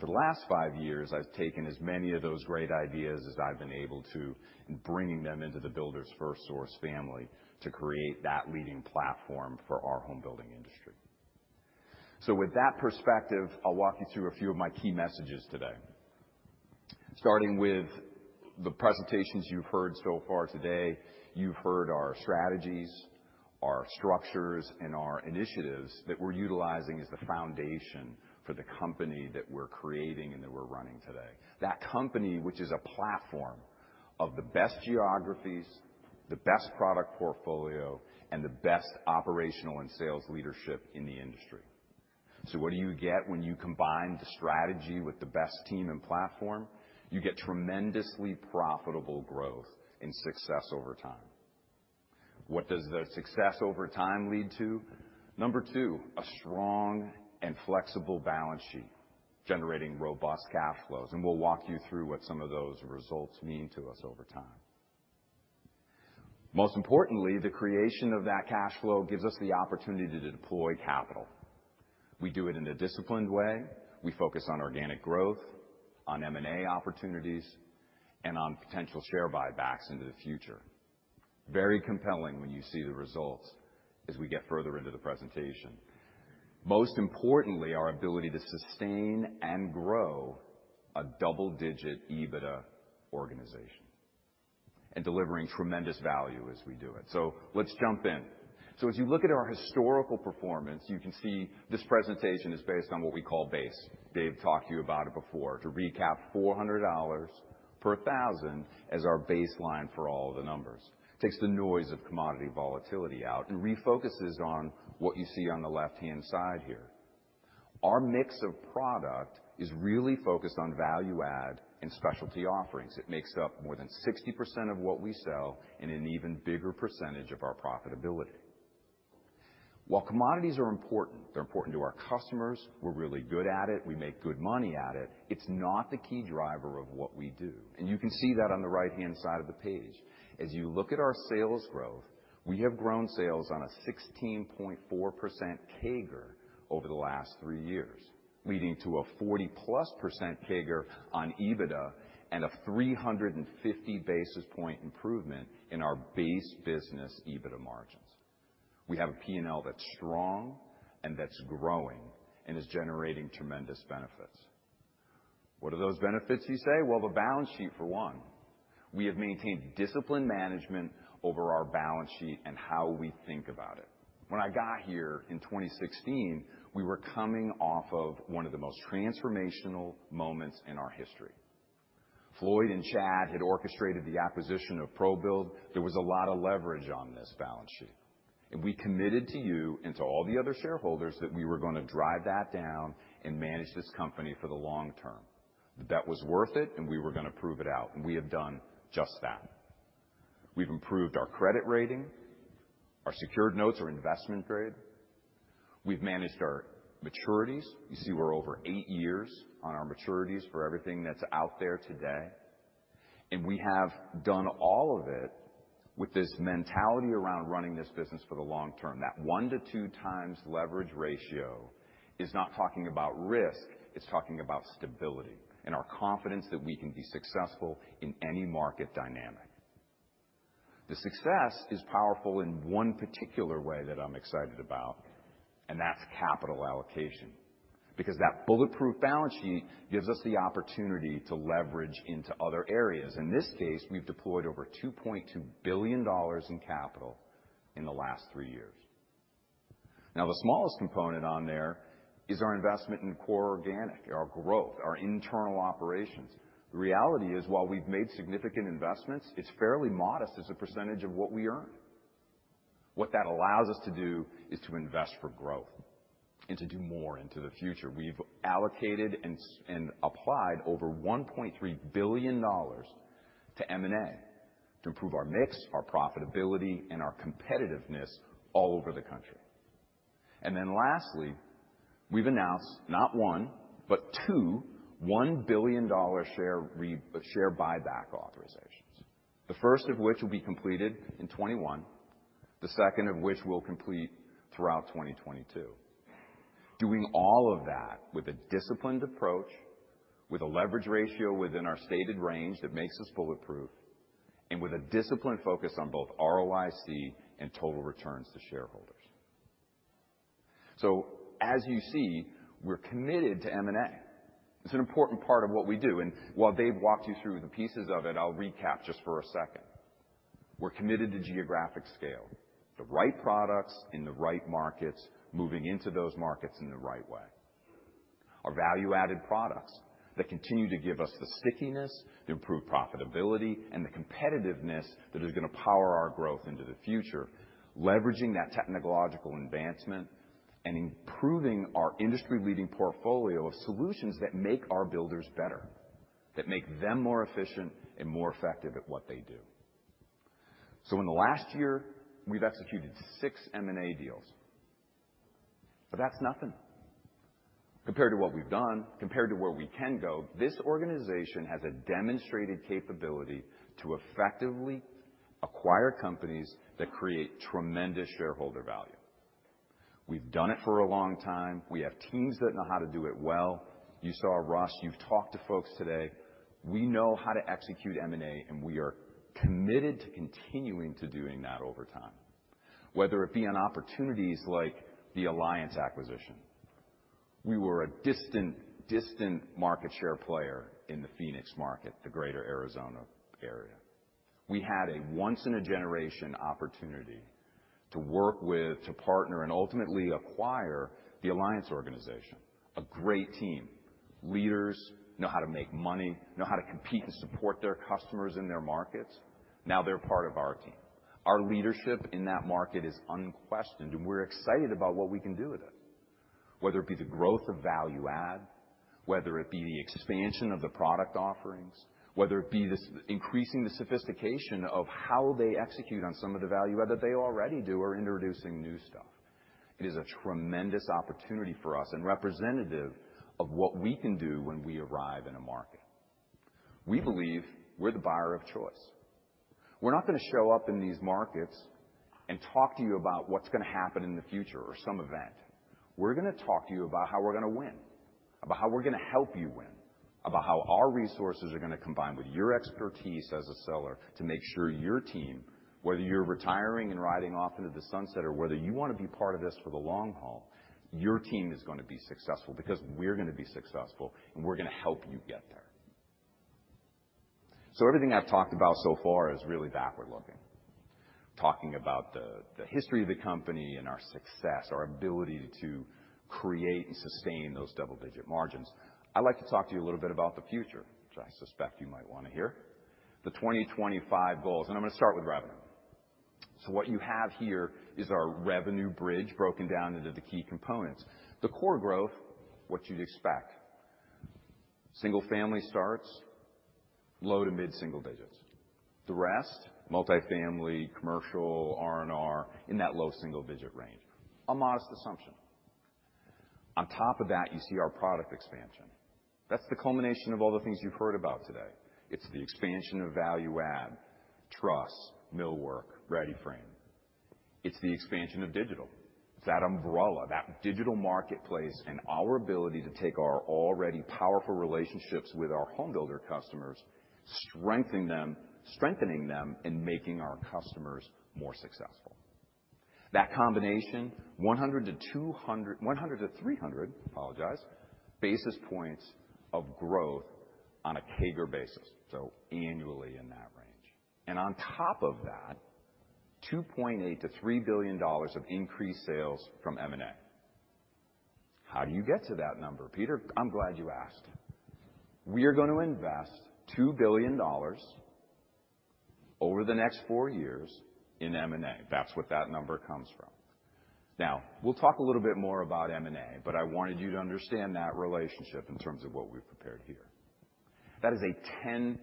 For the last five years, I've taken as many of those great ideas as I've been able to in bringing them into the Builders FirstSource family to create that leading platform for our home building industry. With that perspective, I'll walk you through a few of my key messages today. Starting with the presentations you've heard so far today, you've heard our strategies, our structures, and our initiatives that we're utilizing as the foundation for the company that we're creating and that we're running today. That company, which is a platform of the best geographies, the best product portfolio, and the best operational and sales leadership in the industry. What do you get when you combine the strategy with the best team and platform? You get tremendously profitable growth and success over time. What does the success over time lead to? Number two, a strong and flexible balance sheet generating robust cash flows, and we'll walk you through what some of those results mean to us over time. Most importantly, the creation of that cash flow gives us the opportunity to deploy capital. We do it in a disciplined way. We focus on organic growth, on M&A opportunities, and on potential share buybacks into the future. Very compelling when you see the results as we get further into the presentation. Most importantly, our ability to sustain and grow a double-digit EBITDA organization and delivering tremendous value as we do it. Let's jump in. As you look at our historical performance, you can see this presentation is based on what we call base. Dave talked to you about it before. To recap, $400 per thousand as our baseline for all the numbers. Takes the noise of commodity volatility out and refocuses on what you see on the left-hand side here. Our product mix is really focused on value add and specialty offerings. It makes up more than 60% of what we sell in an even bigger percentage of our profitability. While commodities are important, they're important to our customers, we're really good at it, we make good money at it. It's not the key driver of what we do. You can see that on the right-hand side of the page. As you look at our sales growth, we have grown sales on a 16.4% CAGR over the last three years, leading to a 40+% CAGR on EBITDA and a 350 basis point improvement in our base business EBITDA margins. We have a P&L that's strong and that's growing and is generating tremendous benefits. What are those benefits, you say? Well, the balance sheet, for one. We have maintained disciplined management over our balance sheet and how we think about it. When I got here in 2016, we were coming off of one of the most transformational moments in our history. Floyd and Chad had orchestrated the acquisition of ProBuild. There was a lot of leverage on this balance sheet, and we committed to you and to all the other shareholders that we were gonna drive that down and manage this company for the long term. The debt was worth it, and we were gonna prove it out, and we have done just that. We've improved our credit rating. Our secured notes are investment grade. We've managed our maturities. You see we're over eight years on our maturities for everything that's out there today. We have done all of it with this mentality around running this business for the long term. That one to two times leverage ratio is not talking about risk, it's talking about stability and our confidence that we can be successful in any market dynamic. The success is powerful in one particular way that I'm excited about, and that's capital allocation, because that bulletproof balance sheet gives us the opportunity to leverage into other areas. In this case, we've deployed over $2.2 billion in capital in the last three years. Now, the smallest component on there is our investment in core organic, our growth, our internal operations. The reality is, while we've made significant investments, it's fairly modest as a percentage of what we earn. What that allows us to do is to invest for growth and to do more into the future. We've allocated and applied over $1.3 billion to M&A to improve our mix, our profitability, and our competitiveness all over the country. Lastly, we've announced not one, but two $1 billion share buyback authorizations. The first of which will be completed in 2021, the second of which we'll complete throughout 2022. Doing all of that with a disciplined approach, with a leverage ratio within our stated range that makes us bulletproof, and with a disciplined focus on both ROIC and total returns to shareholders. As you see, we're committed to M&A. It's an important part of what we do. While Dave walked you through the pieces of it, I'll recap just for a second. We're committed to geographic scale, the right products in the right markets, moving into those markets in the right way. Our value-added products that continue to give us the stickiness to improve profitability and the competitiveness that is gonna power our growth into the future, leveraging that technological advancement and improving our industry-leading portfolio of solutions that make our builders better, that make them more efficient and more effective at what they do. In the last year, we've executed six M&A deals. That's nothing compared to what we've done, compared to where we can go. This organization has a demonstrated capability to effectively acquire companies that create tremendous shareholder value. We've done it for a long time. We have teams that know how to do it well. You saw Russ, you've talked to folks today. We know how to execute M&A, and we are committed to continuing to doing that over time. Whether it be on opportunities like the Alliance acquisition. We were a distant market share player in the Phoenix market, the greater Arizona area. We had a once-in-a-generation opportunity to work with, to partner, and ultimately acquire the Alliance organization. A great team. Leaders know how to make money, know how to compete and support their customers in their markets. Now they're part of our team. Our leadership in that market is unquestioned, and we're excited about what we can do with it. Whether it be the growth of value add, whether it be the expansion of the product offerings, whether it be thus increasing the sophistication of how they execute on some of the value add that they already do or introducing new stuff. It is a tremendous opportunity for us and representative of what we can do when we arrive in a market. We believe we're the buyer of choice. We're not gonna show up in these markets and talk to you about what's gonna happen in the future or some event. We're gonna talk to you about how we're gonna win, about how we're gonna help you win, about how our resources are gonna combine with your expertise as a seller to make sure your team, whether you're retiring and riding off into the sunset or whether you wanna be part of this for the long haul, your team is gonna be successful because we're gonna be successful, and we're gonna help you get there. Everything I've talked about so far is really backward-looking, talking about the history of the company and our success, our ability to create and sustain those double-digit margins. I'd like to talk to you a little bit about the future, which I suspect you might wanna hear. The 2025 goals. I'm gonna start with revenue. So what you have here is our revenue bridge broken down into the key components. The core growth, what you'd expect. Single family starts low- to mid-single-digits. The rest, multifamily, commercial, R&R, in that low-single-digit range. A modest assumption. On top of that, you see our product expansion. That's the culmination of all the things you've heard about today. It's the expansion of value add, truss, millwork, READY-FRAME®. It's the expansion of digital. It's that umbrella, that digital marketplace, and our ability to take our already powerful relationships with our home builder customers, strengthening them, and making our customers more successful. That combination, 100-300 basis points of growth on a CAGR basis, so annually in that range. On top of that, $2.8 billion-$3 billion of increased sales from M&A. How do you get to that number? Peter, I'm glad you asked. We are gonna invest $2 billion over the next four years in M&A. That's what that number comes from. Now, we'll talk a little bit more about M&A, but I wanted you to understand that relationship in terms of what we've prepared here. That is a 10%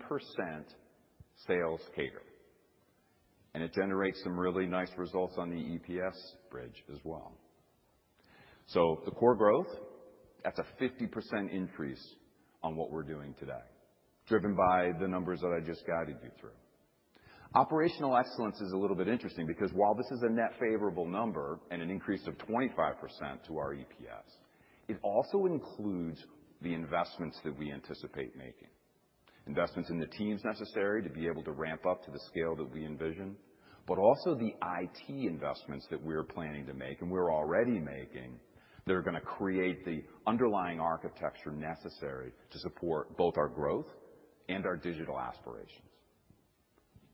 sales CAGR, and it generates some really nice results on the EPS bridge as well. The core growth, that's a 50% increase on what we're doing today, driven by the numbers that I just guided you through. Operational excellence is a little bit interesting because while this is a net favorable number and an increase of 25% to our EPS, it also includes the investments that we anticipate making. Investments in the teams necessary to be able to ramp up to the scale that we envision, but also the IT investments that we're planning to make, and we're already making, that are gonna create the underlying architecture necessary to support both our growth and our digital aspirations.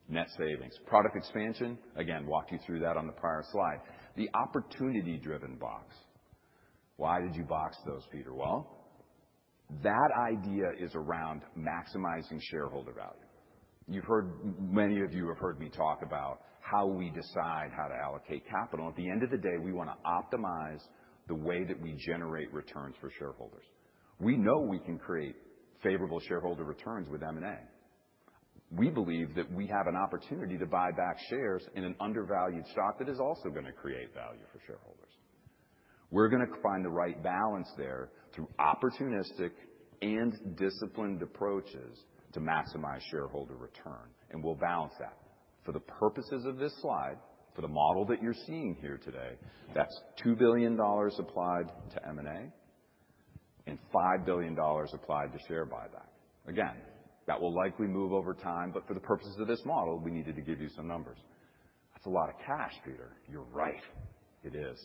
Net savings. Product expansion. Again, walked you through that on the prior slide. The opportunity-driven box. Why did you box those, Peter? Well, that idea is around maximizing shareholder value. Many of you have heard me talk about how we decide how to allocate capital. At the end of the day, we wanna optimize the way that we generate returns for shareholders. We know we can create favorable shareholder returns with M&A. We believe that we have an opportunity to buy back shares in an undervalued stock that is also gonna create value for shareholders. We're gonna find the right balance there through opportunistic and disciplined approaches to maximize shareholder return, and we'll balance that. For the purposes of this slide, for the model that you're seeing here today, that's $2 billion applied to M&A and $5 billion applied to share buyback. Again, that will likely move over time, but for the purposes of this model, we needed to give you some numbers. That's a lot of cash, Peter. You're right. It is.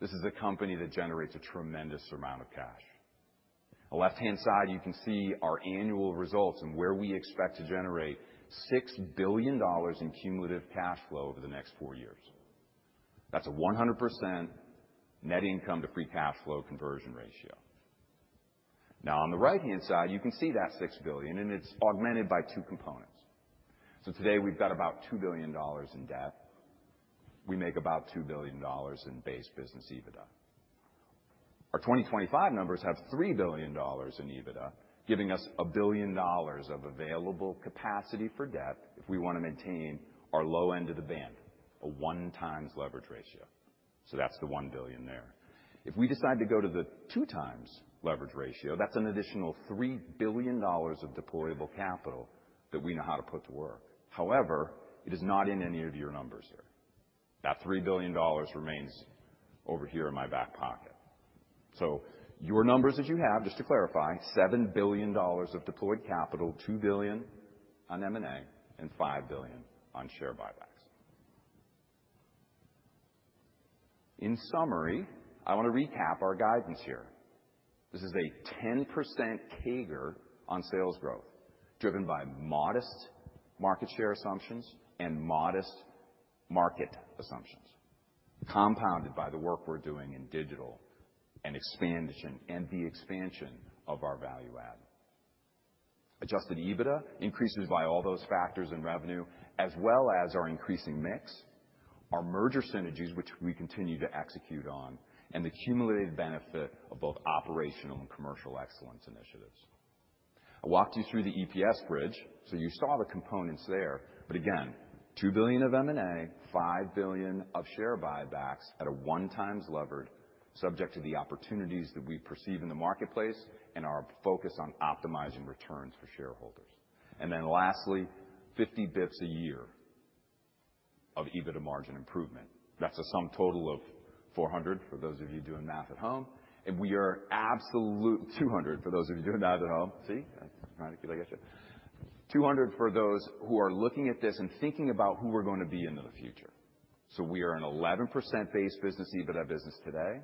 This is a company that generates a tremendous amount of cash. The left-hand side, you can see our annual results and where we expect to generate $6 billion in cumulative cash flow over the next four years. That's a 100% net income to free cash flow conversion ratio. Now, on the right-hand side, you can see that $6 billion, and it's augmented by two components. Today, we've got about $2 billion in debt. We make about $2 billion in base business EBITDA. Our 2025 numbers have $3 billion in EBITDA, giving us $1 billion of available capacity for debt if we wanna maintain our low end of the band, a 1x leverage ratio. That's the $1 billion there. If we decide to go to the 2x leverage ratio, that's an additional $3 billion of deployable capital that we know how to put to work. However, it is not in any of your numbers here. That $3 billion remains over here in my back pocket. Your numbers that you have, just to clarify, $7 billion of deployed capital, $2 billion on M&A, and $5 billion on share buybacks. In summary, I wanna recap our guidance here. This is a 10% CAGR on sales growth, driven by modest market share assumptions and modest market assumptions, compounded by the work we're doing in digital and expansion and the expansion of our value add. Adjusted EBITDA increases by all those factors in revenue, as well as our increasing mix, our merger synergies, which we continue to execute on, and the cumulative benefit of both operational and commercial excellence initiatives. I walked you through the EPS bridge, so you saw the components there. Again, $2 billion of M&A, $5 billion of share buybacks at a 1x levered, subject to the opportunities that we perceive in the marketplace and our focus on optimizing returns for shareholders. Then lastly, 50 basis points a year of EBITDA margin improvement. That's a sum total of 400 for those of you doing math at home. We are absolute 200 for those of you doing math at home. See? 200 for those who are looking at this and thinking about who we're gonna be into the future. We are an 11% base business EBITDA business today.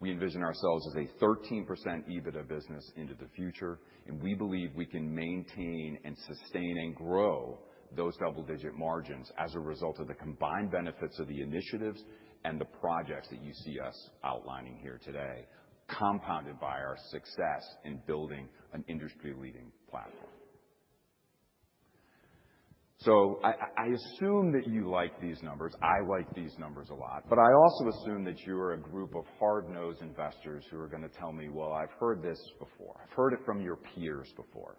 We envision ourselves as a 13% EBITDA business into the future, and we believe we can maintain and sustain and grow those double-digit margins as a result of the combined benefits of the initiatives and the projects that you see us outlining here today, compounded by our success in building an industry-leading platform. I assume that you like these numbers. I like these numbers a lot. I also assume that you're a group of hard-nosed investors who are gonna tell me, "Well, I've heard this before. I've heard it from your peers before."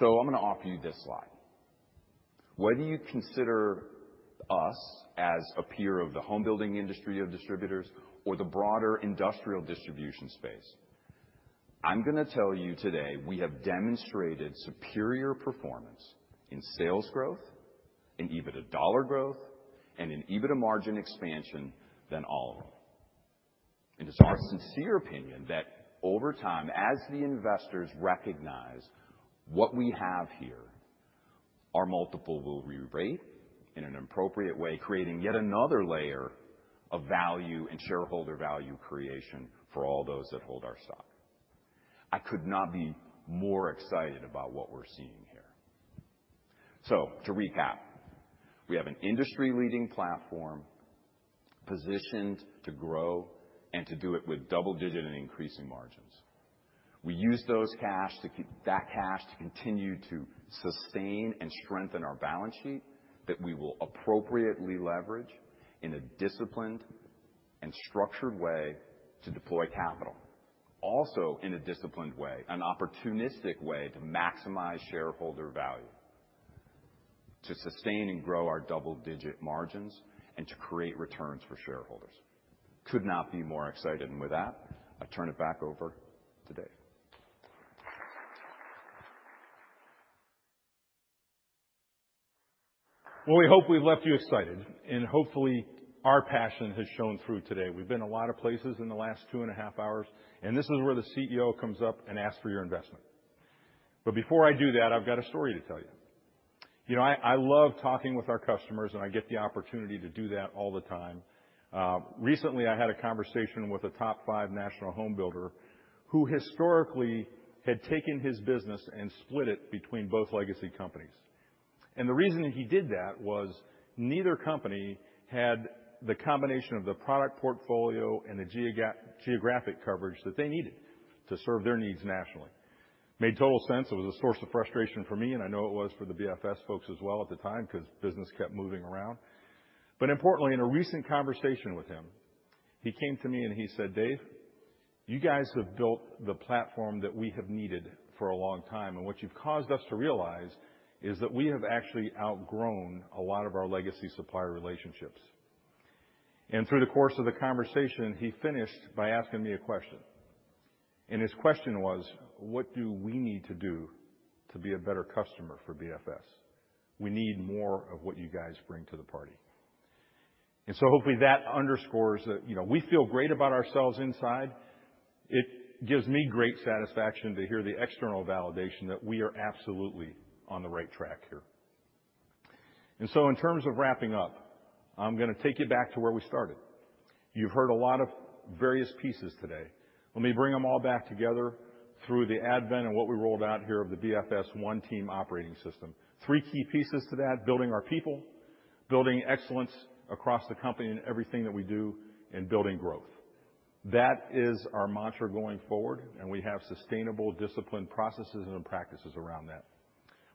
I'm gonna offer you this slide. Whether you consider us as a peer of the home building industry of distributors or the broader industrial distribution space, I'm gonna tell you today we have demonstrated superior performance in sales growth and EBITDA dollar growth and in EBITDA margin expansion than all of them. It is our sincere opinion that over time, as the investors recognize what we have here, our multiple will rerate in an appropriate way, creating yet another layer of value and shareholder value creation for all those that hold our stock. I could not be more excited about what we're seeing here. To recap, we have an industry-leading platform positioned to grow and to do it with double-digit and increasing margins. We use that cash to continue to sustain and strengthen our balance sheet that we will appropriately leverage in a disciplined and structured way to deploy capital, also in a disciplined way, an opportunistic way to maximize shareholder value, to sustain and grow our double-digit margins, and to create returns for shareholders. I could not be more excited. With that, I turn it back over to Dave. Well, we hope we've left you excited, and hopefully, our passion has shown through today. We've been a lot of places in the last two and a half hours, and this is where the CEO comes up and asks for your investment. Before I do that, I've got a story to tell you. You know, I love talking with our customers, and I get the opportunity to do that all the time. Recently, I had a conversation with a top five national home builder who historically had taken his business and split it between both legacy companies. The reason he did that was neither company had the combination of the product portfolio and the geographic coverage that they needed to serve their needs nationally. Made total sense. It was a source of frustration for me, and I know it was for the BFS folks as well at the time 'cause business kept moving around. Importantly, in a recent conversation with him, he came to me and he said, "Dave, you guys have built the platform that we have needed for a long time, and what you've caused us to realize is that we have actually outgrown a lot of our legacy supplier relationships." Through the course of the conversation, he finished by asking me a question. His question was, "What do we need to do to be a better customer for BFS? We need more of what you guys bring to the party." Hopefully that underscores that, you know, we feel great about ourselves inside. It gives me great satisfaction to hear the external validation that we are absolutely on the right track here. In terms of wrapping up, I'm gonna take you back to where we started. You've heard a lot of various pieces today. Let me bring them all back together through the advent of what we rolled out here of the BFS One Team Operating System. Three key pieces to that, building our people, building excellence across the company in everything that we do, and building growth. That is our mantra going forward, and we have sustainable, disciplined processes and practices around that.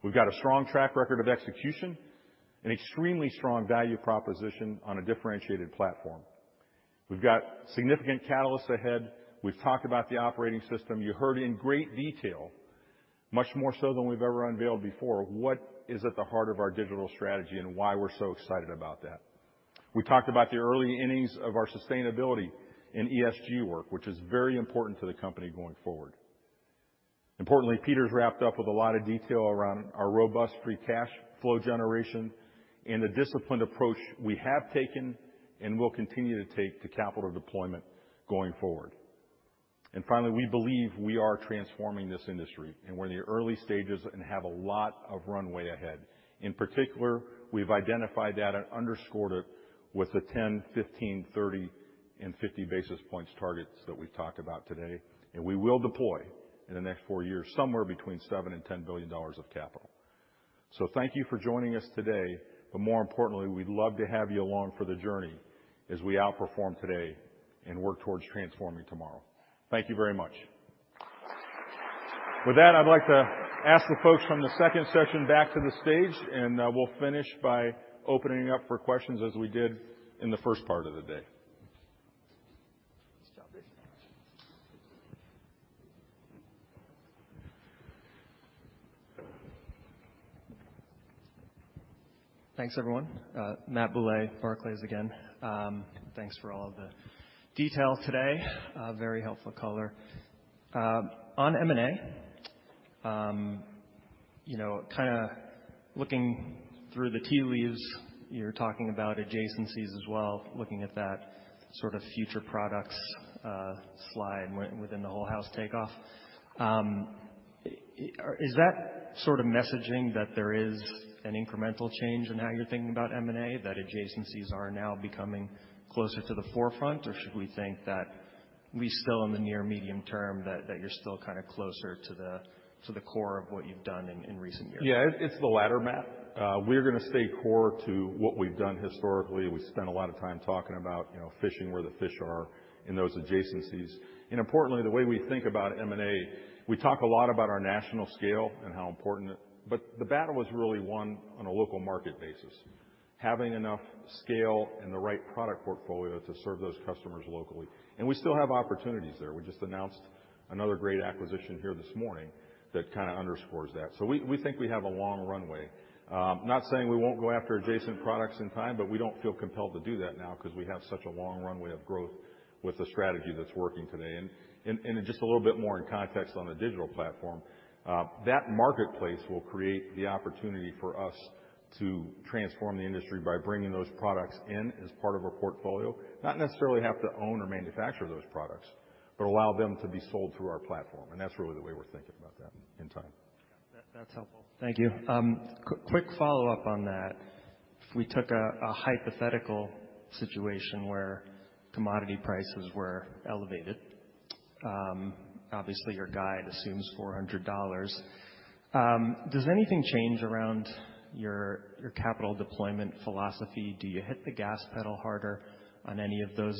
We've got a strong track record of execution, an extremely strong value proposition on a differentiated platform. We've got significant catalysts ahead. We've talked about the operating system. You heard in great detail, much more so than we've ever unveiled before, what is at the heart of our digital strategy and why we're so excited about that. We talked about the early innings of our sustainability in ESG work, which is very important to the company going forward. Importantly, Peter's wrapped up with a lot of detail around our robust free cash flow generation and the disciplined approach we have taken and will continue to take to capital deployment going forward. Finally, we believe we are transforming this industry, and we're in the early stages and have a lot of runway ahead. In particular, we've identified that and underscored it with the 10, 15, 30, and 50 basis points targets that we've talked about today. We will deploy in the next four years, somewhere between $7 billion and $10 billion of capital. Thank you for joining us today. More importantly, we'd love to have you along for the journey as we outperform today and work towards transforming tomorrow. Thank you very much. With that, I'd like to ask the folks from the second session back to the stage, and we'll finish by opening up for questions as we did in the first part of the day. Nice job, Dave. Thanks, everyone. Matt Bouley, Barclays again. Thanks for all the detail today. Very helpful color. On M&A, you know, kinda looking through the tea leaves, you're talking about adjacencies as well, looking at that sort of future products slide within the whole house takeoff. Is that sort of messaging that there is an incremental change in how you're thinking about M&A, that adjacencies are now becoming closer to the forefront, or should we think that we still in the near medium term, that you're still kinda closer to the core of what you've done in recent years? Yeah. It's the latter, Matt. We're gonna stay core to what we've done historically. We spent a lot of time talking about, you know, fishing where the fish are in those adjacencies. Importantly, the way we think about M&A, we talk a lot about our national scale and how important it. The battle is really won on a local market basis, having enough scale and the right product portfolio to serve those customers locally. We still have opportunities there. We just announced another great acquisition here this morning that kinda underscores that. We think we have a long runway. Not saying we won't go after adjacent products in time, but we don't feel compelled to do that now 'cause we have such a long runway of growth with the strategy that's working today. Just a little bit more in context on the digital platform, that marketplace will create the opportunity for us to transform the industry by bringing those products in as part of our portfolio. Not necessarily have to own or manufacture those products, but allow them to be sold through our platform, and that's really the way we're thinking about that in time. That's helpful. Thank you. Quick follow-up on that. If we took a hypothetical situation where commodity prices were elevated, obviously, your guide assumes $400. Does anything change around your capital deployment philosophy? Do you hit the gas pedal harder on any of those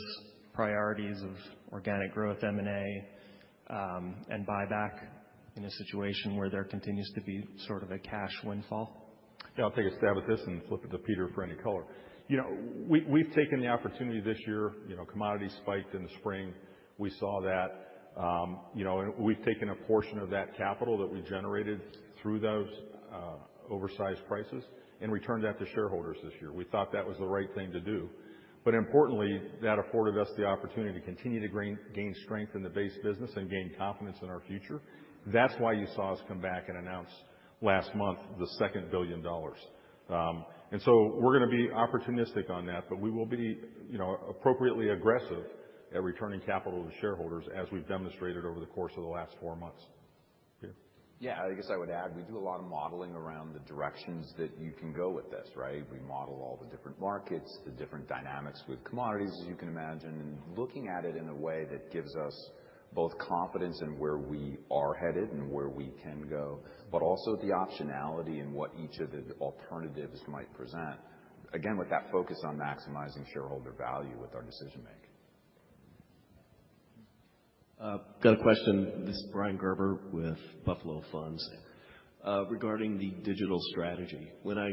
priorities of organic growth M&A, and buyback in a situation where there continues to be sort of a cash windfall? Yeah, I'll take a stab at this and flip it to Peter for any color. You know, we've taken the opportunity this year. You know, commodities spiked in the spring. We saw that, you know, and we've taken a portion of that capital that we generated through those, oversized prices and returned that to shareholders this year. We thought that was the right thing to do. Importantly, that afforded us the opportunity to continue to gain strength in the base business and gain confidence in our future. That's why you saw us come back and announce last month the second $1 billion. We're gonna be opportunistic on that, but we will be, you know, appropriately aggressive at returning capital to shareholders as we've demonstrated over the course of the last four months. Peter? Yeah, I guess I would add, we do a lot of modeling around the directions that you can go with this, right? We model all the different markets, the different dynamics with commodities, as you can imagine, and looking at it in a way that gives us both confidence in where we are headed and where we can go. Also the optionality and what each of the alternatives might present, again, with that focus on maximizing shareholder value with our decision-making. Got a question. This is Brian Gerber with Buffalo Funds. Regarding the digital strategy. When, at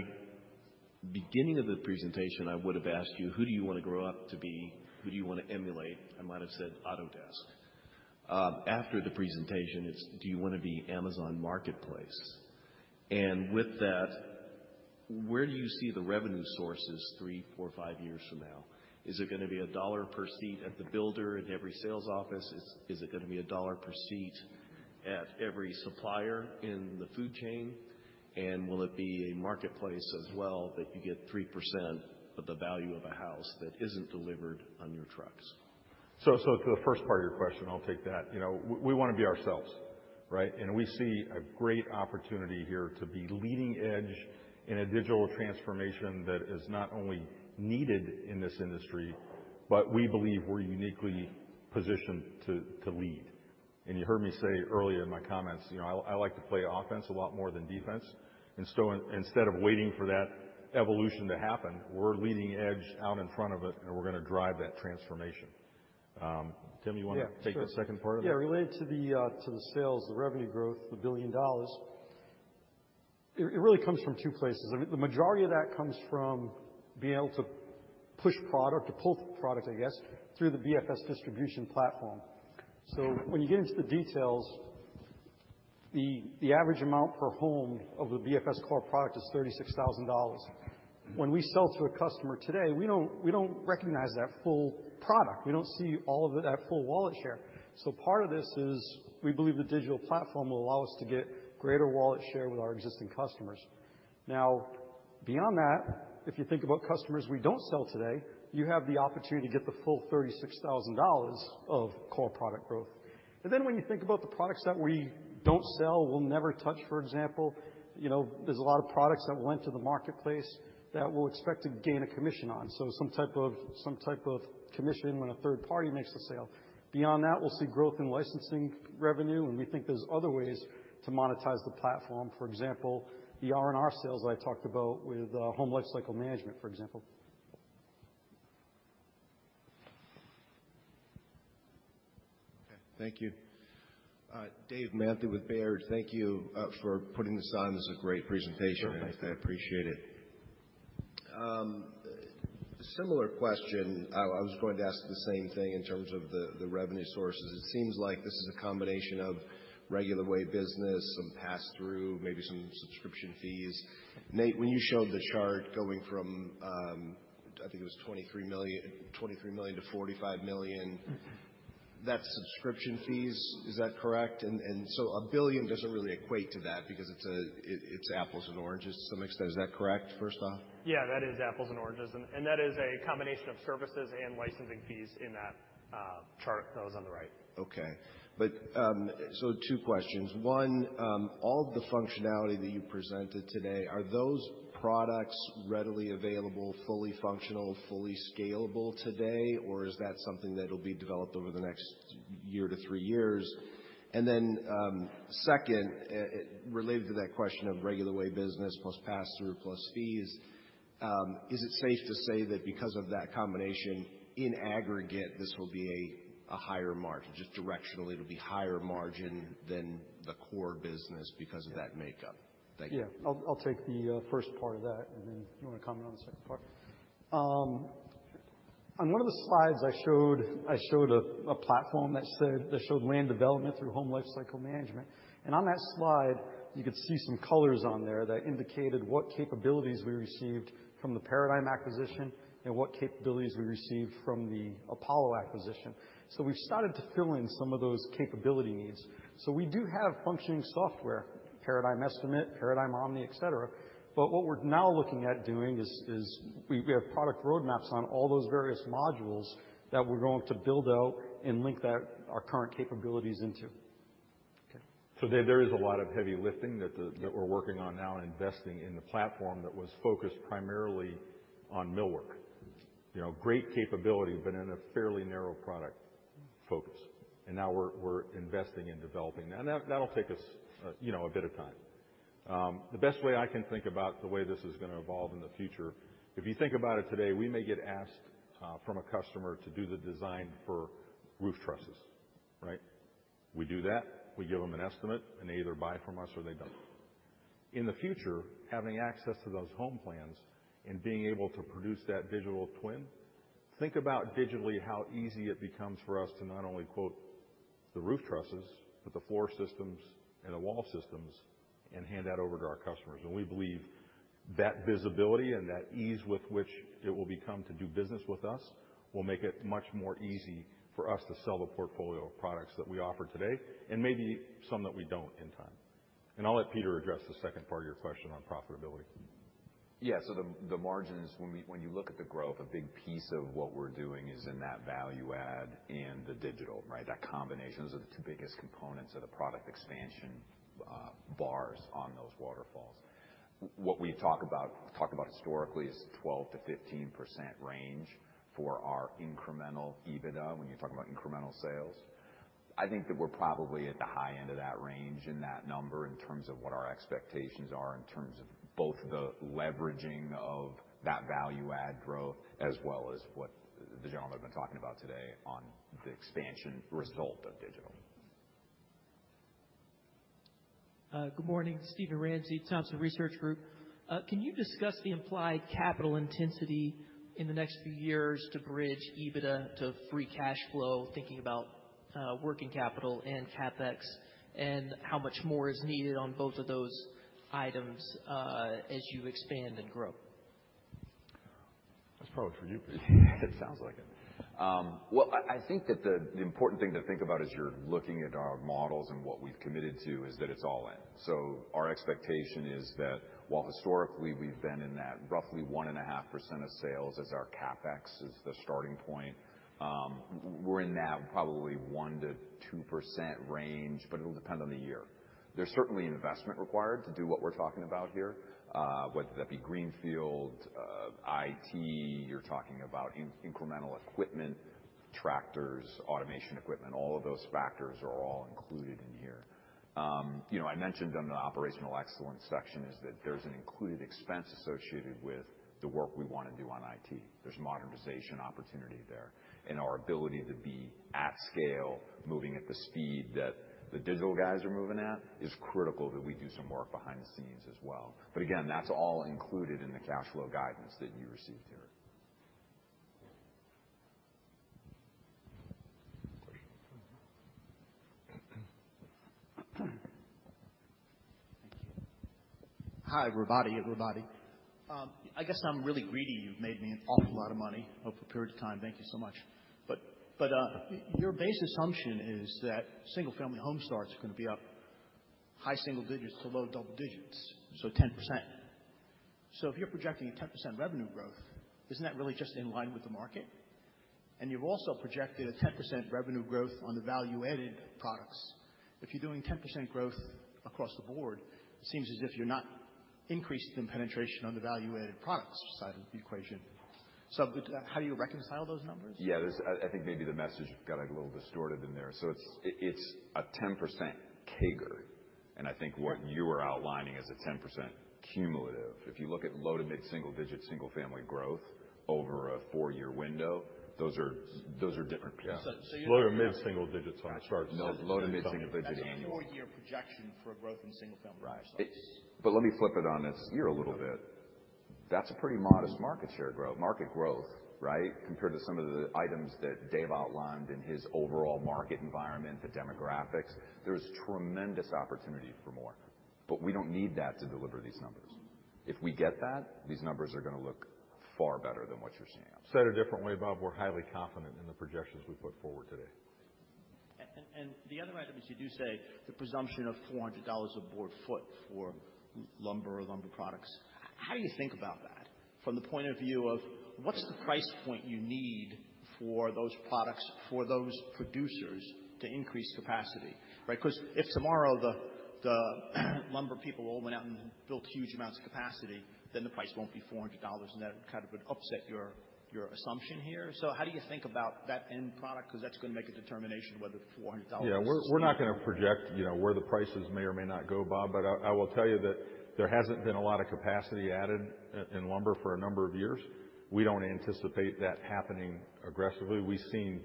the beginning of the presentation, I would have asked you, who do you wanna grow up to be? Who do you wanna emulate? I might have said Autodesk. After the presentation, it's do you wanna be Amazon Marketplace? And with that, where do you see the revenue sources three, four, five years from now? Is it gonna be $1 per seat at the builder in every sales office? Is it gonna be $1 per seat at every supplier in the food chain? And will it be a marketplace as well that you get 3% of the value of a house that isn't delivered on your trucks? To the first part of your question, I'll take that. You know, we wanna be ourselves, right? We see a great opportunity here to be leading edge in a digital transformation that is not only needed in this industry, but we believe we're uniquely positioned to lead. You heard me say earlier in my comments, you know, I like to play offense a lot more than defense. Instead of waiting for that evolution to happen, we're leading edge out in front of it, and we're gonna drive that transformation. Tim, you wanna take the second part of it? Yeah, related to the sales, the revenue growth, $1 billion, it really comes from two places. The majority of that comes from being able to push product, to pull product, I guess, through the BFS distribution platform. When you get into the details, the average amount per home of the BFS core product is $36,000. When we sell to a customer today, we don't recognize that full product. We don't see all of it, that full wallet share. Part of this is we believe the digital platform will allow us to get greater wallet share with our existing customers. Now, beyond that, if you think about customers we don't sell today, you have the opportunity to get the full $36,000 of core product growth. Then when you think about the products that we don't sell, we'll never touch, for example. You know, there's a lot of products that went to the marketplace that we'll expect to gain a commission on. Some type of commission when a third party makes the sale. Beyond that, we'll see growth in licensing revenue, and we think there's other ways to monetize the platform. For example, the R&R sales I talked about with home lifecycle management, for example. Okay, thank you. Dave Manthey with Baird. Thank you for putting this on. This is a great presentation. Yeah, thanks. I appreciate it. Similar question. I was going to ask the same thing in terms of the revenue sources. It seems like this is a combination of regular way business, some pass-through, maybe some subscription fees. Nate, when you showed the chart going from, I think it was $23 million to $45 million. That's subscription fees? Is that correct? $1 billion doesn't really equate to that because it's apples and oranges to some extent. Is that correct, first off? Yeah, that is apples and oranges. That is a combination of services and licensing fees in that chart that was on the right. Okay. Two questions. One, all the functionality that you presented today, are those products readily available, fully functional, fully scalable today? Or is that something that'll be developed over the next year to three years? Second, related to that question of regular way business plus pass-through plus fees, is it safe to say that because of that combination, in aggregate, this will be a higher margin? Just directionally, it'll be higher margin than the core business because of that makeup. Thank you. I'll take the first part of that, and then you wanna comment on the second part? On one of the slides I showed, a platform that showed land development through home lifecycle management. On that slide, you could see some colors on there that indicated what capabilities we received from the Paradigm acquisition and what capabilities we received from the Apollo acquisition. We've started to fill in some of those capability needs. We do have functioning software, Paradigm Estimate, Paradigm Omni, et cetera. But what we're now looking at doing is we have product roadmaps on all those various modules that we're going to build out and link our current capabilities into. Okay. There is a lot of heavy lifting that the that we're working on now and investing in the platform that was focused primarily on millwork. You know, great capability, but in a fairly narrow product focus. Now we're investing in developing. Now that'll take us, you know, a bit of time. The best way I can think about the way this is gonna evolve in the future, if you think about it today, we may get asked from a customer to do the design for roof trusses, right? We do that. We give them an estimate, and they either buy from us or they don't. In the future, having access to those home plans and being able to produce that digital twin, think about digitally how easy it becomes for us to not only quote the roof trusses, but the floor systems and the wall systems and hand that over to our customers. We believe that visibility and that ease with which it will become to do business with us will make it much more easy for us to sell the portfolio of products that we offer today, and maybe some that we don't in time. I'll let Peter address the second part of your question on profitability. Yeah. The margins when you look at the growth, a big piece of what we're doing is in that value add and the digital, right? That combination. Those are the two biggest components of the product expansion, bars on those waterfalls. What we talk about historically is 12%-15% range for our incremental EBITDA, when you talk about incremental sales. I think that we're probably at the high end of that range in that number in terms of what our expectations are in terms of both the leveraging of that value add growth as well as what the gentlemen have been talking about today on the expansion result of digital. Good morning. Steven Ramsey, Thompson Research Group. Can you discuss the implied capital intensity in the next few years to bridge EBITDA to free cash flow, thinking about, working capital and CapEx, and how much more is needed on both of those items, as you expand and grow? That's probably for you, Peter. It sounds like it. Well, I think that the important thing to think about as you're looking at our models and what we've committed to is that it's all in. Our expectation is that while historically we've been in that roughly 1.5% of sales as our CapEx as the starting point, we're in that probably 1%-2% range, but it'll depend on the year. There's certainly investment required to do what we're talking about here, whether that be greenfield, IT, incremental equipment, tractors, automation equipment, all of those factors are all included in here. You know, I mentioned on the operational excellence section is that there's an included expense associated with the work we wanna do on IT. There's modernization opportunity there. Our ability to be at scale, moving at the speed that the digital guys are moving at, is critical that we do some work behind the scenes as well. Again, that's all included in the cash flow guidance that you received here. Great. Thank you. Hi, everybody. I guess I'm really greedy. You've made me an awful lot of money over a period of time. Thank you so much. Your base assumption is that single family home starts are gonna be up high single digits to low double digits, so 10%. If you're projecting a 10% revenue growth, isn't that really just in line with the market? You've also projected a 10% revenue growth on the value-added products. If you're doing 10% growth across the board, it seems as if you're not increasing the penetration on the value-added products side of the equation. How do you reconcile those numbers? Yeah, I think maybe the message got, like, a little distorted in there. It's a 10% CAGR. I think what you are outlining is a 10% cumulative. If you look at low- to mid-single-digit single-family growth over a four-year window, those are different pictures. Low- to mid-single digits on the starts. No, low- to mid-single-digit annual. That's a four-year projection for growth in single family. Right. Let me flip it on its ear a little bit. That's a pretty modest market share growth, right, compared to some of the items that Dave outlined in his overall market environment, the demographics. There's tremendous opportunity for more, but we don't need that to deliver these numbers. If we get that, these numbers are gonna look far better than what you're seeing. Said a different way, Bob, we're highly confident in the projections we put forward today. The other item is you do say the presumption of $400 a board foot for lumber or lumber products. How do you think about that from the point of view of what's the price point you need for those products, for those producers to increase capacity, right? Because if tomorrow the lumber people all went out and built huge amounts of capacity, then the price won't be $400, and that kind of would upset your assumption here. How do you think about that end product? Because that's gonna make a determination whether the $400. We're not gonna project, you know, where the prices may or may not go, Bob, but I will tell you that there hasn't been a lot of capacity added in lumber for a number of years. We don't anticipate that happening aggressively. We've seen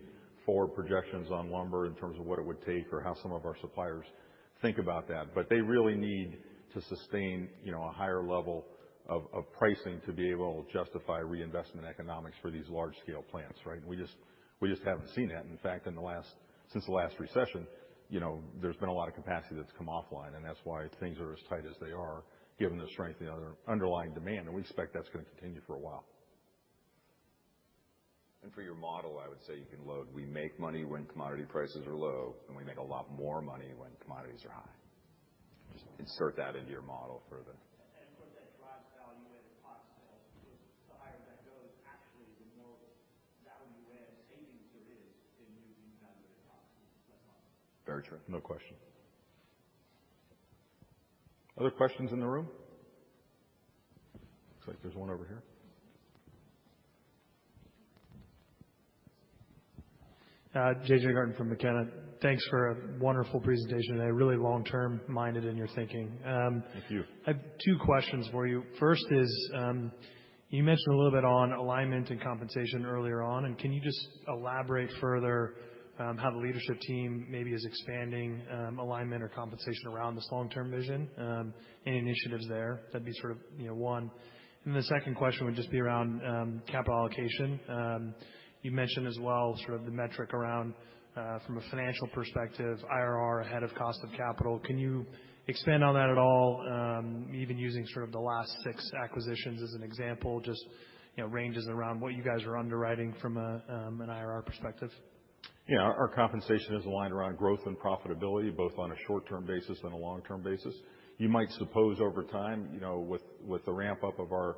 forward projections on lumber in terms of what it would take or how some of our suppliers think about that, but they really need to sustain, you know, a higher level of pricing to be able to justify reinvestment economics for these large scale plants, right? We just haven't seen that. In fact, since the last recession, you know, there's been a lot of capacity that's come offline, and that's why things are as tight as they are given the strength of the other underlying demand. We expect that's gonna continue for a while. For your model, I would say you can load. We make money when commodity prices are low, and we make a lot more money when commodities are high. Just insert that into your model for the value-add savings there is in you being value-added costs. That's all. Very true. No question. Other questions in the room? Looks like there's one over here. JJ from McKenna. Thanks for a wonderful presentation today. Really long-term minded in your thinking. Thank you. I have two questions for you. First is, you mentioned a little bit on alignment and compensation earlier on, and can you just elaborate further, how the leadership team maybe is expanding, alignment or compensation around this long-term vision, any initiatives there? That'd be sort of, you know, one. And then the second question would just be around, capital allocation. You mentioned as well sort of the metric around, from a financial perspective, IRR ahead of cost of capital. Can you expand on that at all, even using sort of the last six acquisitions as an example, just, you know, ranges around what you guys are underwriting from a, an IRR perspective? Yeah. Our compensation is aligned around growth and profitability, both on a short-term basis and a long-term basis. You might suppose over time, you know, with the ramp-up of our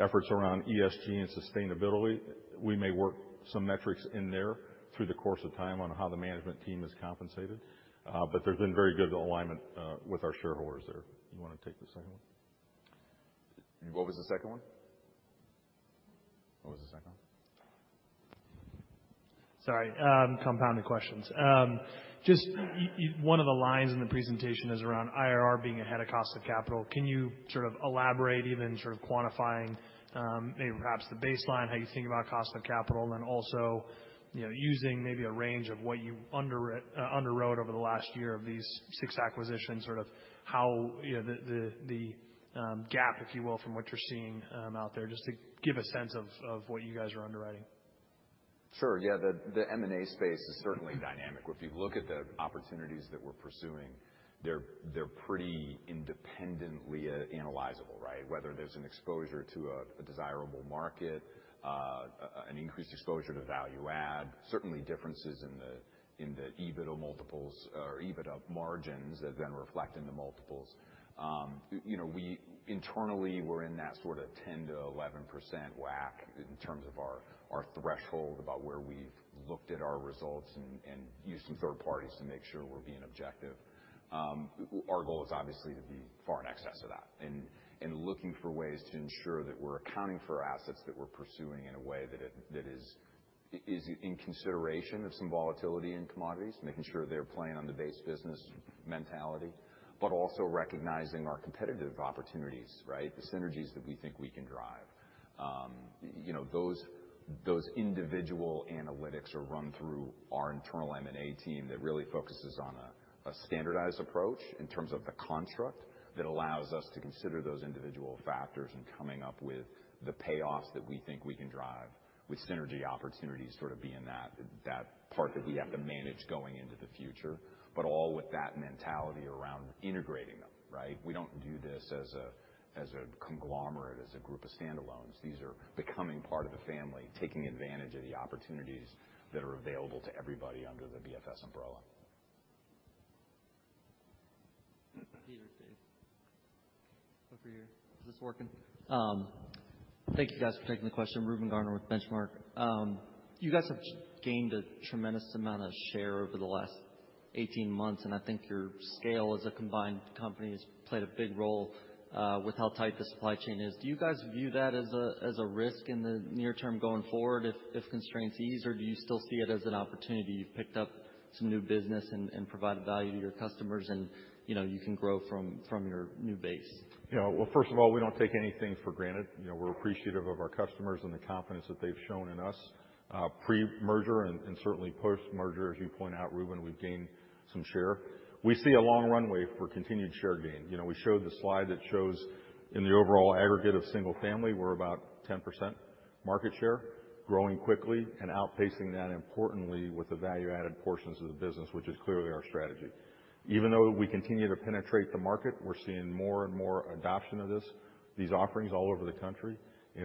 efforts around ESG and sustainability, we may work some metrics in there through the course of time on how the management team is compensated. But there's been very good alignment with our shareholders there. You wanna take the second one? What was the second one? Sorry, compounded questions. Just one of the lines in the presentation is around IRR being ahead of cost of capital. Can you sort of elaborate even sort of quantifying, maybe perhaps the baseline, how you think about cost of capital? Also, you know, using maybe a range of what you underwrote over the last year of these six acquisitions, sort of how, you know, the gap, if you will, from what you're seeing out there, just to give a sense of what you guys are underwriting. Sure. Yeah. The M&A space is certainly dynamic. If you look at the opportunities that we're pursuing, they're pretty independently analyzable, right? Whether there's an exposure to a desirable market, an increased exposure to value-add, certainly differences in the EBITDA multiples or EBITDA margins that then reflect into multiples. You know, we internally were in that sort of 10%-11% WACC in terms of our threshold about where we've looked at our results and used some third parties to make sure we're being objective. Our goal is obviously to be far in excess of that and looking for ways to ensure that we're accounting for assets that we're pursuing in a way that is in consideration of some volatility in commodities, making sure they're playing on the base business mentality. Also recognizing our competitive opportunities, right? The synergies that we think we can drive. You know, those individual analytics are run through our internal M&A team that really focuses on a standardized approach in terms of the construct that allows us to consider those individual factors and coming up with the payoffs that we think we can drive with synergy opportunities sort of being that part that we have to manage going into the future. All with that mentality around integrating them, right? We don't do this as a conglomerate, as a group of standalones. These are becoming part of a family, taking advantage of the opportunities that are available to everybody under the BFS umbrella. Peter, Dave. Over here. Thank you guys for taking the question. Reuben Garner with Benchmark. You guys have gained a tremendous amount of share over the last 18 months, and I think your scale as a combined company has played a big role with how tight the supply chain is. Do you guys view that as a risk in the near term going forward if constraints ease, or do you still see it as an opportunity? You've picked up some new business and provided value to your customers and, you know, you can grow from your new base. Yeah. Well, first of all, we don't take anything for granted. You know, we're appreciative of our customers and the confidence that they've shown in us, pre-merger and certainly post-merger. As you point out, Reuben, we've gained some share. We see a long runway for continued share gain. You know, we showed the slide that shows in the overall aggregate of single family, we're about 10% market share, growing quickly and outpacing that importantly with the value-added portions of the business, which is clearly our strategy. Even though we continue to penetrate the market, we're seeing more and more adoption of this, these offerings all over the country.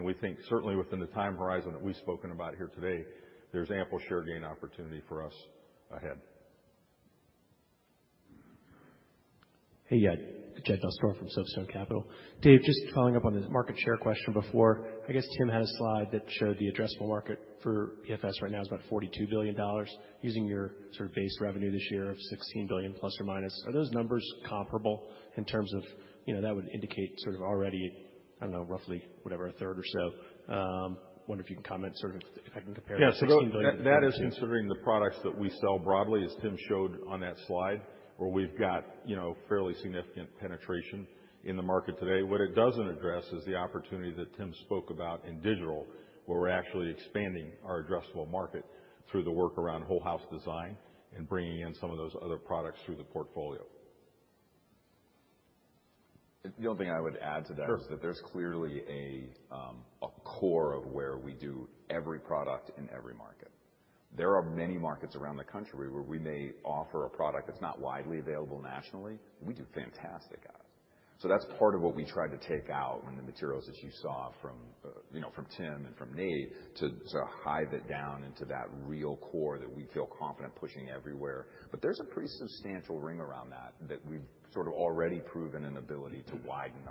We think certainly within the time horizon that we've spoken about here today, there's ample share gain opportunity for us ahead. Hey, yeah. Jed Nussdorf from Soapstone Capital. Dave, just following up on the market share question before. I guess Tim had a slide that showed the addressable market for BFS right now is about $42 billion using your sort of base revenue this year of $16 billion±. Are those numbers comparable in terms of, you know, that would indicate sort of already, I don't know, roughly whatever, a third or so. Wonder if you can comment sort of if I can compare the $16 billion. Yeah. That is considering the products that we sell broadly, as Tim showed on that slide, where we've got, you know, fairly significant penetration in the market today. What it doesn't address is the opportunity that Tim spoke about in digital, where we're actually expanding our addressable market through the work around whole house design and bringing in some of those other products through the portfolio. The only thing I would add to that. Sure. Is that there's clearly a core of where we do every product in every market. There are many markets around the country where we may offer a product that's not widely available nationally. We do fantastic at it. That's part of what we try to take out when the materials that you saw from, you know, from Tim and from Nate to whittle it down into that real core that we feel confident pushing everywhere. There's a pretty substantial ring around that that we've sort of already proven an ability to widen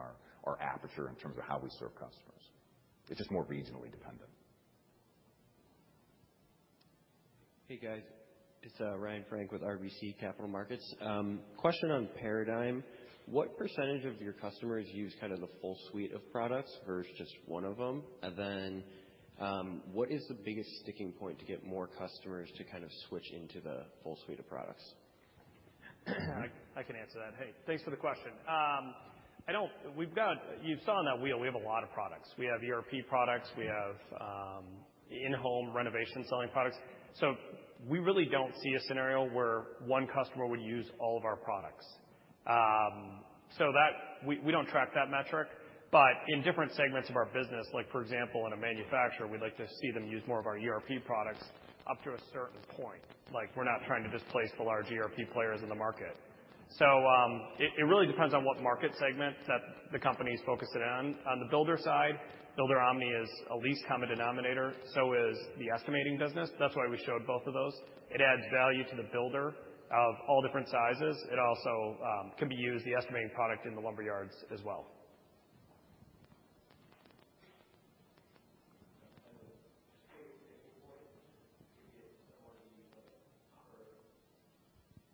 our aperture in terms of how we serve customers. It's just more regionally dependent. Hey, guys. It's Ryan Frank with RBC Capital Markets. Question on Paradigm. What percentage of your customers use kind of the full suite of products versus just one of them? What is the biggest sticking point to get more customers to kind of switch into the full suite of products? I can answer that. Hey, thanks for the question. I don't. We've got. You saw on that wheel, we have a lot of products. We have ERP products. We have in-home renovation selling products. We really don't see a scenario where one customer would use all of our products. We don't track that metric. In different segments of our business, like for example, in a manufacturer, we'd like to see them use more of our ERP products up to a certain point. Like, we're not trying to displace the large ERP players in the market. It really depends on what market segment that the company's focused in on. On the builder side, Builder Omni is a least common denominator, so is the estimating business. That's why we showed both of those. It adds value to the builder of all different sizes. It also can be used, the estimating product, in the lumber yards as well.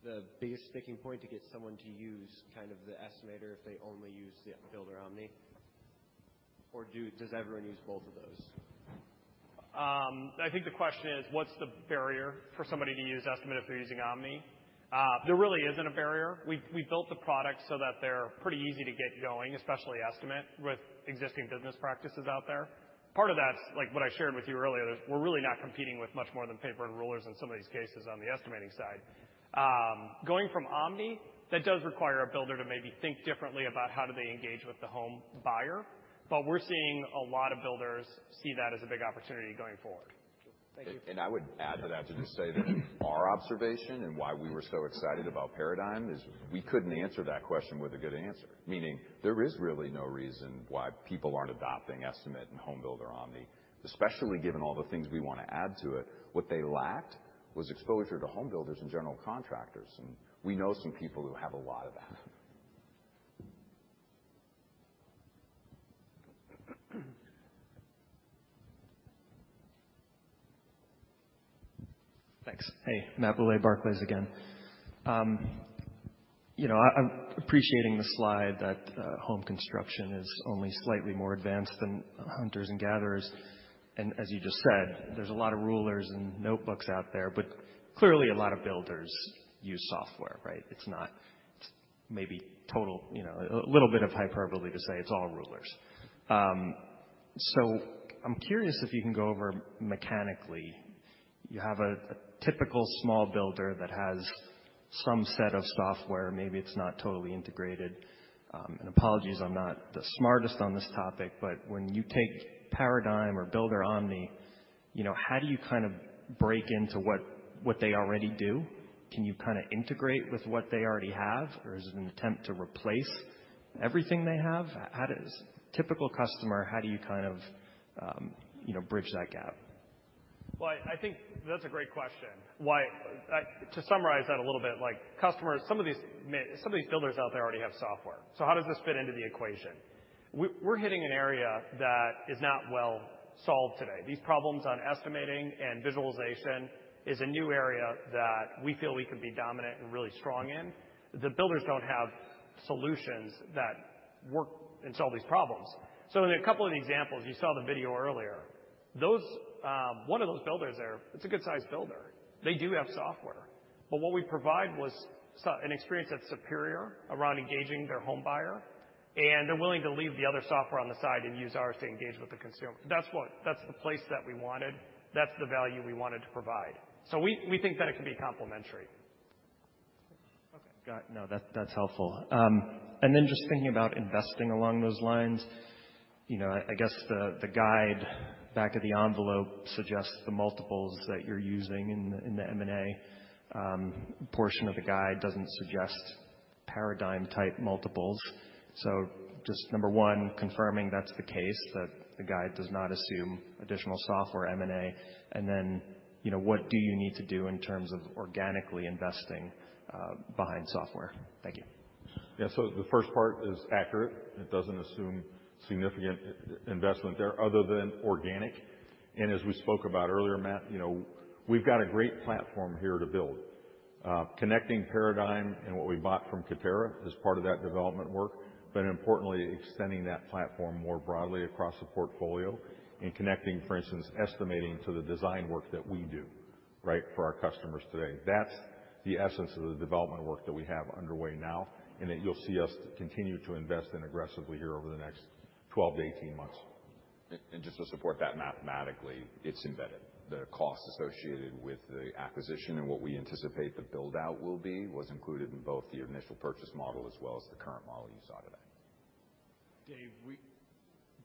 The biggest sticking point to get someone to use kind of the estimator if they only use the Builder Omni? Or does everyone use both of those? I think the question is, what's the barrier for somebody to use Estimate if they're using Omni? There really isn't a barrier. We've built the products so that they're pretty easy to get going, especially Estimate with existing business practices out there. Part of that's like what I shared with you earlier, is we're really not competing with much more than paper and rulers in some of these cases on the estimating side. Going from Omni, that does require a builder to maybe think differently about how do they engage with the home buyer. But we're seeing a lot of builders see that as a big opportunity going forward. Thank you. I would add to that to just say that our observation and why we were so excited about Paradigm is we couldn't answer that question with a good answer. Meaning there is really no reason why people aren't adopting Estimate and Homebuilder Omni, especially given all the things we wanna add to it. What they lacked was exposure to homebuilders and general contractors, and we know some people who have a lot of that. Thanks. Hey, Matt Bouley, Barclays again. I'm appreciating the slide that home construction is only slightly more advanced than hunters and gatherers. As you just said, there's a lot of rulers and notebooks out there, but clearly a lot of builders use software, right? It's not maybe total a little bit of hyperbole to say it's all rulers. I'm curious if you can go over mechanically. You have a typical small builder that has some set of software, maybe it's not totally integrated. Apologies, I'm not the smartest on this topic, but when you take Paradigm or Builder Omni, how do you kind of break into what they already do? Can you kinda integrate with what they already have, or is it an attempt to replace everything they have? How does typical customer, how do you kind of, you know, bridge that gap? Well, I think that's a great question. To summarize that a little bit, like customers, some of these builders out there already have software. So how does this fit into the equation? We're hitting an area that is not well solved today. These problems on estimating and visualization is a new area that we feel we can be dominant and really strong in. The builders don't have solutions that work and solve these problems. So in a couple of the examples, you saw the video earlier. Those, one of those builders there, it's a good-sized builder. They do have software. But what we provide was an experience that's superior around engaging their home buyer, and they're willing to leave the other software on the side and use ours to engage with the consumer. That's the place that we wanted. That's the value we wanted to provide. We think that it can be complementary. Okay. That's helpful. Just thinking about investing along those lines, you know, I guess the guide back of the envelope suggests the multiples that you're using in the M&A portion of the guide doesn't suggest Paradigm-type multiples. Just number one, confirming that's the case, that the guide does not assume additional software M&A. You know, what do you need to do in terms of organically investing behind software? Thank you. Yeah. The first part is accurate. It doesn't assume significant investment there other than organic. As we spoke about earlier, Matt, you know, we've got a great platform here to build. Connecting Paradigm and what we bought from Katerra is part of that development work. Importantly, extending that platform more broadly across the portfolio and connecting, for instance, estimating to the design work that we do, right, for our customers today. That's the essence of the development work that we have underway now and that you'll see us continue to invest in aggressively here over the next 12-18 months. Just to support that mathematically, it's embedded. The cost associated with the acquisition and what we anticipate the build-out will be was included in both the initial purchase model as well as the current model you saw today. Dave,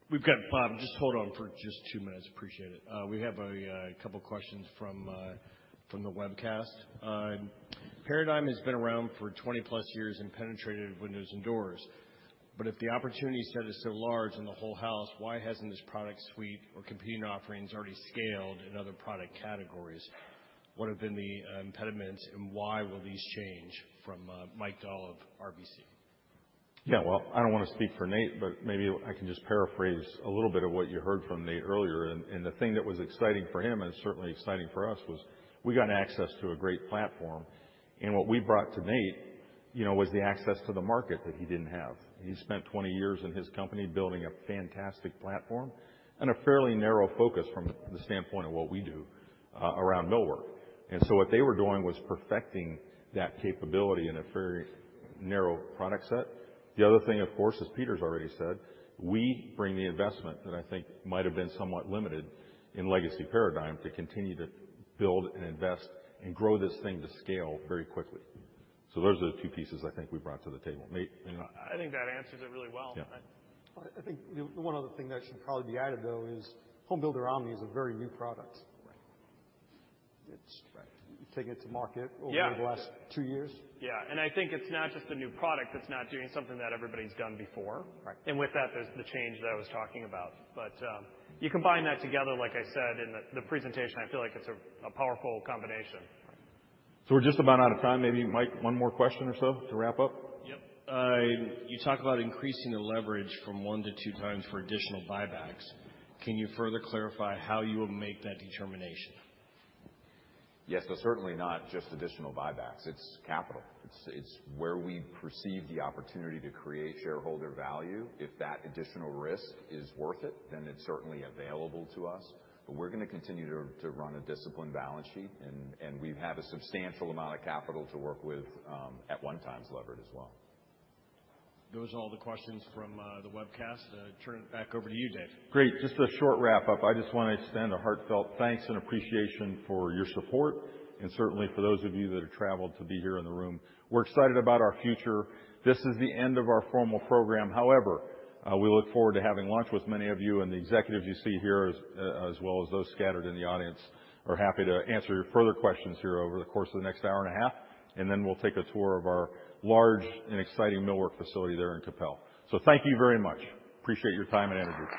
we've got Bob, just hold on for just two minutes. Appreciate it. We have a couple questions from the webcast. Paradigm has been around for 20+ years and penetrated windows and doors, but if the opportunity set is so large in the whole house, why hasn't this product suite or competing offerings already scaled in other product categories? What have been the impediments, and why will these change? From Mike Dahl, RBC. Yeah. Well, I don't wanna speak for Nate, but maybe I can just paraphrase a little bit of what you heard from Nate earlier. The thing that was exciting for him, and certainly exciting for us, was we got access to a great platform. What we brought to Nate, you know, was the access to the market that he didn't have. He spent 20 years in his company building a fantastic platform and a fairly narrow focus from the standpoint of what we do, around millwork. What they were doing was perfecting that capability in a very narrow product set. The other thing, of course, as Peter's already said, we bring the investment that I think might've been somewhat limited in legacy Paradigm to continue to build and invest and grow this thing to scale very quickly. Those are the two pieces I think we brought to the table. Nate, anything you wanna- I think that answers it really well. Yeah. I think one other thing that should probably be added, though, is Homebuilder Omni is a very new product. Right. It's- Right. taking it to market Yeah. over the last two years. Yeah. I think it's not just a new product that's not doing something that everybody's done before. Right. With that, there's the change that I was talking about. You combine that together, like I said, in the presentation, I feel like it's a powerful combination. We're just about out of time. Maybe, Mike, one more question or so to wrap up? Yep. You talk about increasing the leverage from 1x to 2x for additional buybacks. Can you further clarify how you will make that determination? Yes, certainly not just additional buybacks. It's capital. It's where we perceive the opportunity to create shareholder value. If that additional risk is worth it, then it's certainly available to us, but we're gonna continue to run a disciplined balance sheet and we have a substantial amount of capital to work with, at 1x levered as well. Those are all the questions from the webcast. I turn it back over to you, Dave. Great. Just a short wrap up. I just wanna extend a heartfelt thanks and appreciation for your support and certainly for those of you that have traveled to be here in the room. We're excited about our future. This is the end of our formal program. However, we look forward to having lunch with many of you and the executives you see here as well as those scattered in the audience. We're happy to answer your further questions here over the course of the next hour and a half, and then we'll take a tour of our large and exciting millwork facility there in Coppell. So thank you very much. Appreciate your time and energy.